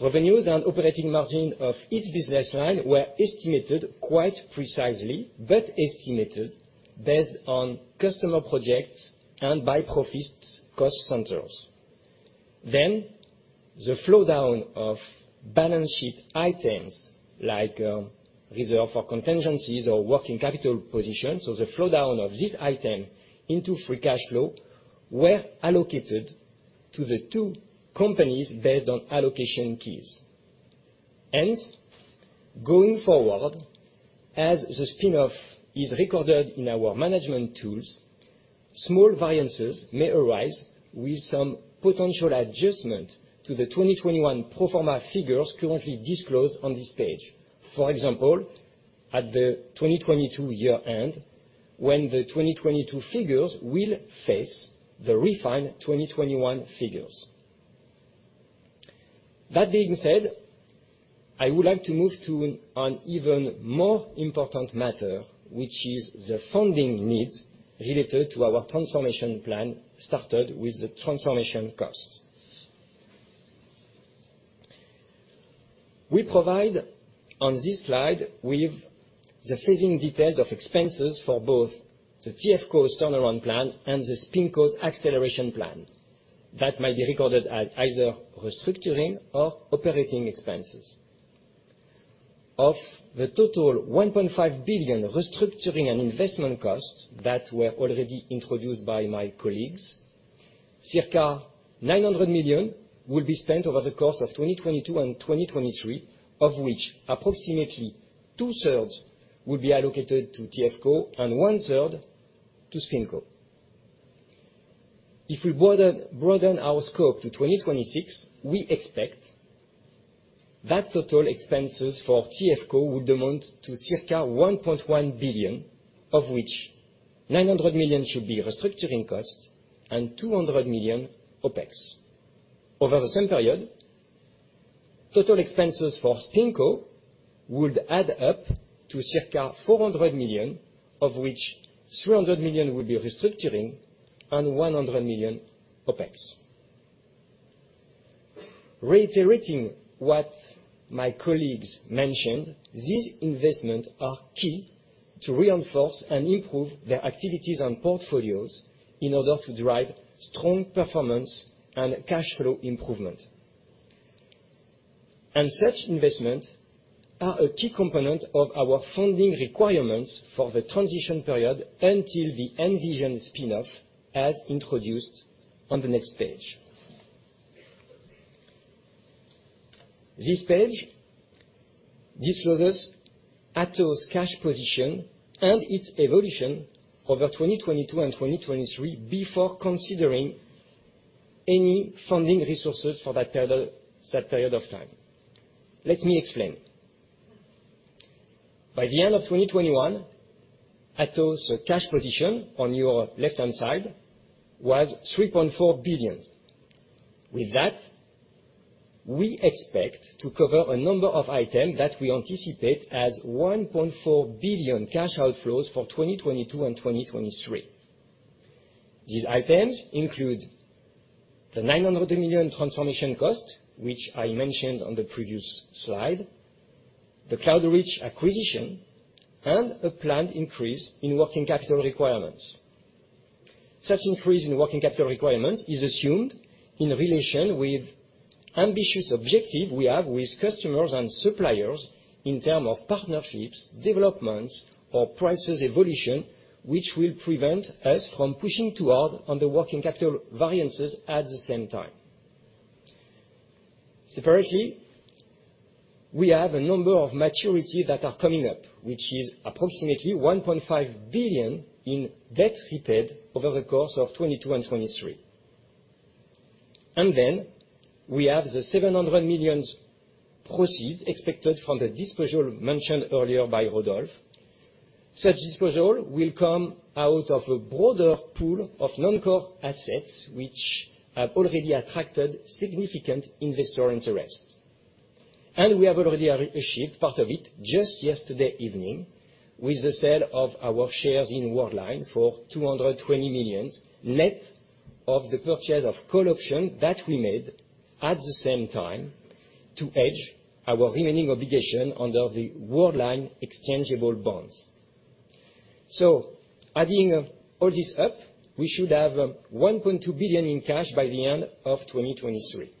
Revenues and operating margin of each business line were estimated quite precisely, but estimated based on customer projects and by profits cost centers. The flow down of balance sheet items like reserve for contingencies or working capital position. The flow down of this item into free cash flow were allocated to the two companies based on allocation keys. Hence, going forward, as the spin-off is recorded in our management tools, small variances may arise with some potential adjustment to the 2021 pro forma figures currently disclosed on this page. For example, at the 2022 year-end, when the 2022 figures will face the refined 2021 figures. That being said, I would like to move to an even more important matter, which is the funding needs related to our transformation plan, started with the transformation cost. We provide on this slide with the phasing details of expenses for both the TFCco's turnaround plan and the SpinCo's acceleration plan that might be recorded as either restructuring or operating expenses. Of the total 1.5 billion restructuring and investment costs that were already introduced by my colleagues, circa 900 million will be spent over the course of 2022 and 2023, of which approximately two-thirds will be allocated to TFCco and one-third to SpinCo. If we broaden our scope to 2026, we expect that total expenses for TFCco would amount to circa 1.1 billion, of which 900 million should be restructuring costs and 200 million OpEx. Over the same period, total expenses for SpinCo would add up to circa 400 million, of which 300 million would be restructuring and 100 million OpEx. Reiterating what my colleagues mentioned, these investments are key to reinforce and improve their activities and portfolios in order to drive strong performance and cash flow improvement. Such investments are a key component of our funding requirements for the transition period until the envisioned spin-off as introduced on the next page. This page discloses Atos' cash position and its evolution over 2022 and 2023 before considering any funding resources for that period of time. Let me explain. By the end of 2021, Atos' cash position on your left-hand side was 3.4 billion. With that, we expect to cover a number of items that we anticipate as 1.4 billion cash outflows for 2022 and 2023. These items include the 900 million transformation cost, which I mentioned on the previous slide, the Cloudreach acquisition, and a planned increase in working capital requirements. Such increase in working capital requirement is assumed in relation with ambitious objective we have with customers and suppliers in terms of partnerships, developments or prices evolution, which will prevent us from pushing too hard on the working capital variances at the same time. Separately, we have a number of maturities that are coming up, which is approximately 1.5 billion in debt repaid over the course of 2022 and 2023. Then we have the 700 million proceeds expected from the disposal mentioned earlier by Rodolphe. Such disposal will come out of a broader pool of non-core assets, which have already attracted significant investor interest. We have already achieved part of it just yesterday evening with the sale of our shares in Worldline for 220 million, net of the purchase of call option that we made at the same time to hedge our remaining obligation under the Worldline exchangeable bonds. Adding all this up, we should have 1.2 billion in cash by the end of 2023.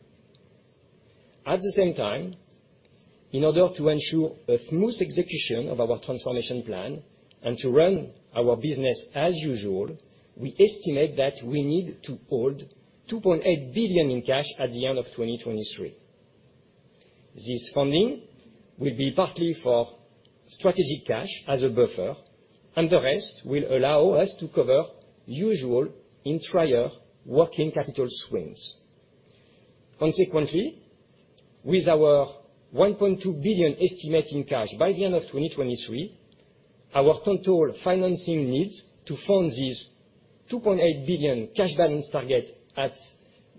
At the same time, in order to ensure a smooth execution of our transformation plan and to run our business as usual, we estimate that we need to hold 2.8 billion in cash at the end of 2023. This funding will be partly for strategic cash as a buffer, and the rest will allow us to cover usual intra-year working capital swings. Consequently, with our 1.2 billion estimate in cash by the end of 2023, our total financing needs to fund this 2.8 billion cash balance target at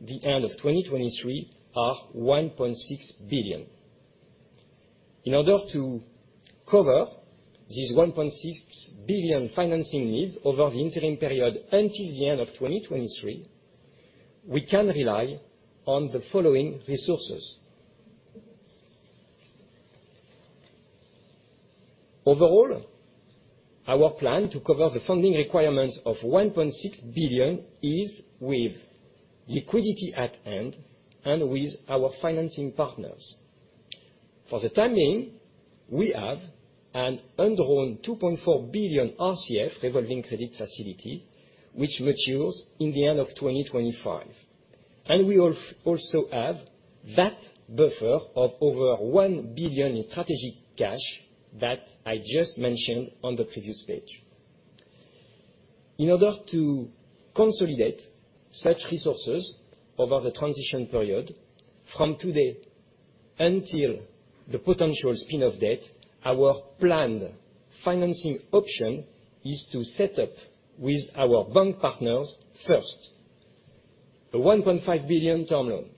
the end of 2023 are 1.6 billion. In order to cover this 1.6 billion financing needs over the interim period until the end of 2023, we can rely on the following resources. Overall, our plan to cover the funding requirements of 1.6 billion is with liquidity at hand and with our financing partners. For the time being, we have an undrawn 2.4 billion RCF, revolving credit facility, which matures in the end of 2025. We also have that buffer of over 1 billion in strategic cash that I just mentioned on the previous page. In order to consolidate such resources over the transition period from today until the potential spin-off date, our planned financing option is to set up with our bank partners, first, a 1.5 billion term loan.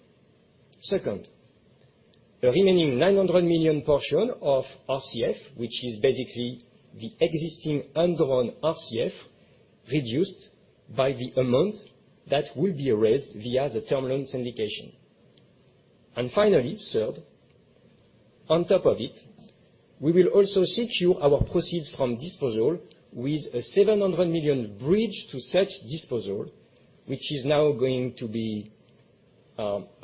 Second, the remaining 900 million portion of RCF, which is basically the existing undrawn RCF reduced by the amount that will be raised via the term loan syndication. And finally, third, on top of it, we will also secure our proceeds from disposal with a 700 million bridge to such disposal, which is now going to be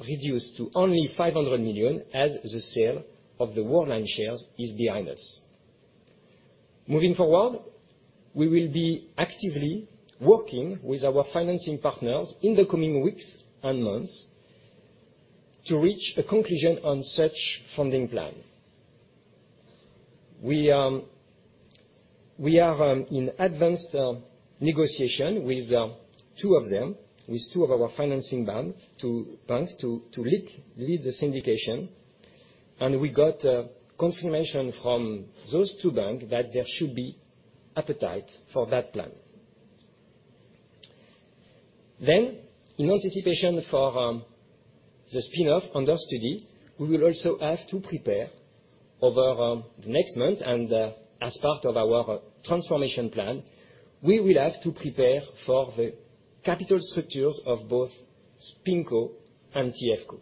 reduced to only 500 million, as the sale of the Worldline shares is behind us. Moving forward, we will be actively working with our financing partners in the coming weeks and months to reach a conclusion on such funding plan. We are in advanced negotiation with two of our financing banks to lead the syndication. We got confirmation from those two banks that there should be appetite for that plan. In anticipation for the spin-off under study, we will also have to prepare over the next month and, as part of our transformation plan, we will have to prepare for the capital structures of both SpinCo and TFCco.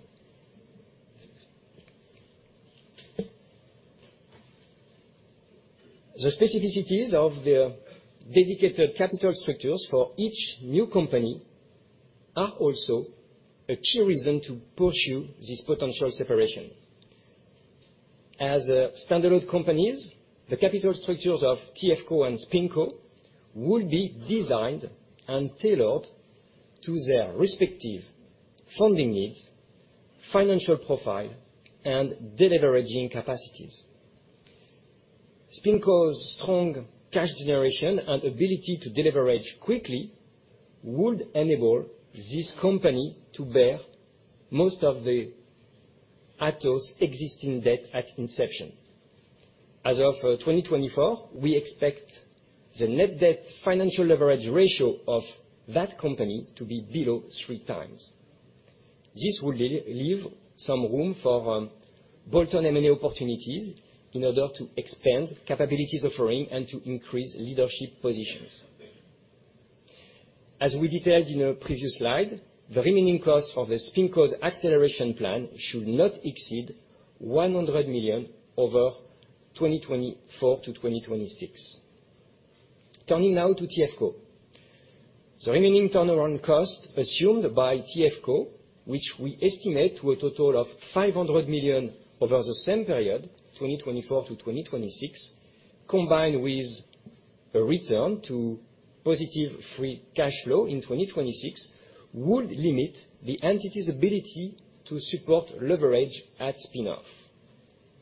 The specificities of the dedicated capital structures for each new company are also a key reason to pursue this potential separation. As standalone companies, the capital structures of TFCco and SpinCo will be designed and tailored to their respective funding needs, financial profile, and deleveraging capacities. SpinCo's strong cash generation and ability to deleverage quickly would enable this company to bear most of the Atos existing debt at inception. As of 2024, we expect the net debt financial leverage ratio of that company to be below 3x. This would leave some room for bolt-on M&A opportunities in order to expand capabilities offering and to increase leadership positions. As we detailed in a previous slide, the remaining costs of the SpinCo's acceleration plan should not exceed 100 million over 2024-2026. Turning now to TFCco. The remaining turnaround cost assumed by TFCco, which we estimate to a total of 500 million over the same period, 2024-2026, combined with a return to positive free cash flow in 2026, would limit the entity's ability to support leverage at spin-off.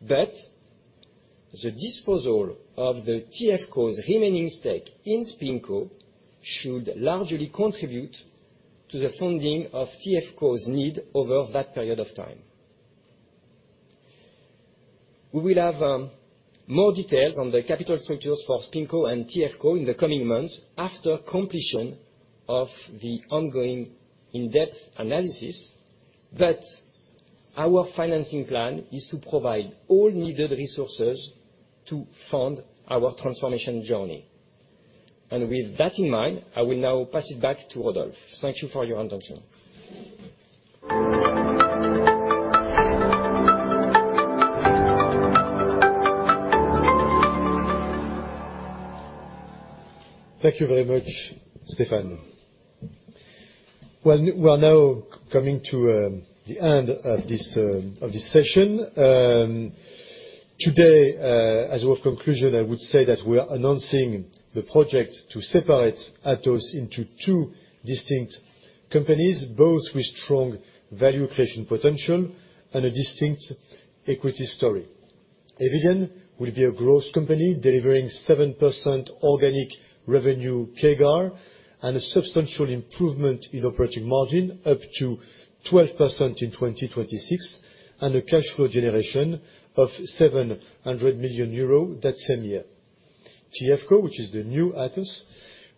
The disposal of the TFCco's remaining stake in SpinCo should largely contribute to the funding of TFCco's need over that period of time. We will have more details on the capital structures for SpinCo and TFCco in the coming months after completion of the ongoing in-depth analysis. Our financing plan is to provide all needed resources to fund our transformation journey. With that in mind, I will now pass it back to Rodolphe. Thank you for your attention. Thank you very much, Stéphane. Well, we are now coming to the end of this session. Today, as a conclusion, I would say that we are announcing the project to separate Atos into two distinct companies, both with strong value creation potential and a distinct equity story. Eviden will be a growth company delivering 7% organic revenue CAGR and a substantial improvement in operating margin up to 12% in 2026, and a cash flow generation of 700 million euros that same year. TFCco, which is the new Atos,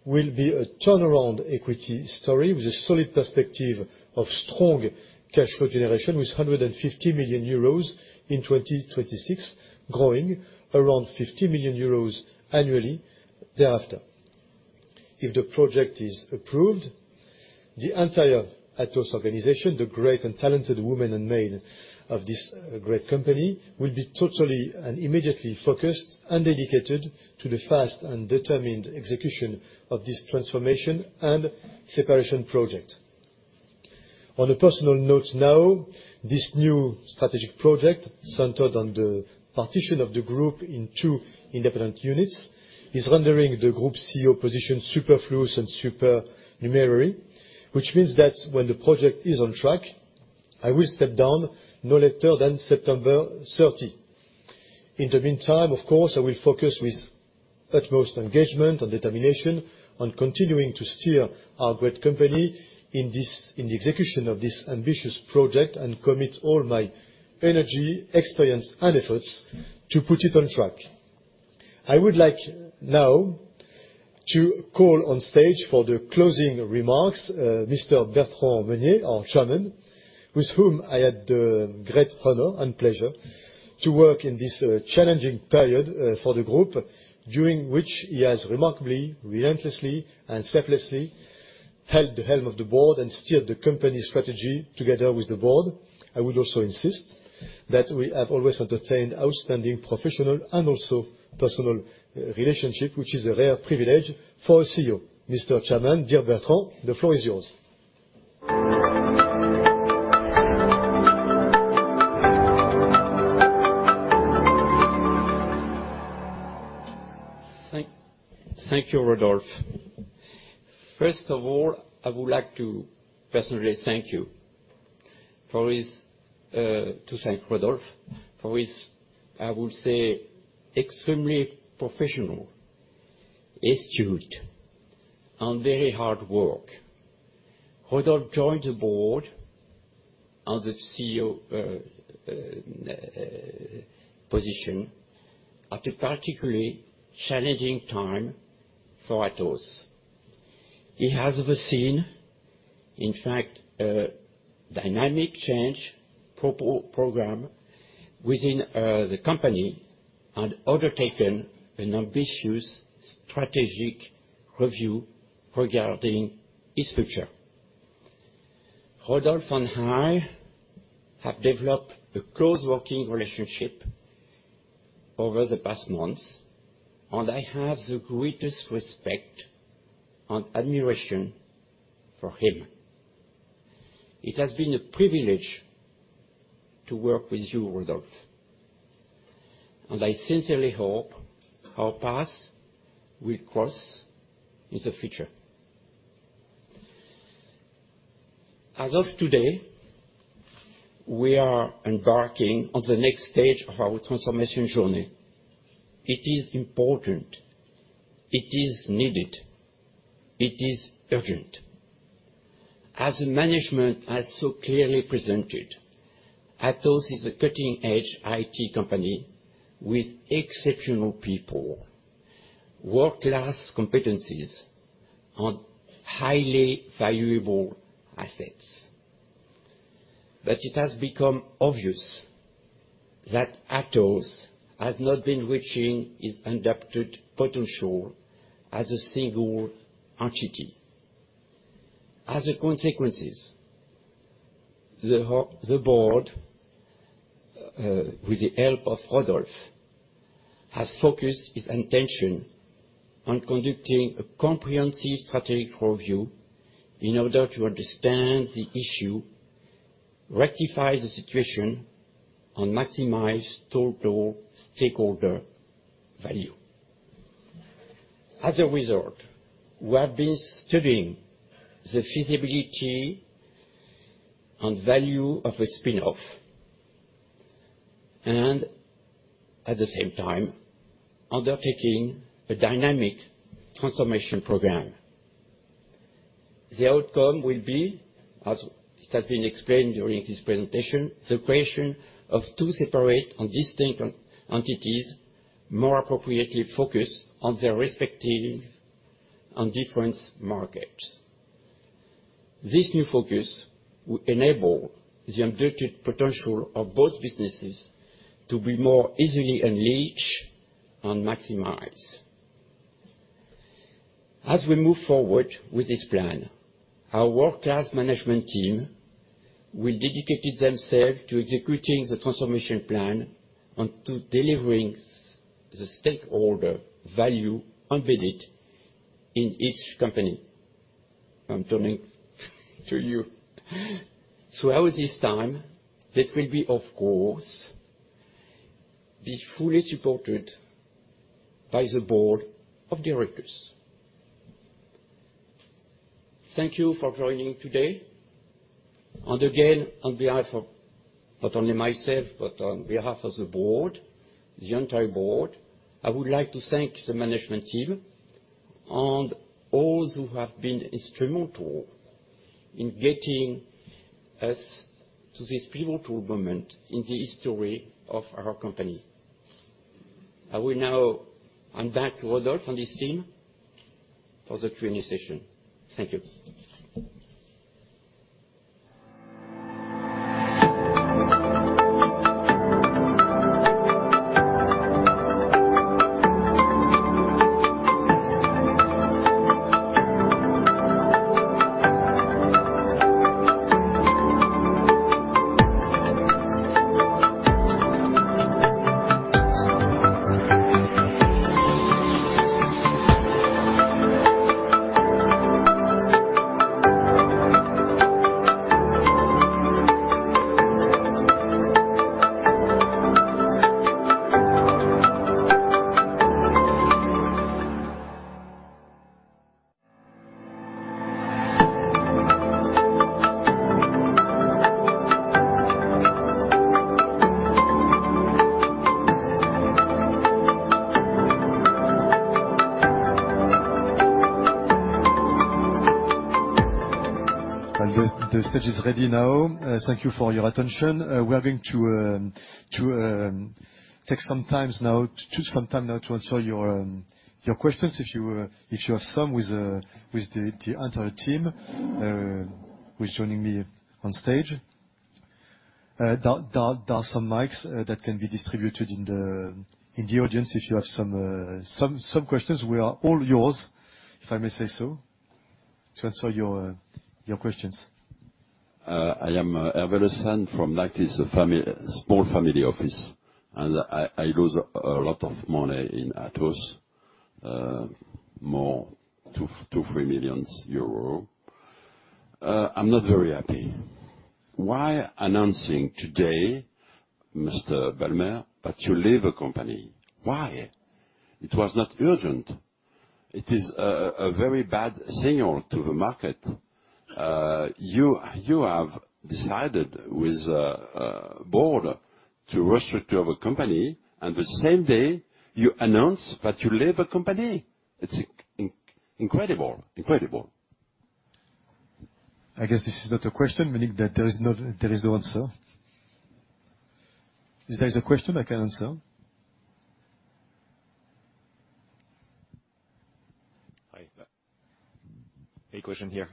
will be a turnaround equity story with a solid perspective of strong cash flow generation with 150 million euros in 2026, growing around 50 million euros annually thereafter. If the project is approved, the entire Atos organization, the great and talented women and men of this great company, will be totally and immediately focused and dedicated to the fast and determined execution of this transformation and separation project. On a personal note now, this new strategic project centered on the partition of the group in two independent units is rendering the group CEO position superfluous and supernumerary, which means that when the project is on track, I will step down no later than September 30. In the meantime, of course, I will focus with utmost engagement and determination on continuing to steer our great company in this, in the execution of this ambitious project and commit all my energy, experience, and efforts to put it on track. I would like now to call on stage for the closing remarks, Mr. Bertrand Meunier, our Chairman, with whom I had the great honor and pleasure to work in this challenging period for the group, during which he has remarkably, relentlessly, and selflessly held the helm of the board and steered the company strategy together with the board. I would also insist that we have always entertained outstanding professional and also personal relationship, which is a rare privilege for a CEO. Mr. Chairman, dear Bertrand, the floor is yours. Thank you, Rodolphe. First of all, I would like to personally thank Rodolphe for his, I would say, extremely professional, astute, and very hard work. Rodolphe joined the board as the CEO position at a particularly challenging time for Atos. He has overseen, in fact, a dynamic change program within the company and undertaken an ambitious strategic review regarding its future. Rodolphe and I have developed a close working relationship over the past months, and I have the greatest respect and admiration for him. It has been a privilege to work with you, Rodolphe, and I sincerely hope our paths will cross in the future. As of today, we are embarking on the next stage of our transformation journey. It is important, it is needed, it is urgent. As the management has so clearly presented, Atos is a cutting-edge IT company with exceptional people, world-class competencies and highly valuable assets. It has become obvious that Atos has not been reaching its undoubted potential as a single entity. As a consequence, the board, with the help of Rodolphe, has focused its attention on conducting a comprehensive strategic review in order to understand the issue, rectify the situation, and maximize total stakeholder value. As a result, we have been studying the feasibility and value of a spin-off and, at the same time, undertaking a dynamic transformation program. The outcome will be, as it has been explained during this presentation, the creation of two separate and distinct entities more appropriately focused on their respective and different markets. This new focus will enable the undoubted potential of both businesses to be more easily unleashed and maximized. As we move forward with this plan, our world-class management team will dedicate themselves to executing the transformation plan and to delivering the stakeholder value embedded in each company. I'm turning to you. Throughout this time, they will be, of course, fully supported by the board of directors. Thank you for joining today, and again, on behalf of not only myself, but on behalf of the board, the entire board, I would like to thank the management team and all who have been instrumental in getting us to this pivotal moment in the history of our company. I will now hand back to Rodolphe and his team for the Q&A session. Thank you. The stage is ready now. Thank you for your attention. We're going to choose some time now to answer your questions if you have some with the entire team who is joining me on stage. There are some mics that can be distributed in the audience. If you have some questions, we are all yours, if I may say so, to answer your questions. I am Voutychtis from LATSCO Family Office, small family office, and I lose a lot of money in Atos, more than 2 or 3 million euro. I'm not very happy. Why announcing today, Mr. Belmer, that you leave a company? Why? It was not urgent. It is a very bad signal to the market. You have decided with board to restructure the company, and the same day you announce that you leave the company. It's incredible. I guess this is not a question, meaning that there is no answer. Is there a question I can answer? Hi. A question here.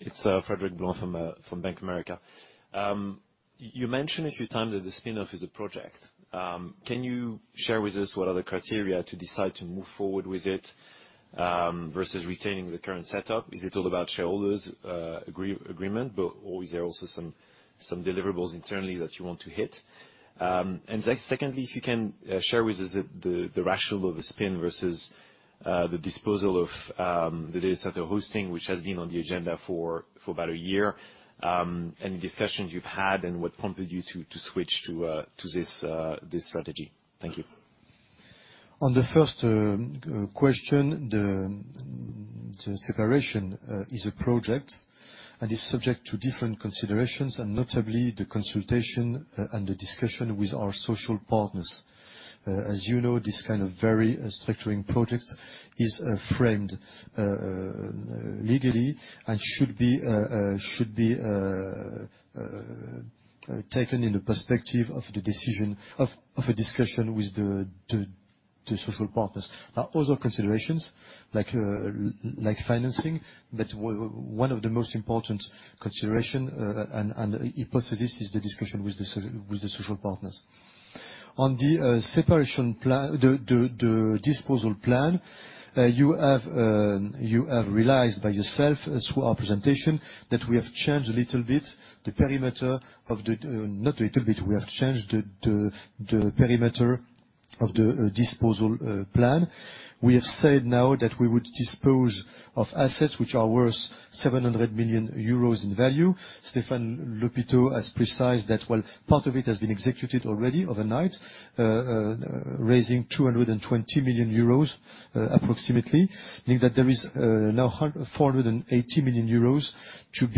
It's Frederic Boulan from Bank of America. You mentioned a few times that the spin-off is a project. Can you share with us what are the criteria to decide to move forward with it versus retaining the current setup? Is it all about shareholders agreement or is there also some deliverables internally that you want to hit? Secondly, if you can share with us the rationale of the spin versus the disposal of the data center hosting, which has been on the agenda for about a year, any discussions you've had and what prompted you to switch to this strategy? Thank you. On the first question, the separation is a project and is subject to different considerations and notably the consultation and the discussion with our social partners. As you know, this kind of very structuring project is framed legally and should be taken in the perspective of the decision of a discussion with the social partners. Now other considerations like like financing, but one of the most important consideration and hypothesis is the discussion with the social partners. On the separation plan, the disposal plan, you have realized by yourself as through our presentation that we have changed a little bit the perimeter of the disposal plan. Not a little bit, we have changed the perimeter of the disposal plan. We have said now that we would dispose of assets which are worth 700 million euros in value. Stéphane Lhopiteau has specified that while part of it has been executed already overnight, raising 220 million euros approximately, meaning that there is now 480 million euros to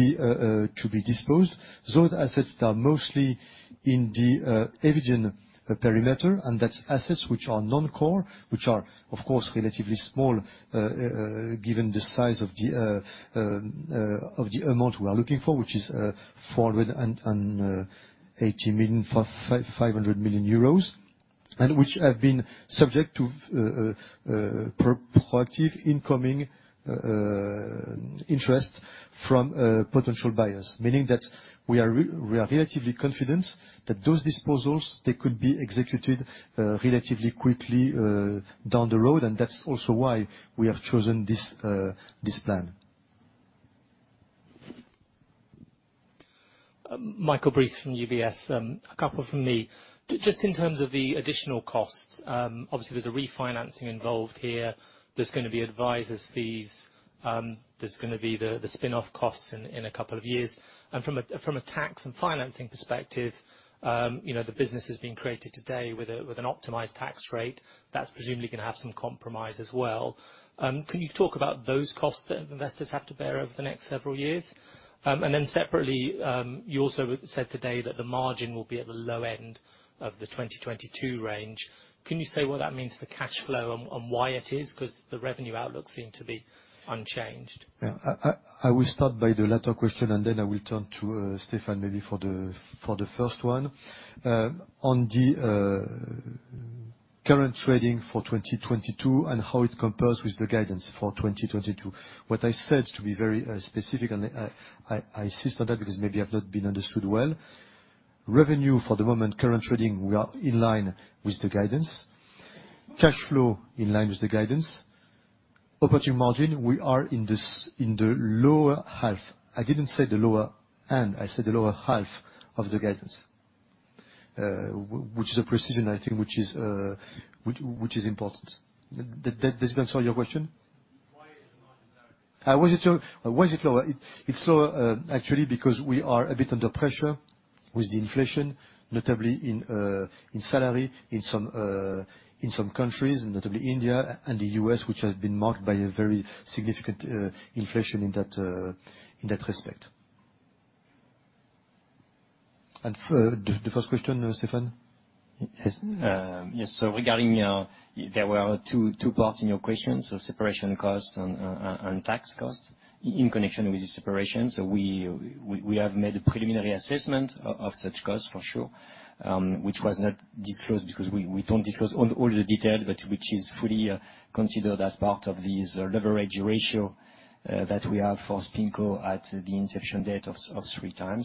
be disposed. Those assets are mostly in the Eviden perimeter, and that's assets which are non-core, which are, of course, relatively small, given the size of the amount we are looking for, which is 480 million-500 million euros, and which have been subject to productive incoming interest from potential buyers, meaning that we are relatively confident that those disposals they could be executed relatively quickly down the road, and that's also why we have chosen this plan. Michael Briest from UBS. A couple from me. Just in terms of the additional costs, obviously there's a refinancing involved here. There's gonna be advisors fees, there's gonna be the spin-off costs in a couple of years. From a tax and financing perspective, you know, the business is being created today with an optimized tax rate. That's presumably gonna have some compromise as well. Can you talk about those costs that investors have to bear over the next several years? Separately, you also said today that the margin will be at the low end of the 2022 range. Can you say what that means for cash flow and why it is? 'Cause the revenue outlook seems to be unchanged. Yeah. I will start by the latter question, and then I will turn to Stéphane maybe for the first one. On the current trading for 2022 and how it compares with the guidance for 2022. What I said, to be very specific, and I insist on that because maybe I've not been understood well. Revenue for the moment, current trading, we are in line with the guidance. Cash flow in line with the guidance. Operating margin, we are in the lower half. I didn't say the lower end. I said the lower half of the guidance, which is a precision, I think, which is important. That does answer your question? Why is the margin lower? Why is it low? Why is it lower? It's lower, actually because we are a bit under pressure with the inflation, notably in salary in some countries, notably India and the US, which has been marked by a very significant inflation in that respect. The first question, Stéphane? Yes. Yes. Regarding there were two parts in your question, so separation cost and tax cost in connection with the separation. We have made a preliminary assessment of such cost for sure, which was not disclosed because we don't disclose all the detail, but which is fully considered as part of this leverage ratio that we have for SpinCo at the inception date of 3x.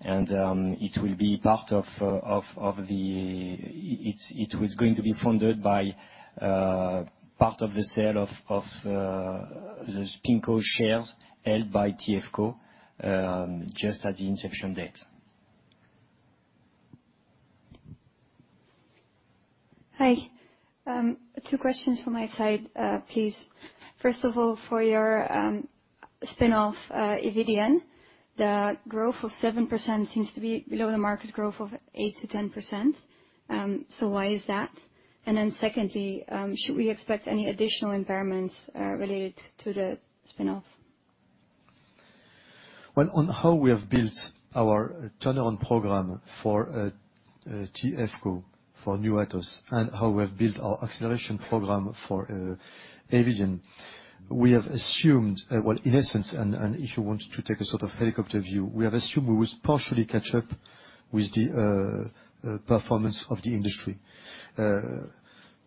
It was going to be funded by part of the sale of the SpinCo shares held by TFCo just at the inception date. Hi. Two questions from my side, please. First of all, for your spin-off, Eviden, the growth of 7% seems to be below the market growth of 8%-10%. Why is that? Secondly, should we expect any additional impairments related to the spin-off? Well, on how we have built our turnaround program for Tech Foundations, for new Atos, and how we have built our acceleration program for Eviden, we have assumed, well, in essence, and if you want to take a sort of helicopter view, we have assumed we will partially catch up with the performance of the industry.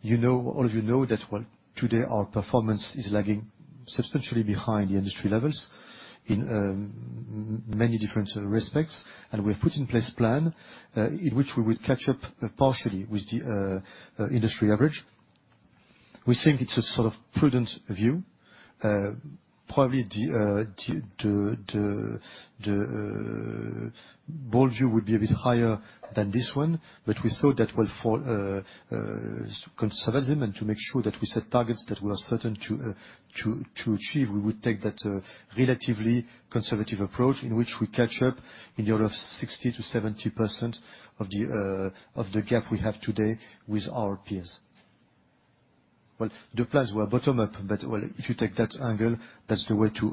You know, all of you know that, well, today our performance is lagging substantially behind the industry levels in many different respects, and we've put in place plan in which we will catch up partially with the industry average. We think it's a sort of prudent view. Probably the bold view would be a bit higher than this one, but we thought that, well, for conservatism and to make sure that we set targets that we are certain to achieve, we would take that relatively conservative approach in which we catch up in the order of 60%-70% of the gap we have today with our peers. Well, the plans were bottom up, but well, if you take that angle, that's the way to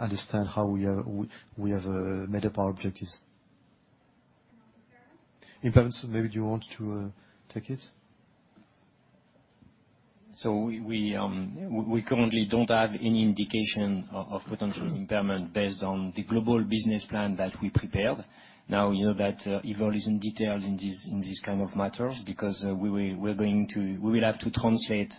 understand how we have made up our objectives. Stéphane, maybe do you want to take it? We currently don't have any indication of potential impairment based on the global business plan that we prepared. Now you know that Yves is indeed detailed in these kind of matters because we will have to translate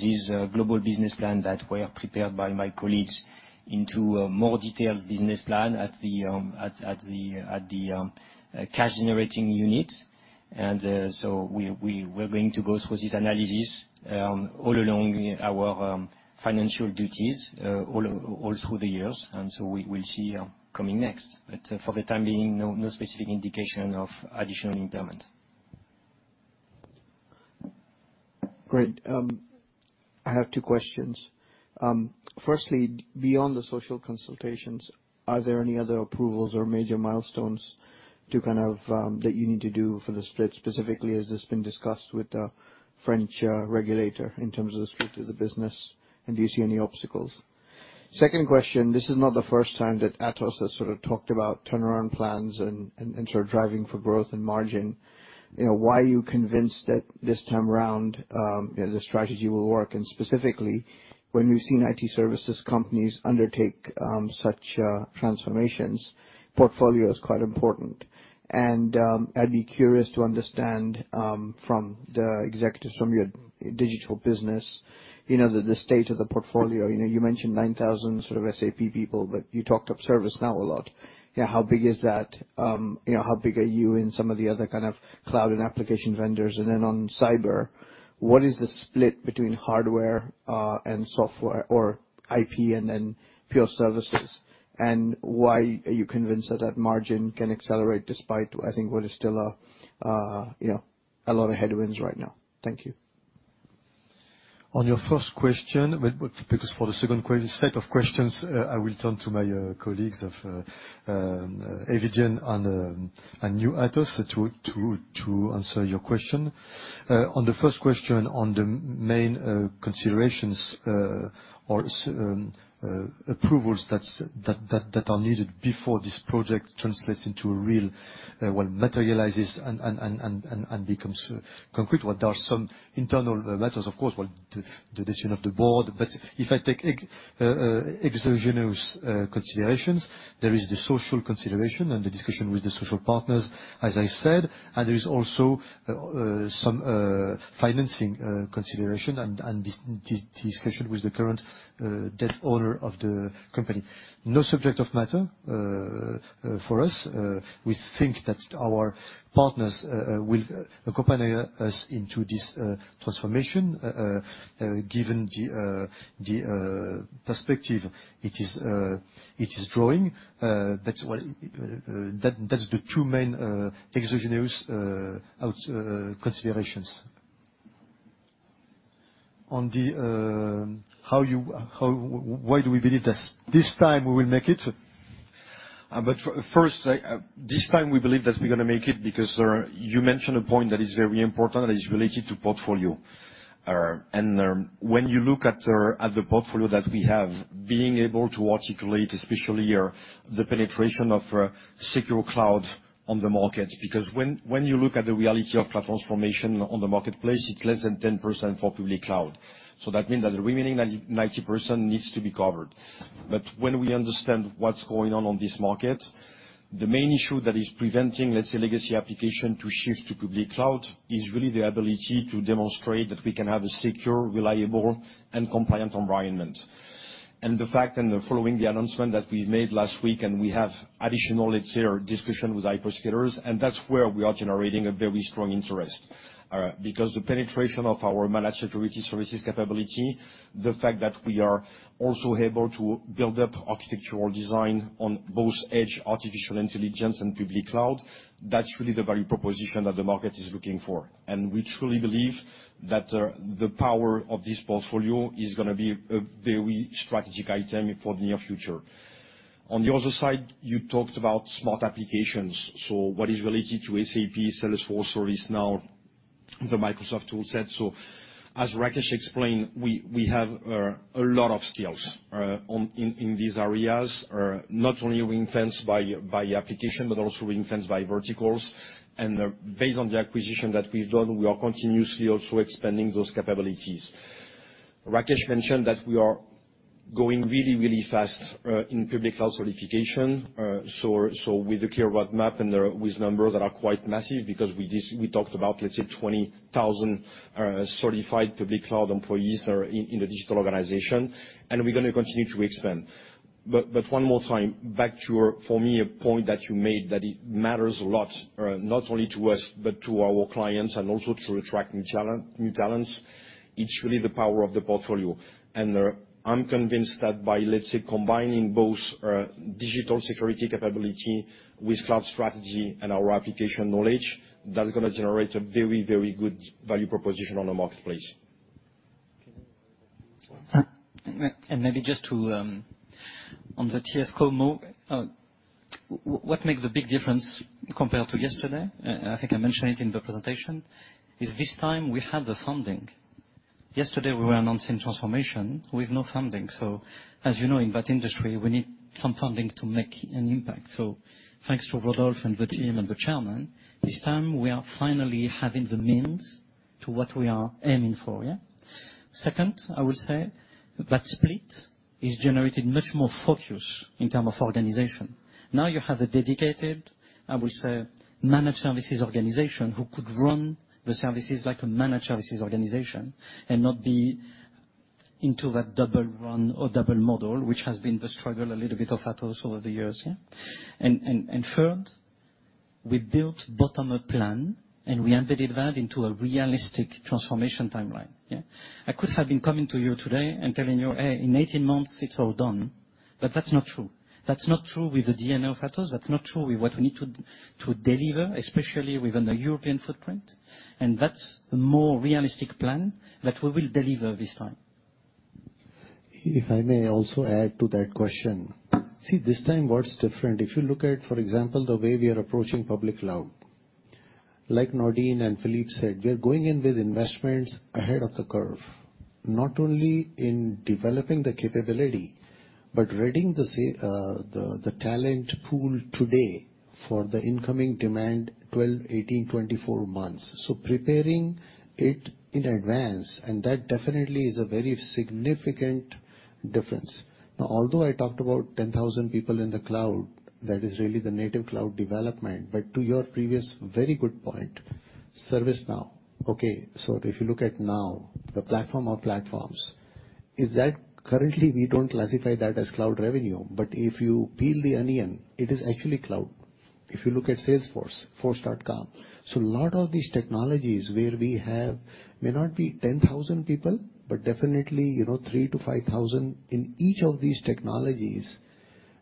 this global business plan that were prepared by my colleagues into a more detailed business plan at the cash-generating units. We're going to go through this analysis all along our financial duties all through the years, and so we will see coming next. For the time being, no specific indication of additional impairment. Great. I have two questions. Firstly, beyond the social consultations, are there any other approvals or major milestones that you need to do for the split specifically as it's been discussed with the French regulator in terms of the split of the business? And do you see any obstacles? Second question, this is not the first time that Atos has sort of talked about turnaround plans and sort of driving for growth and margin. You know, why are you convinced that this time around the strategy will work? And specifically, when we've seen IT services companies undertake such transformations, portfolio is quite important. I'd be curious to understand from the executives from your digital business, you know the state of the portfolio. You know, you mentioned 9,000 sort of SAP people, but you talked up ServiceNow a lot. You know, how big is that? You know, how big are you and some of the other kind of cloud and application vendors? And then on cyber, what is the split between hardware, and software or IP and then pure services? And why are you convinced that that margin can accelerate despite I think what is still a lot of headwinds right now? Thank you. On your first question, for the second set of questions, I will turn to my colleagues of Eviden and new Atos to answer your question. On the first question on the main considerations or approvals that are needed before this project materializes and becomes concrete. Well, there are some internal matters, of course. Well, the decision of the board. If I take exogenous considerations, there is the social consideration and the discussion with the social partners, as I said, and there is also some financing consideration and discussion with the current debt owner of the company. No subject matter for us. We think that our partners will accompany us into this transformation, given the perspective it is drawing. That's why that's the two main exogenous considerations. How, why do we believe that this time we will make it? First, this time we believe that we're gonna make it because you mentioned a point that is very important and is related to portfolio. When you look at the portfolio that we have, being able to articulate especially the penetration of secure cloud on the market. Because when you look at the reality of cloud transformation on the marketplace, it's less than 10% for public cloud. That means that the remaining 90% needs to be covered. When we understand what's going on in this market, the main issue that is preventing, let's say, legacy application to shift to public cloud is really the ability to demonstrate that we can have a secure, reliable and compliant environment. The fact and the following the announcement that we made last week, and we have additional, let's say, discussion with hyperscalers, and that's where we are generating a very strong interest. Because the penetration of our managed security services capability, the fact that we are also able to build up architectural design on both edge artificial intelligence and public cloud, that's really the value proposition that the market is looking for. We truly believe that, the power of this portfolio is gonna be a very strategic item for the near future. On the other side, you talked about smart applications. What is related to SAP, Salesforce or ServiceNow, the Microsoft toolset. As Rakesh explained, we have a lot of skills in these areas. Not only reinforced by application, but also reinforced by verticals. Based on the acquisition that we've done, we are continuously also expanding those capabilities. Rakesh mentioned that we are going really fast in public cloud certification. With a clear roadmap and with numbers that are quite massive because we talked about, let's say, 20,000 certified public cloud employees in the digital organization, and we're gonna continue to expand. One more time, back to your, for me, a point that you made, that it matters a lot, not only to us but to our clients and also to attract new talents. It's really the power of the portfolio. I'm convinced that by, let's say, combining both, digital security capability with cloud strategy and our application knowledge, that's gonna generate a very, very good value proposition on the marketplace. Maybe just to on the TFCo move, what make the big difference compared to yesterday, and I think I mentioned it in the presentation, is this time we have the funding. Yesterday we were announcing transformation with no funding. As you know, in that industry, we need some funding to make an impact. Thanks to Rodolphe and the team and the chairman, this time we are finally having the means to what we are aiming for. Yeah? Second, I will say that split is generating much more focus in terms of organization. Now you have a dedicated, I will say, managed services organization who could run the services like a managed services organization and not be into that double run or double model, which has been the struggle, a little bit, of Atos over the years. Yeah? Third, we built bottom-up plan, and we embedded that into a realistic transformation timeline. Yeah? I could have been coming to you today and telling you, "Hey, in 18 months it's all done." That's not true. That's not true with the DNA of Atos. That's not true with what we need to deliver, especially with a European footprint. That's the more realistic plan that we will deliver this time. If I may also add to that question. See, this time, what's different, if you look at, for example, the way we are approaching public cloud. Like Nourdine and Philippe said, we are going in with investments ahead of the curve, not only in developing the capability, but readying the talent pool today for the incoming demand 12, 18, 24 months. So preparing it in advance, and that definitely is a very significant difference. Now, although I talked about 10,000 people in the cloud, that is really the native cloud development. But to your previous very good point, ServiceNow, okay, so if you look at now the platform of platforms, is that currently we don't classify that as cloud revenue. But if you peel the onion, it is actually cloud. If you look at Salesforce, Force.com. A lot of these technologies where we have may not be 10,000 people, but definitely, you know, 3,000-5,000 in each of these technologies,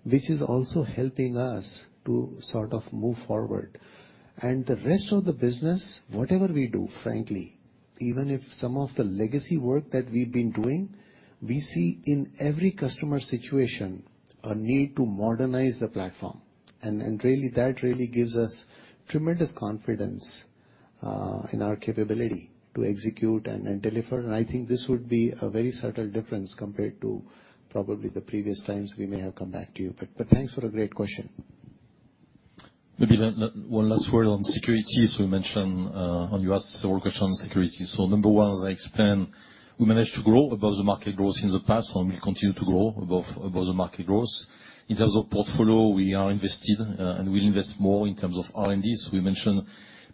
which is also helping us to sort of move forward. The rest of the business, whatever we do, frankly, even if some of the legacy work that we've been doing, we see in every customer situation a need to modernize the platform. Really, that really gives us tremendous confidence in our capability to execute and deliver. I think this would be a very subtle difference compared to probably the previous times we may have come back to you. Thanks for a great question. Maybe then one last word on security, as we mentioned, and you asked several questions on security. Number one, as I explained, we managed to grow above the market growth in the past, and we'll continue to grow above the market growth. In terms of portfolio, we are invested, and we'll invest more in terms of R&D, as we mentioned,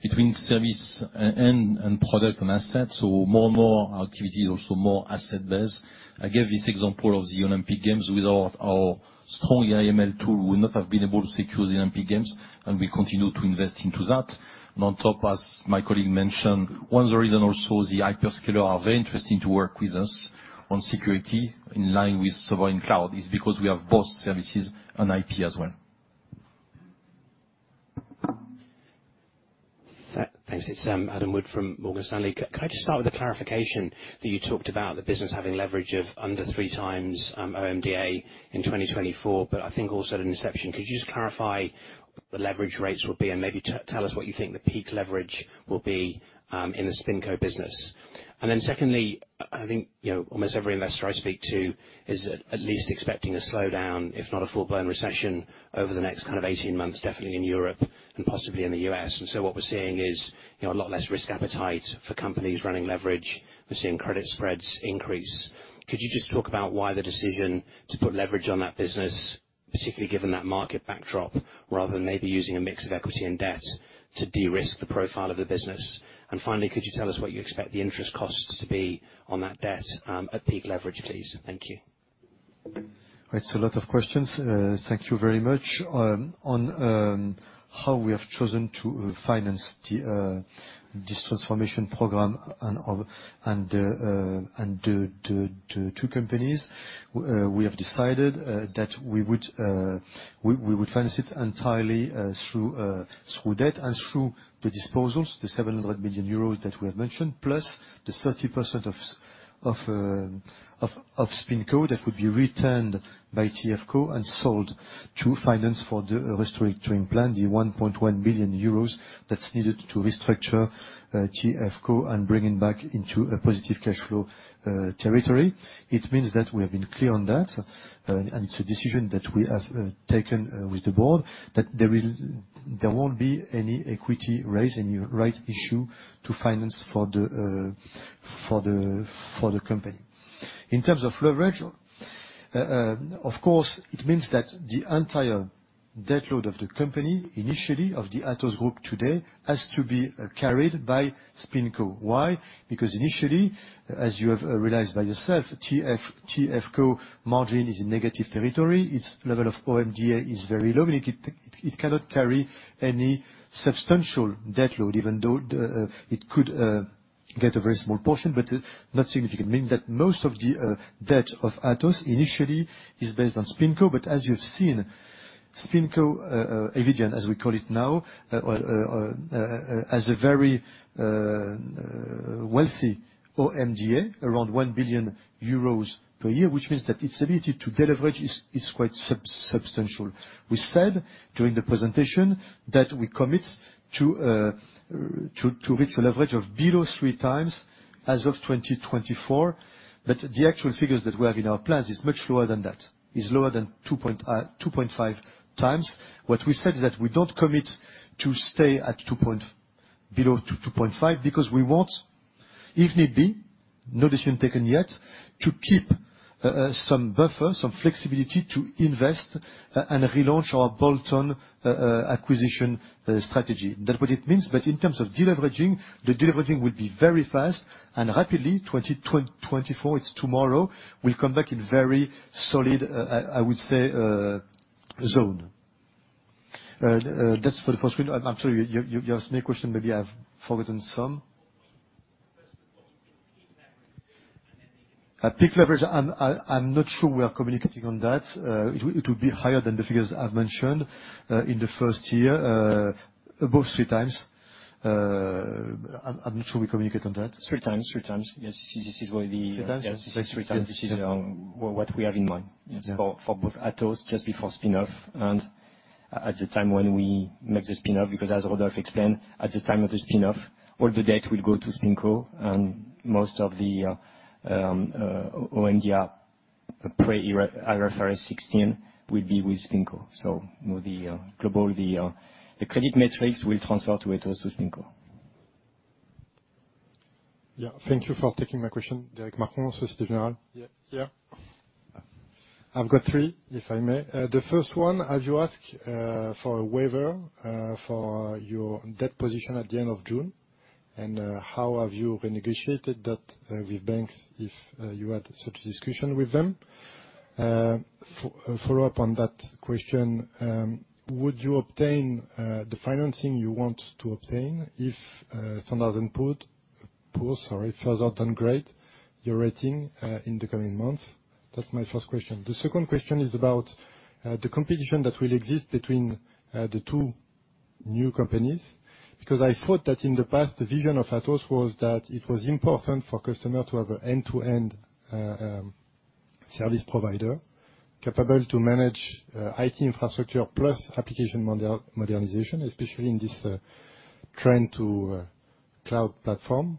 between service and product and assets, so more and more our activity is also more asset-based. I gave this example of the Olympic Games. Without our strong AI/ML tool, we would not have been able to secure the Olympic Games, and we continue to invest into that. On top, as my colleague mentioned, one of the reason also the hyperscaler are very interesting to work with us on security, in line with sovereign cloud, is because we have both services and IP as well. Thanks. It's Adam Wood from Morgan Stanley. Could I just start with a clarification that you talked about the business having leverage of under 3x OMDA in 2024, but I think also at inception. Could you just clarify what the leverage rates will be and maybe tell us what you think the peak leverage will be in the SpinCo business? Then secondly, I think, you know, almost every investor I speak to is at least expecting a slowdown, if not a full-blown recession over the next kind of 18 months, definitely in Europe and possibly in the US. What we're seeing is, you know, a lot less risk appetite for companies running leverage. We're seeing credit spreads increase. Could you just talk about why the decision to put leverage on that business, particularly given that market backdrop, rather than maybe using a mix of equity and debt to de-risk the profile of the business? Finally, could you tell us what you expect the interest costs to be on that debt, at peak leverage, please? Thank you. A lot of questions. Thank you very much. On how we have chosen to finance this transformation program and the two companies, we have decided that we would finance it entirely through debt and through the disposals, the 700 million euros that we have mentioned, plus the 30% of SpinCo that would be returned by TFCo and sold to finance for the restructuring plan, the 1.1 billion euros that's needed to restructure TFCo and bring it back into a positive cash flow territory. It means that we have been clear on that, and it's a decision that we have taken with the board, that there will, there won't be any equity raise, any right issue to finance for the company. In terms of leverage, of course, it means that the entire debt load of the company, initially of the Atos Group today, has to be carried by SpinCo. Why? Because initially, as you have realized by yourself, TF, TFCo margin is in negative territory. Its level of OMDA is very low, and it cannot carry any substantial debt load, even though it could get a very small portion, but not significant. Meaning that most of the debt of Atos initially is based on SpinCo. As you have seen, SpinCo, Eviden, as we call it now, has a very healthy OMDA, around 1 billion euros per year, which means that its ability to deleverage is quite substantial. We said during the presentation that we commit to reach a leverage of below 3x as of 2024, but the actual figures that we have in our plans is much lower than that. It's lower than 2.5x. What we said is that we don't commit to stay below 2.5, because we want, if need be, no decision taken yet, to keep some buffer, some flexibility to invest and relaunch our bolt-on acquisition strategy. That's what it means. In terms of deleveraging, the deleveraging will be very fast and rapidly. 2024, it's tomorrow, we'll come back in very solid, I would say, zone. That's for the first one. I'm sorry, you asked me a question, maybe I've forgotten some. Peak leverage, I'm like, I'm not sure we are communicating on that. It will be higher than the figures I've mentioned in the first year. Above 3x. I'm sure we communicate on that. 3x, yes. 3x? Yes, 3x. Yes. Yeah. This is what we have in mind. Yeah. It's for both Atos, just before spin-off, and at the time when we make the spin-off, because as Rodolphe explained, at the time of the spin-off, all the debt will go to SpinCo, and most of the OMDA pre-IFRS 16 will be with SpinCo. More the global credit metrics will transfer to Atos with SpinCo. Yeah. Thank you for taking my question. Derric Marcon, Société Générale. I've got three, if I may. The first one, have you asked for a waiver for your debt position at the end of June? How have you renegotiated that with banks if you had such a discussion with them? Follow-up on that question, would you obtain the financing you want to obtain if Standard & Poor's your rating in the coming months? That's my first question. The second question is about the competition that will exist between the two new companies. Because I thought that in the past, the vision of Atos was that it was important for customer to have an end-to-end service provider capable to manage IT infrastructure plus application modernization, especially in this trend to cloud platform.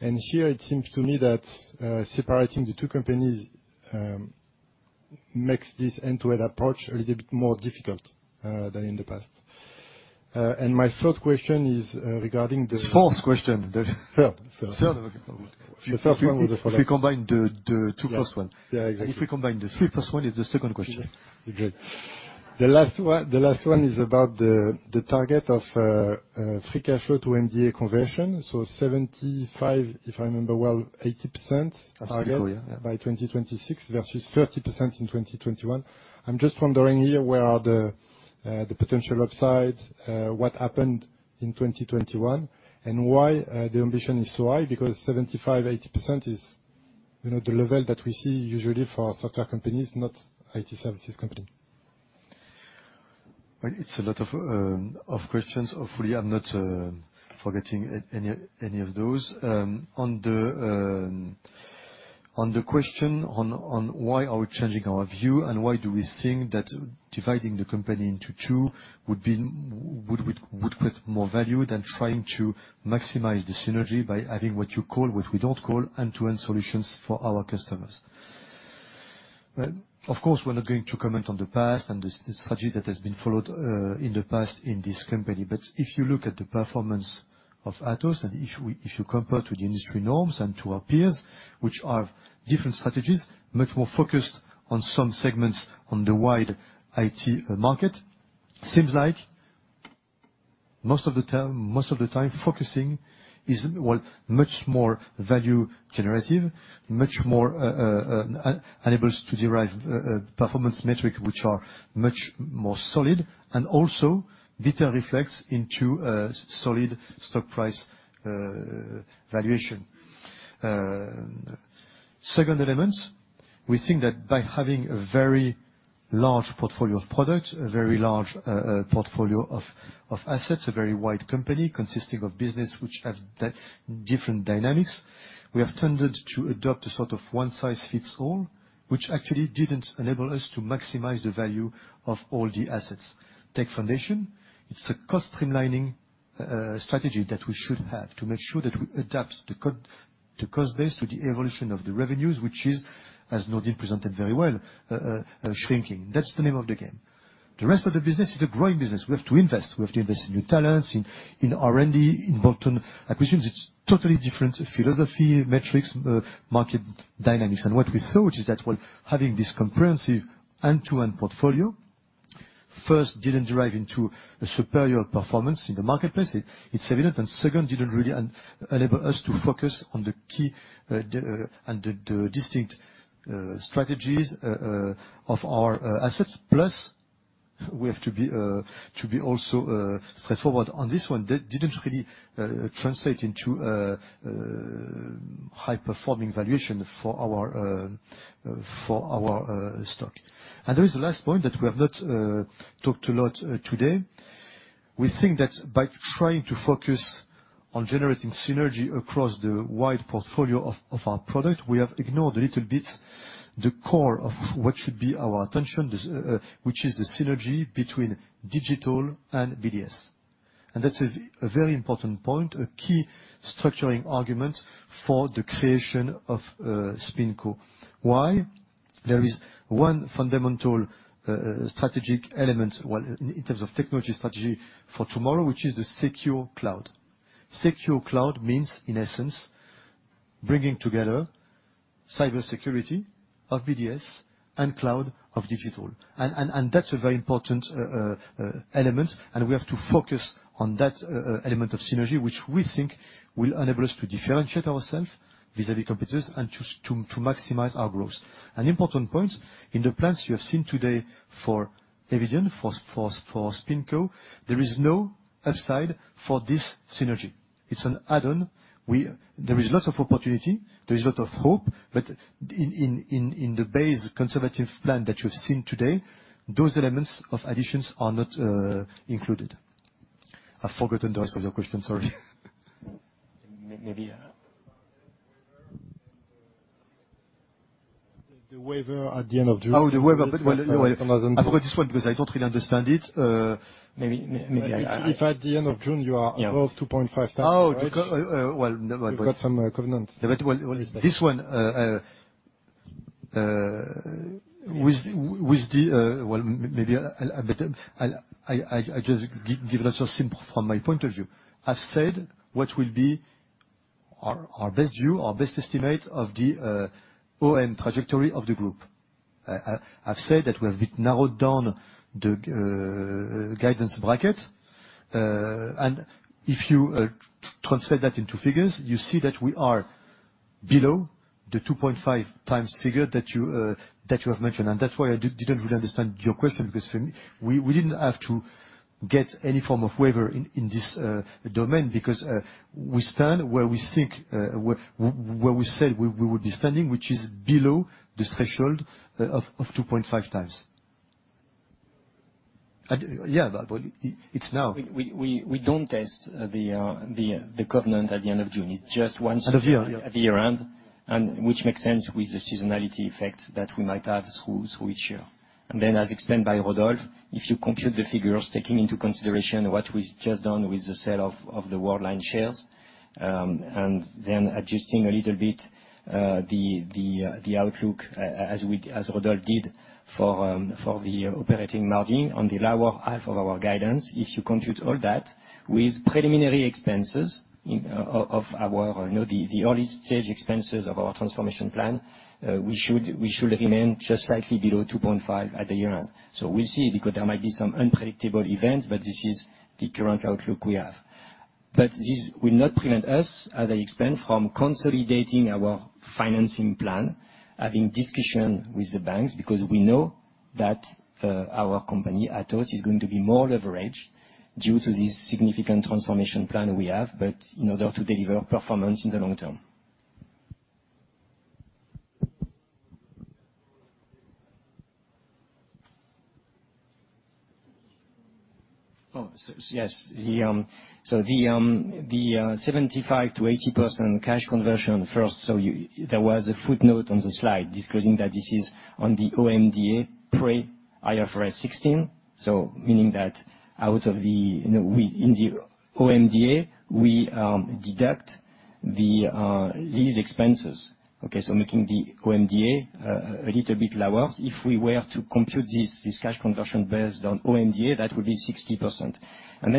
Here, it seems to me that separating the two companies makes this end-to-end approach a little bit more difficult than in the past. My third question is regarding the- It's the fourth question. Third. Third, okay. The first one was a follow-up. If we combine the two first one. Yeah. Yeah, exactly. If we combine the 3 first 1, it's the second question. Agreed. The last one is about the target of free cash flow to OMDA conversion. 75%, if I remember well, 80%. Absolutely, yeah. Target by 2026 versus 30% in 2021. I'm just wondering here, where are the potential upside, what happened in 2021, and why the ambition is so high, because 75%-80% is, you know, the level that we see usually for software companies, not IT services company. Well, it's a lot of questions. Hopefully, I'm not forgetting any of those. On the question on why are we changing our view and why do we think that dividing the company into two would create more value than trying to maximize the synergy by adding what you call, what we don't call end-to-end solutions for our customers. Well, of course, we're not going to comment on the past and the strategy that has been followed in the past in this company. If you look at the performance of Atos, and if you compare to the industry norms and to our peers, which have different strategies, much more focused on some segments on the wide IT market, seems like most of the time, focusing is, well, much more value generative, much more enables to derive performance metric, which are much more solid and also better reflects into a solid stock price valuation. Second element, we think that by having a very large portfolio of products, a very large portfolio of assets, a very wide company consisting of business which have different dynamics, we have tended to adopt a sort of one size fits all, which actually didn't enable us to maximize the value of all the assets. Tech Foundations, it's a cost streamlining strategy that we should have to make sure that we adapt the cost base to the evolution of the revenues, which is, as Nourdine Bihmane presented very well, shrinking. That's the name of the game. The rest of the business is a growing business. We have to invest in new talents, in R&D, in bolt-on acquisitions. It's totally different philosophy, metrics, market dynamics. What we thought is that, well, having this comprehensive end-to-end portfolio, first didn't derive into a superior performance in the marketplace, it's evident. Second, didn't really enable us to focus on the key and the distinct strategies of our assets. We have to be also straightforward on this one, that didn't really translate into a high-performing valuation for our stock. There is a last point that we have not talked a lot today. We think that by trying to focus on generating synergy across the wide portfolio of our product, we have ignored a little bit the core of what should be our attention, this, which is the synergy between digital and BDS. That's a very important point, a key structuring argument for the creation of SpinCo. Why? There is one fundamental strategic element, well, in terms of technology strategy for tomorrow, which is the secure cloud. Secure cloud means, in essence, bringing together cybersecurity of BDS and cloud of digital. That's a very important element, and we have to focus on that element of synergy, which we think will enable us to differentiate ourselves vis-à-vis competitors and to maximize our growth. An important point, in the plans you have seen today for Eviden, for SpinCo, there is no upside for this synergy. It's an add-on. There is lots of opportunity, there is a lot of hope, but in the base conservative plan that you've seen today, those elements of additions are not included. I've forgotten the rest of your question, sorry. Maybe. The waiver at the end of June. Oh, the waiver. Well, anyway, I forgot this one because I don't really understand it. Maybe I- If at the end of June you are above 2.5x leverage. Oh, because, well. You've got some covenants. Well, I'll just give the answer simply from my point of view. I've said what will be our best view, our best estimate of the OM trajectory of the group. I've said that we have narrowed down the guidance bracket. If you translate that into figures, you see that we are below the 2.5x figure that you have mentioned, and that's why I didn't really understand your question, because for me, we didn't have to get any form of waiver in this domain because we stand where we think where we said we would be standing, which is below the threshold of 2.5x. Yeah, but it's now. We don't test the covenant at the end of June. It's just once. Of the year. At the year-end. Which makes sense with the seasonality effect that we might have through each year. As explained by Rodolphe, if you compute the figures taking into consideration what we've just done with the sale of the Worldline shares, and then adjusting a little bit the outlook as Rodolphe did for the operating margin on the lower half of our guidance. If you compute all that with preliminary expenses of our, you know, the early-stage expenses of our transformation plan, we should remain just slightly below 2.5% at the year-end. We'll see, because there might be some unpredictable events, but this is the current outlook we have. This will not prevent us, as I explained, from consolidating our financing plan, having discussion with the banks, because we know that our company, Atos, is going to be more leveraged due to this significant transformation plan we have, but in order to deliver performance in the long term. 75%-80% cash conversion first. There was a footnote on the slide disclosing that this is on the OMDA pre-IFRS 16. Meaning that out of the, you know, we in the OMDA deduct the lease expenses, okay? Making the OMDA a little bit lower. If we were to compute this cash conversion based on OMDA, that would be 60%.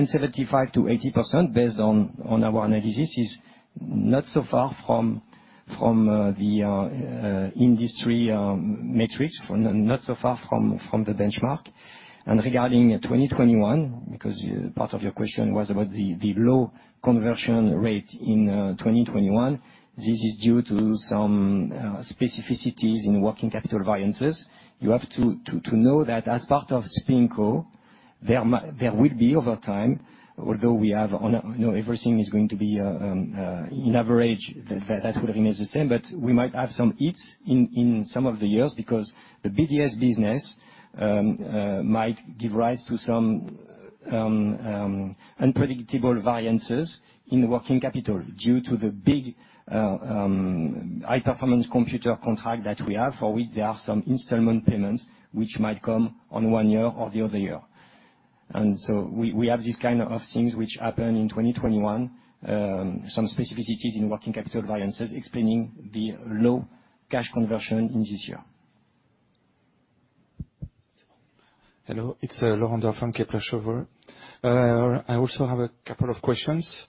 Seventy-five to eighty percent based on our analysis is not so far from the industry metrics, not so far from the benchmark. Regarding 2021, because part of your question was about the low conversion rate in 2021, this is due to some specificities in working capital variances. You have to know that as part of SpinCo, there will be over time, although we have, you know, everything is going to be on average, that would remain the same, but we might have some hits in some of the years because the BDS business might give rise to some unpredictable variances in working capital due to the big high-performance computer contract that we have. For which there are some installment payments which might come on one year or the other year. We have these kind of things which happen in 2021, some specificities in working capital variances explaining the low cash conversion in this year. Hello, it's Laurent Daure, Kepler Cheuvreux. I also have a couple of questions.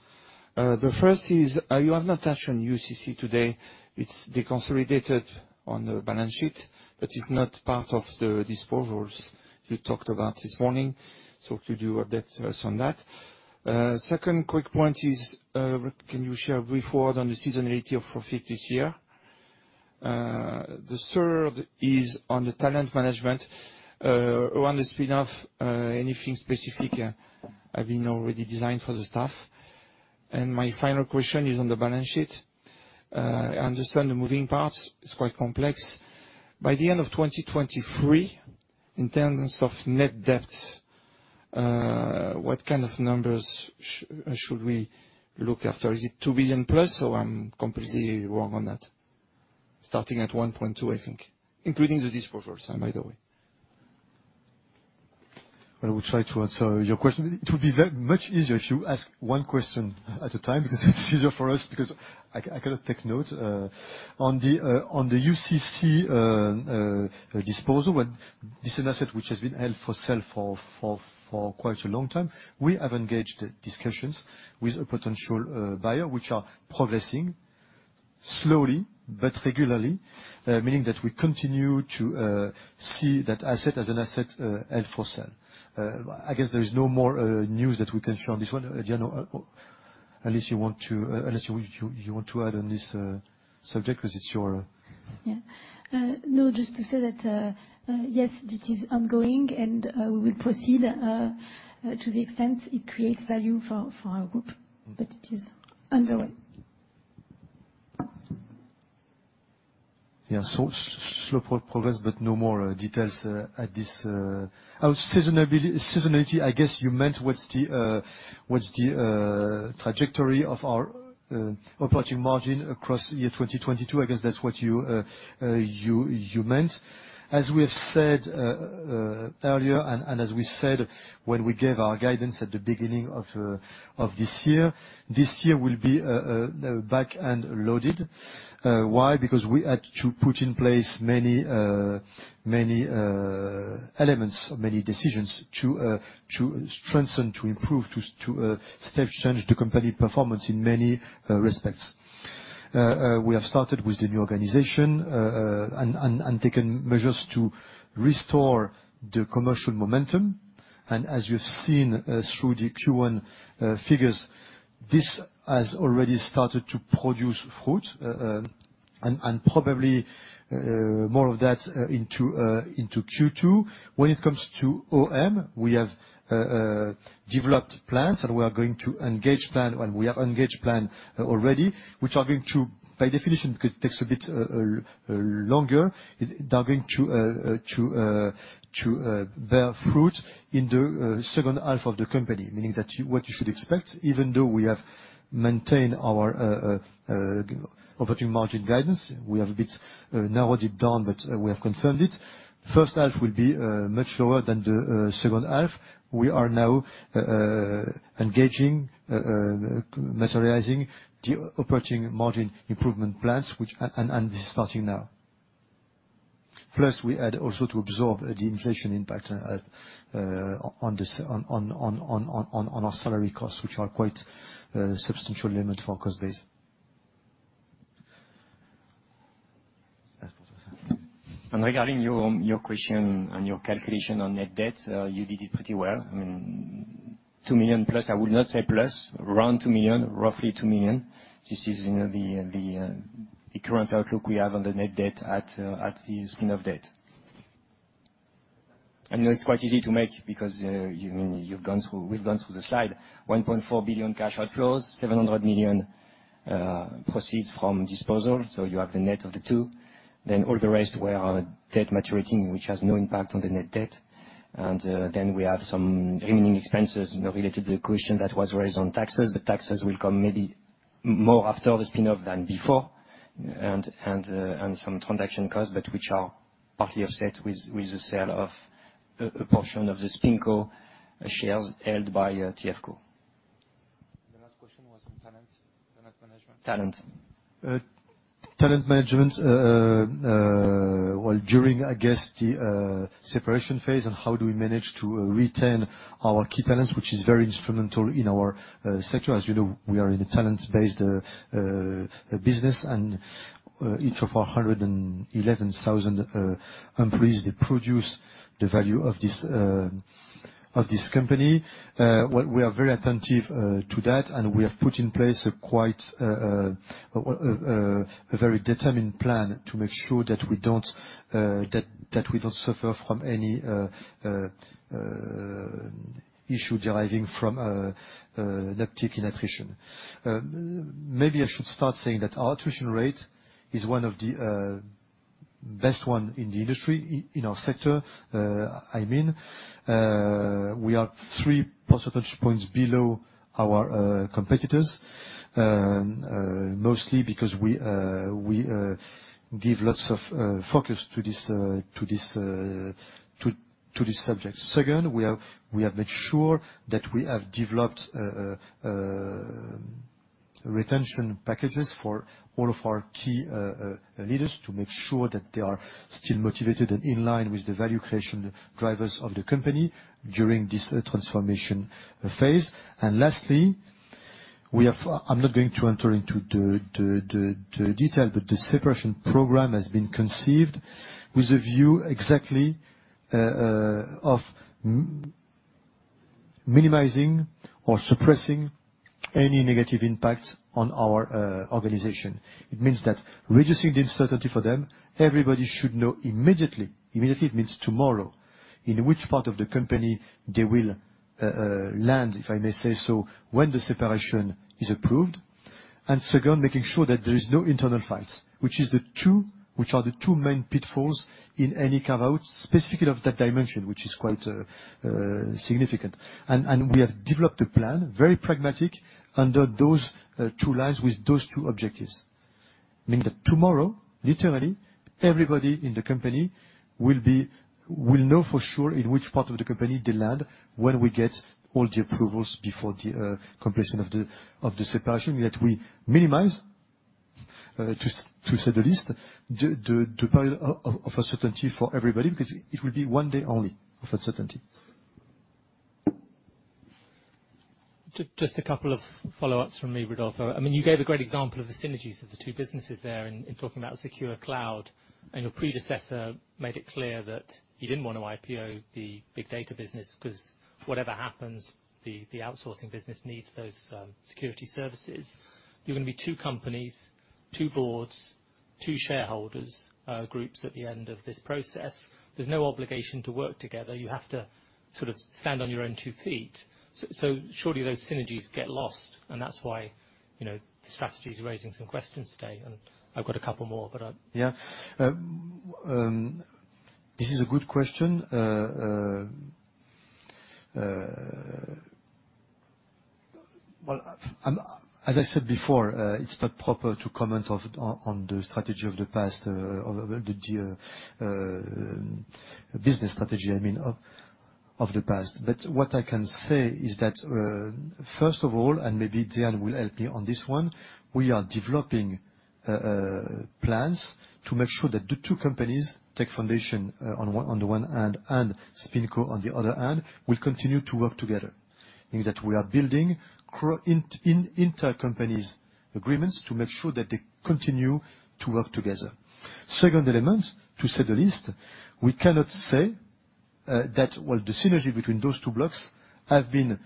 The first is, you have not touched on UCC today. It's deconsolidated on the balance sheet, but it's not part of the disposals you talked about this morning. So could you update us on that? Second quick point is, can you share a brief word on the seasonality of profit this year? The third is on the talent management. Around the spin-off, anything specific have been already designed for the staff? My final question is on the balance sheet. I understand the moving parts, it's quite complex. By the end of 2023, in terms of net debt, what kind of numbers should we look after? Is it 2 billion+, or I'm completely wrong on that? Starting at 1.2, I think, including the disposals, by the way. Well, I will try to answer your question. It would be very much easier if you ask one question at a time, because it's easier for us, because I cannot take note. On the UCC disposal, when this is an asset which has been held for sale for quite a long time, we have engaged discussions with a potential buyer, which are progressing slowly but regularly, meaning that we continue to see that asset as an asset held for sale. I guess there is no more news that we can share on this one. Diane, or at least, unless you want to add on this subject 'cause it's your. Yeah. No, just to say that, yes, this is ongoing and we will proceed to the extent it creates value for our group. Mm-hmm. It is underway. Yeah. Slow progress, but no more details at this. Oh, seasonality, I guess you meant what's the trajectory of our operating margin across year 2022? I guess that's what you meant. As we have said earlier and as we said when we gave our guidance at the beginning of this year, this year will be back and loaded. Why? Because we had to put in place many elements, many decisions to strengthen, to improve, to stage change the company performance in many respects. We have started with the new organization and taken measures to restore the commercial momentum. As you've seen through the Q1 figures, this has already started to produce fruit, and probably more of that into Q2. When it comes to OM, we have developed plans that we are going to engage, and we have engaged already, which are going to, by definition, because it takes a bit longer, they're going to bear fruit in the second half of the year, meaning that what you should expect, even though we have maintained our operating margin guidance, we have a bit narrowed it down, but we have confirmed it. First half will be much lower than the second half. We are now materializing the operating margin improvement plans which. This is starting now. Plus we add also to absorb the inflation impact on our salary costs, which are quite a substantial part of our cost base. Regarding your question and your calculation on net debt, you did it pretty well. I mean, 2 million plus, I would not say plus, around 2 million, roughly 2 million. This is, you know, the current outlook we have on the net debt at the spin-off debt. I know it's quite easy to make because you've gone through the slide. 1.4 billion cash outflows, 700 million proceeds from disposal, so you have the net of the two. Then all the rest were our debt maturing, which has no impact on the net debt. Then we have some remaining expenses, you know, related to the question that was raised on taxes. The taxes will come maybe more after the spin-off than before and some transaction costs, but which are partly offset with the sale of a portion of the SpinCo shares held by TFCo. The last question was on talent management. Talent. Talent management, well, during, I guess, the separation phase and how do we manage to retain our key talents, which is very instrumental in our sector. As you know, we are in a talent-based business, and each of our 111,000 employees, they produce the value of this company. Well, we are very attentive to that, and we have put in place quite a very determined plan to make sure that we don't suffer from any issue deriving from an uptick in attrition. Maybe I should start saying that our attrition rate is one of the best one in the industry, in our sector. I mean, we are 3 percentage points below our competitors, mostly because we give lots of focus to this subject. Second, we have made sure that we have developed retention packages for all of our key leaders to make sure that they are still motivated and in line with the value creation drivers of the company during this transformation phase. Lastly, I'm not going to enter into the detail, but the separation program has been conceived with a view exactly of minimizing or suppressing any negative impact on our organization. It means that reducing the uncertainty for them, everybody should know immediately. Immediately means tomorrow in which part of the company they will land, if I may say so, when the separation is approved. Second, making sure that there is no internal fights, which are the two main pitfalls in any carve-out, specifically of that dimension, which is quite significant. We have developed a plan, very pragmatic, under those two lines with those two objectives. Meaning that tomorrow, literally, everybody in the company will know for sure in which part of the company they land when we get all the approvals before the completion of the separation, yet we minimize, to say the least, the pile of uncertainty for everybody because it will be one day only of uncertainty. Just a couple of follow-ups from me, Rodolphe. I mean, you gave a great example of the synergies of the two businesses there in talking about secure cloud, and your predecessor made it clear that you didn't wanna IPO the big data business 'cause whatever happens, the outsourcing business needs those security services. You're gonna be two companies, two boards, two shareholders groups at the end of this process. There's no obligation to work together. You have to sort of stand on your own two feet. So surely those synergies get lost, and that's why, you know, the strategy is raising some questions today. I've got a couple more, but I. This is a good question. Well, as I said before, it's not proper to comment on the strategy of the past, of the business strategy, I mean, of the past. What I can say is that, first of all, and maybe Diane will help me on this one, we are developing plans to make sure that the two companies, Tech Foundations, on the one hand and SpinCo on the other hand, will continue to work together, in that we are building intercompany agreements to make sure that they continue to work together. Second element, to say the least, we cannot say that. Well, the synergy between those two blocks have been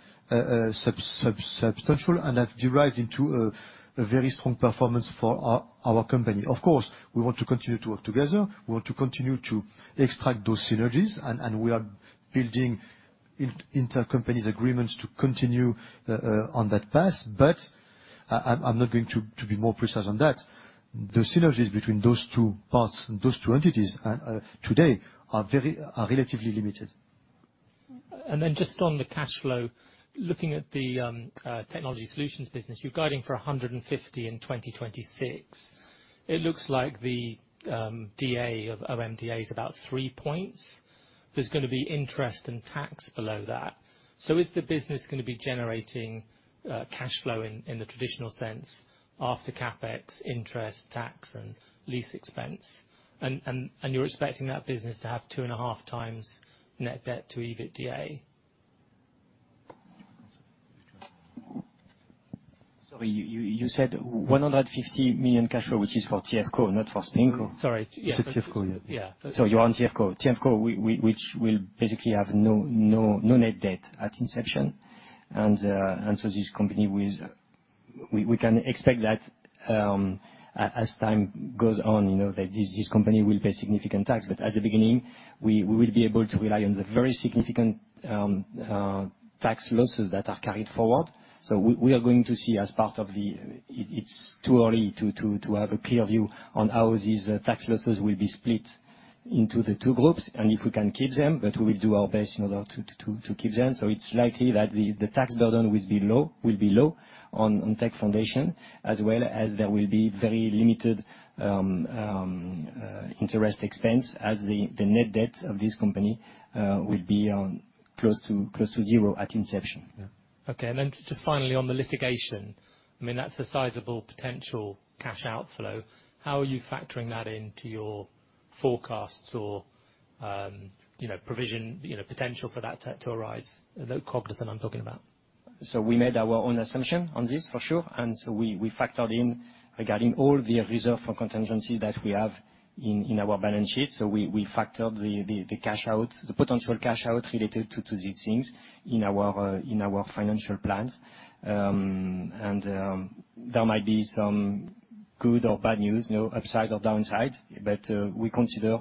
substantial and have derived into a very strong performance for our company. Of course, we want to continue to work together. We want to continue to extract those synergies, and we are building intercompany agreements to continue on that path. I'm not going to be more precise on that. The synergies between those two parts and those two entities and today are relatively limited. Just on the cash flow, looking at the technology solutions business, you're guiding for 150 in 2026. It looks like the delta of OMDA is about 3 points. There's gonna be interest and tax below that. Is the business gonna be generating cash flow in the traditional sense after CapEx, interest, tax, and lease expense? And you're expecting that business to have 2.5x net debt to EBITDA. Sorry, you said 150 million cash flow, which is for TFCo, not for SpinCo. Sorry. It's a TFCo, yeah. Yeah. You're on TFCo. TFCo, which will basically have no net debt at inception. We can expect that, as time goes on, you know, that this company will pay significant tax. But at the beginning, we will be able to rely on the very significant tax losses that are carried forward. We are going to see. It's too early to have a clear view on how these tax losses will be split into the two groups and if we can keep them, but we will do our best in order to keep them. It's likely that the tax burden will be low on Tech Foundations, as well as there will be very limited interest expense as the net debt of this company will be close to zero at inception. Okay. Just finally on the litigation, I mean, that's a sizable potential cash outflow. How are you factoring that into your forecasts or, you know, provision, you know, potential for that to arise? The case that I'm talking about. We made our own assumption on this, for sure. We factored in regarding all the reserve for contingency that we have in our balance sheet. We factored the cash out, the potential cash out related to these things in our financial plans. There might be some good or bad news, you know, upside or downside, but we consider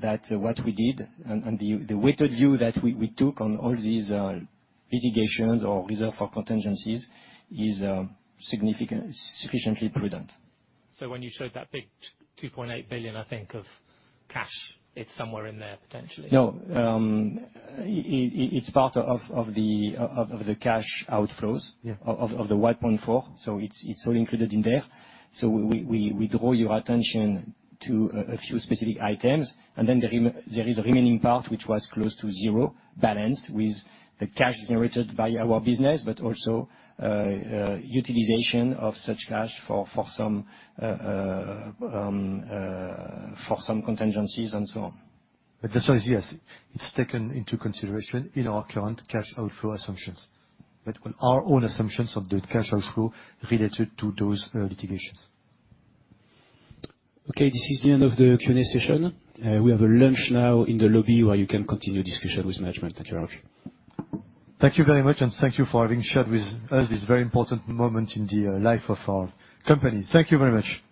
that what we did and the weighted view that we took on all these litigations or reserve for contingencies is sufficiently prudent. When you showed that big 2.8 billion, I think, of cash, it's somewhere in there, potentially. No, it's part of the cash outflows. Yeah. Of the 1.4, it's all included in there. We draw your attention to a few specific items, and then there is a remaining part which was close to zero, balanced with the cash generated by our business, but also utilization of such cash for some contingencies and so on. The size, yes, it's taken into consideration in our current cash outflow assumptions. Our own assumptions of the cash outflow related to those, litigations. Okay, this is the end of the Q&A session. We have a lunch now in the lobby where you can continue discussion with management. Thank you very much. Thank you very much, and thank you for having shared with us this very important moment in the life of our company. Thank you very much.